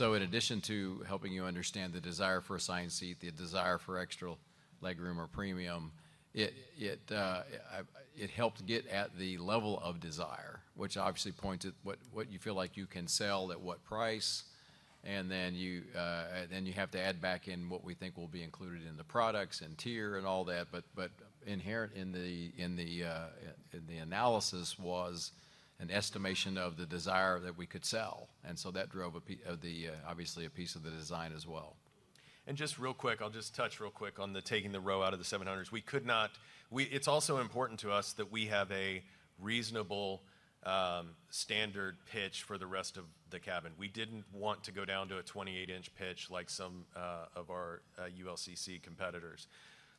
In addition to helping you understand the desire for assigned seat, the desire for extra legroom or premium, it helped get at the level of desire, which obviously points at what you feel like you can sell at what price, and then you have to add back in what we think will be included in the products and tier and all that. But inherent in the analysis was an estimation of the desire that we could sell, and so that drove, obviously, a piece of the design as well. Just real quick, I'll just touch real quick on taking the row out of the 737-700s. We couldn't. It's also important to us that we have a reasonable standard pitch for the rest of the cabin. We didn't want to go down to a 28-inch pitch like some of our ULCC competitors.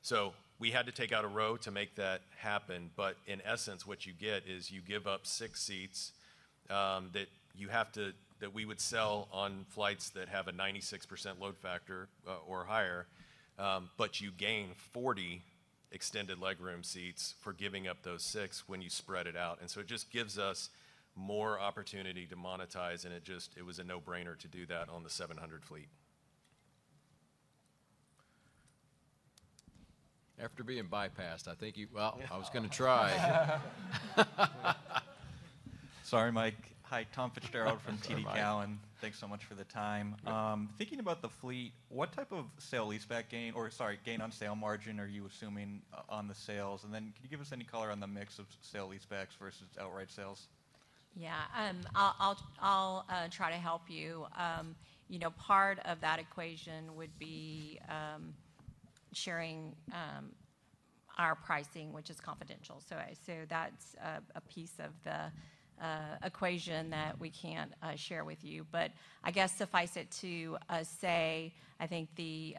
So we had to take out a row to make that happen, but in essence, what you get is you give up six seats that we would sell on flights that have a 96% load factor or higher, but you gain 40 extended legroom seats for giving up those six when you spread it out. And so it just gives us more opportunity to monetize, and it just, it was a no-brainer to do that on the 737-700 fleet. After being bypassed, I think you, well, I was gonna try. Sorry, Mike. Hi, Tom Fitzgerald from TD Cowen. That's all right. Thanks so much for the time. Yep. Thinking about the fleet, what type of sale-leaseback gain, or sorry, gain on sale margin are you assuming on the sales? And then can you give us any color on the mix of sale-leasebacks versus outright sales? Yeah, I'll try to help you. You know, part of that equation would be sharing our pricing, which is confidential. So that's a piece of the equation that we can't share with you. But I guess suffice it to say, I think the,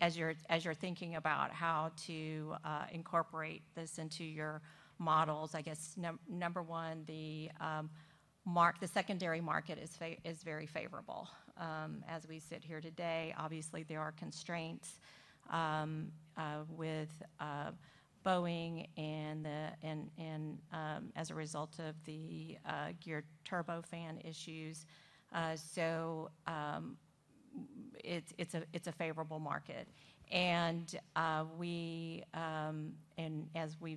as you're thinking about how to incorporate this into your models, I guess number one, the secondary market is very favorable. As we sit here today, obviously, there are constraints with Boeing and as a result of the Geared Turbofan issues. So it's a favorable market. As we've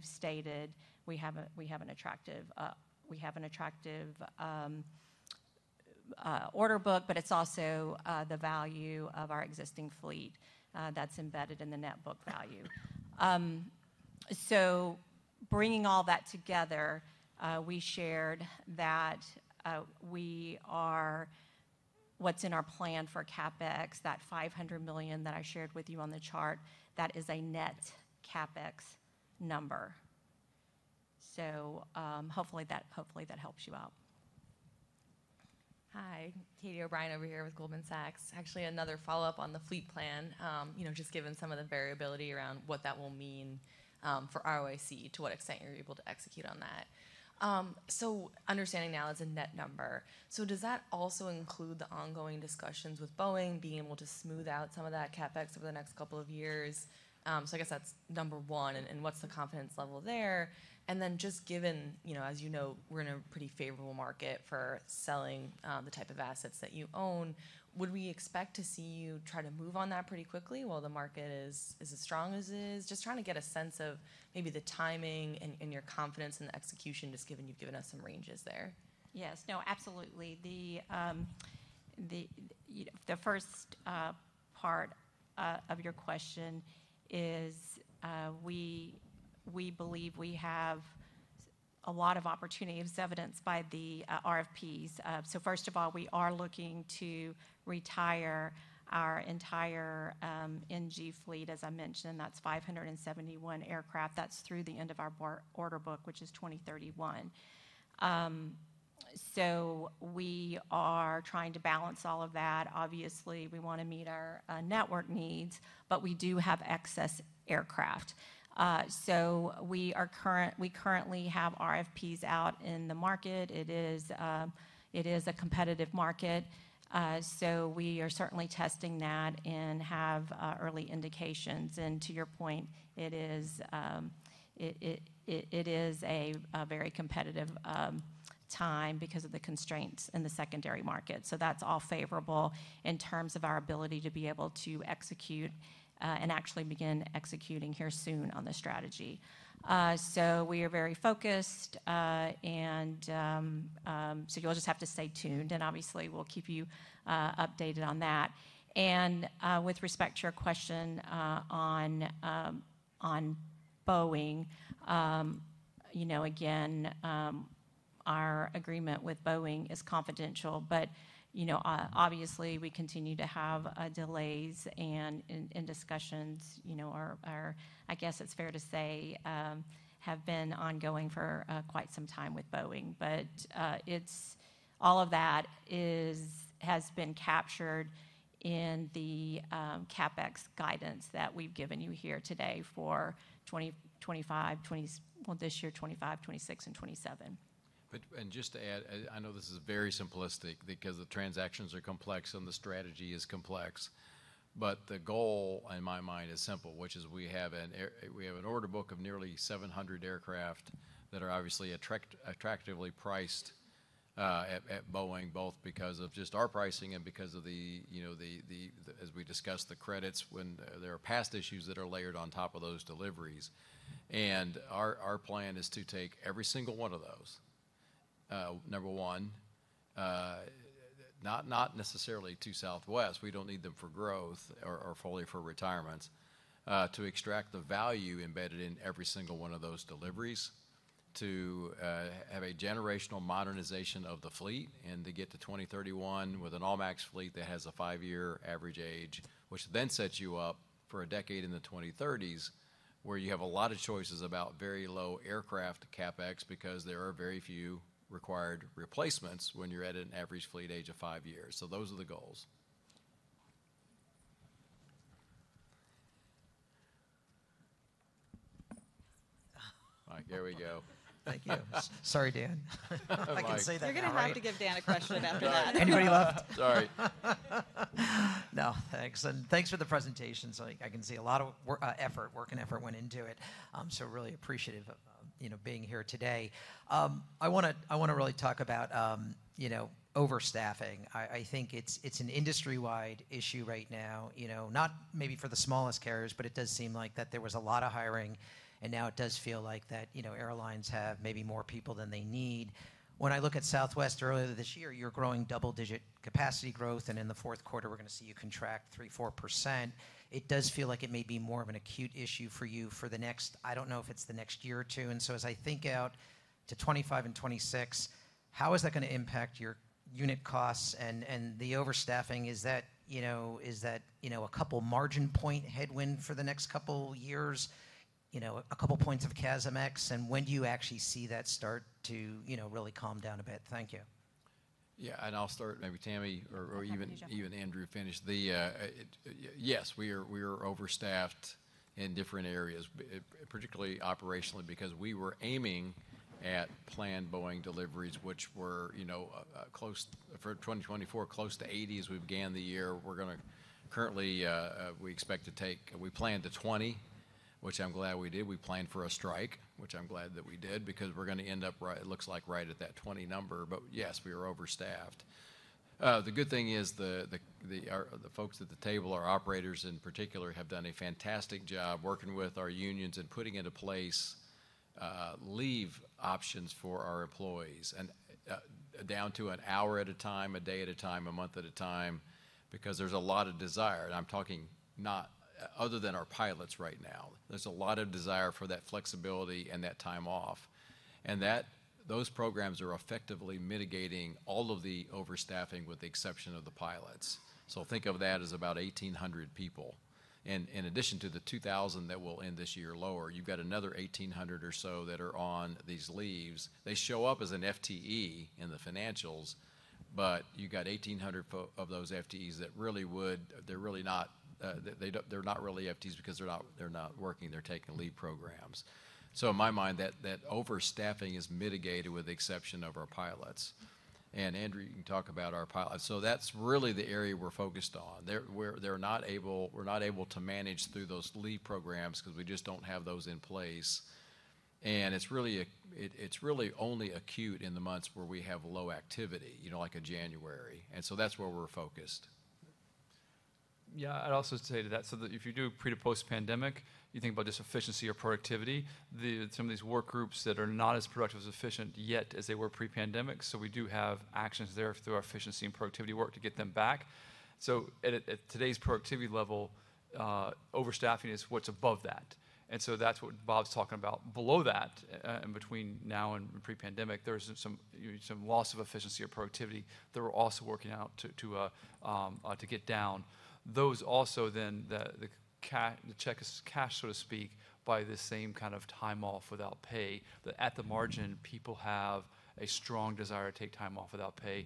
stated, we have an attractive order book, but it's also the value of our existing fleet that's embedded in the net book value. So bringing all that together, we shared that what's in our plan for CapEx, that $500 million that I shared with you on the chart, that is a net CapEx number. So hopefully that helps you out. Hi, Catie O'Brien over here with Goldman Sachs. Actually, another follow-up on the fleet plan, you know, just given some of the variability around what that will mean, for ROIC, to what extent you're able to execute on that. So understanding now it's a net number, so does that also include the ongoing discussions with Boeing, being able to smooth out some of that CapEx over the next couple of years? So I guess that's number one, and what's the confidence level there? And then just given, you know, as you know, we're in a pretty favorable market for selling, the type of assets that you own, would we expect to see you try to move on that pretty quickly while the market is as strong as it is? Just trying to get a sense of maybe the timing and your confidence in the execution, just given you've given us some ranges there? Yes. No, absolutely. The first part of your question is, we believe we have a lot of opportunities, evidenced by the RFPs. So first of all, we are looking to retire our entire NG fleet. As I mentioned, that's 571 aircraft. That's through the end of our backlog order book, which is 2031. So we are trying to balance all of that. Obviously, we want to meet our network needs, but we do have excess aircraft. So we currently have RFPs out in the market. It is a competitive market, so we are certainly testing that and have early indications. And to your point, it is a very competitive time because of the constraints in the secondary market. So that's all favorable in terms of our ability to be able to execute and actually begin executing here soon on this strategy. So we are very focused, and so you'll just have to stay tuned, and obviously, we'll keep you updated on that. And with respect to your question on Boeing, you know, again, our agreement with Boeing is confidential, but, you know, obviously, we continue to have delays, and discussions, you know, are, I guess it's fair to say, have been ongoing for quite some time with Boeing. But, it's all of that is, has been captured in the CapEx guidance that we've given you here today for 2025, this year, 2025, 2026, and 2027. But, and just to add, I know this is very simplistic because the transactions are complex and the strategy is complex, but the goal, in my mind, is simple, which is we have an order book of nearly 700 aircraft that are obviously attractively priced at Boeing, both because of just our pricing and because of the, you know, as we discussed, the credits when there are past issues that are layered on top of those deliveries. Our plan is to take every single one of those, number one, not necessarily to Southwest. We don't need them for growth or fully for retirements, to extract the value embedded in every single one of those deliveries, to have a generational modernization of the fleet and to get to 2031 with an all-MAX fleet that has a five-year average age, which then sets you up for a decade in the 2030s, where you have a lot of choices about very low aircraft CapEx because there are very few required replacements when you're at an average fleet age of five years. So those are the goals. Alright, there we go. Thank you. Sorry, Dan. I can say that, right? You're gonna have to give Dan a question after that. Anybody left? Sorry. No, thanks, and thanks for the presentations. Like, I can see a lot of work, effort, work and effort went into it. So really appreciative of, you know, being here today. I wanna, I wanna really talk about, you know, overstaffing. I, I think it's, it's an industry-wide issue right now, you know, not maybe for the smallest carriers, but it does seem like that there was a lot of hiring, and now it does feel like that, you know, airlines have maybe more people than they need. When I look at Southwest earlier this year, you're growing double-digit capacity growth, and in the Q4, we're going to see you contract 3-4%. It does feel like it may be more of an acute issue for you for the next, I don't know if it's the next year or two. As I think out to 2025 and 2026, how is that gonna impact your unit costs and the overstaffing? Is that, you know, a couple margin point headwind for the next couple years, you know, a couple points of CASM-X? And when do you actually see that start to, you know, really calm down a bit? Thank you. Yeah, and I'll start, maybe Tammy or, or even- I can jump in. Even Andrew, finish, yes, we are, we are overstaffed in different areas, but particularly operationally, because we were aiming at planned Boeing deliveries, which were, you know, close to 80 for 2024 as we began the year. Currently, we expect to take 20. We planned to 20, which I'm glad we did. We planned for a strike, which I'm glad that we did because we're gonna end up right at that 20 number. But yes, we are overstaffed. The good thing is the folks at the table, our operators in particular, have done a fantastic job working with our unions and putting into place leave options for our employees, and down to an hour at a time, a day at a time, a month at a time, because there's a lot of desire. I'm talking not other than our pilots right now. There's a lot of desire for that flexibility and that time off, and those programs are effectively mitigating all of the overstaffing, with the exception of the pilots. So think of that as about 1,800 people. In addition to the 2,000 that will end this year lower, you've got another 1,800 or so that are on these leaves. They show up as an FTE in the financials, but you got 1,800 of those FTEs that really would, they're really not really FTEs because they're not working. They're taking leave programs. So in my mind, that overstaffing is mitigated with the exception of our pilots. And Andrew, you can talk about our pilots. So that's really the area we're focused on. We're not able to manage through those leave programs because we just don't have those in place, and it's really only acute in the months where we have low activity, you know, like in January. And so that's where we're focused. Yeah. I'd also say to that, so that if you do pre to post-pandemic, you think about this efficiency or productivity, some of these work groups that are not as productive, as efficient yet as they were pre-pandemic. So we do have actions there through our efficiency and productivity work to get them back. So at today's productivity level, overstaffing is what's above that, and so that's what Bob's talking about. Below that, and between now and pre-pandemic, there's some loss of efficiency or productivity that we're also working out to get down. Those also then, the cash is cash, so to speak, by the same kind of time off without pay. That, at the margin, people have a strong desire to take time off without pay.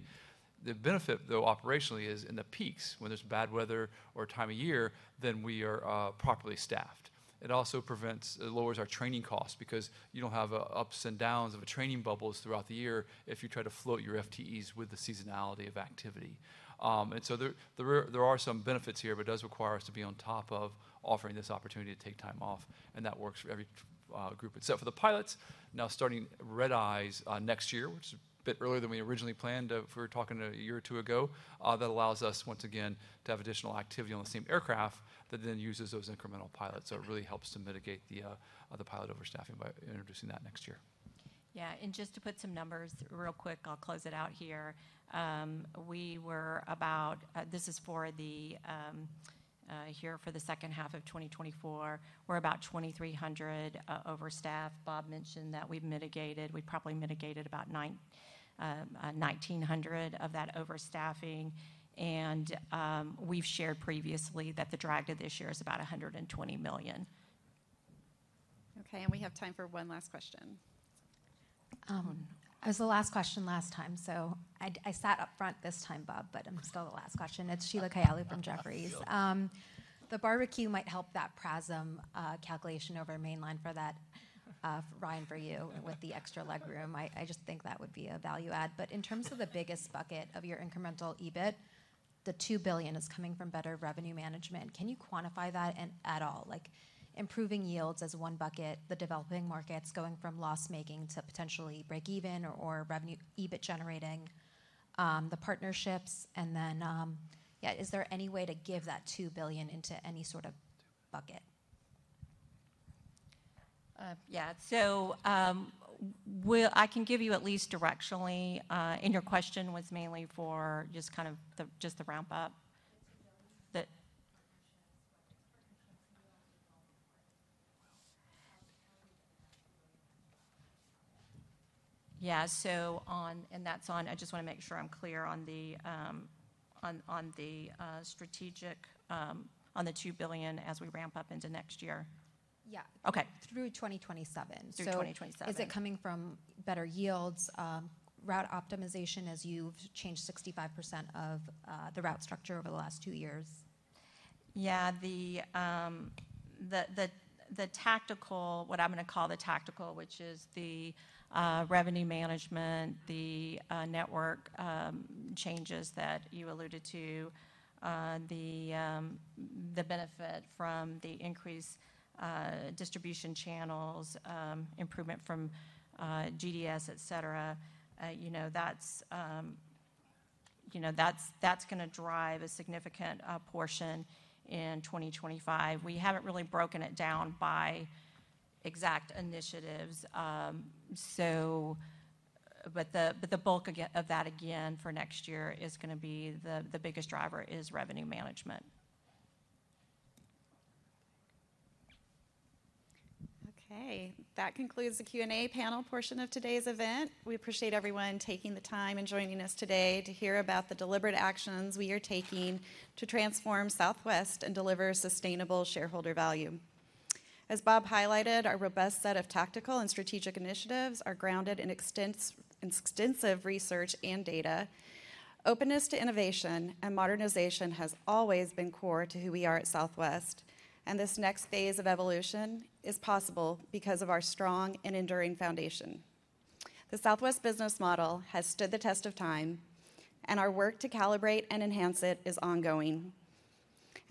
The benefit, though, operationally, is in the peaks, when there's bad weather or time of year, then we are properly staffed. It also prevents, it lowers our training costs because you don't have ups and downs of training bubbles throughout the year if you try to float your FTEs with the seasonality of activity. And so there are some benefits here, but it does require us to be on top of offering this opportunity to take time off, and that works for every group except for the pilots. Now, starting red-eyes next year, which is a bit earlier than we originally planned, if we're talking a year or two ago, that allows us once again to have additional activity on the same aircraft that then uses those incremental pilots. It really helps to mitigate the pilot overstaffing by introducing that next year. Yeah, and just to put some numbers real quick, I'll close it out here. This is for the H2 of 2024. We're about 2,300 overstaffed. Bob mentioned that we've mitigated. We've probably mitigated about 1,900 of that overstaffing, and we've shared previously that the drag to this year is about $120 million. Okay, and we have time for one last question. I was the last question last time, so I sat up front this time, Bob, but I'm still the last question. It's Sheila Kahyaoglu from Jefferies. Sheila. The barbecue might help that PRASM calculation over mainline for that, Ryan, for you, with the extra legroom. I just think that would be a value add. But in terms of the biggest bucket of your incremental EBIT, the $2 billion is coming from better revenue management. Can you quantify that at all? Like, improving yields as one bucket, the developing markets going from loss-making to potentially break even or revenue, EBIT generating, the partnerships. Is there any way to give that $2 billion into any sort of bucket? Yeah. So, we'll, I can give you at least directionally, and your question was mainly for just kind of the, just the ramp-up? It's $2 billion. Yeah, so on, and that's on, I just want to make sure I'm clear on the strategic, on the $2 billion as we ramp up into next year. Yeah. Okay. Through 2027. Through 2027. Is it coming from better yields, route optimization as you've changed 65% of the route structure over the last two years? Yeah, the tactical, what I'm going to call the tactical, which is the revenue management, the network changes that you alluded to, the benefit from the increased distribution channels, improvement from GDS, et cetera. You know, that's gonna drive a significant portion in 2025. We haven't really broken it down by exact initiatives, but the bulk again of that again for next year is gonna be the biggest driver is revenue management. Okay, that concludes the Q&A panel portion of today's event. We appreciate everyone taking the time and joining us today to hear about the deliberate actions we are taking to transform Southwest and deliver sustainable shareholder value. As Bob highlighted, our robust set of tactical and strategic initiatives are grounded in extensive research and data. Openness to innovation and modernization has always been core to who we are at Southwest, and this next phase of evolution is possible because of our strong and enduring foundation. The Southwest business model has stood the test of time, and our work to calibrate and enhance it is ongoing.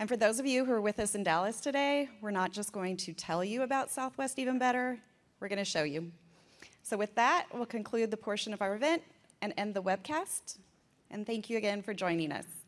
And for those of you who are with us in Dallas today, we're not just going to tell you about Southwest Even Better, we're going to show you. So with that, we'll conclude the portion of our event and end the webcast, and thank you again for joining us.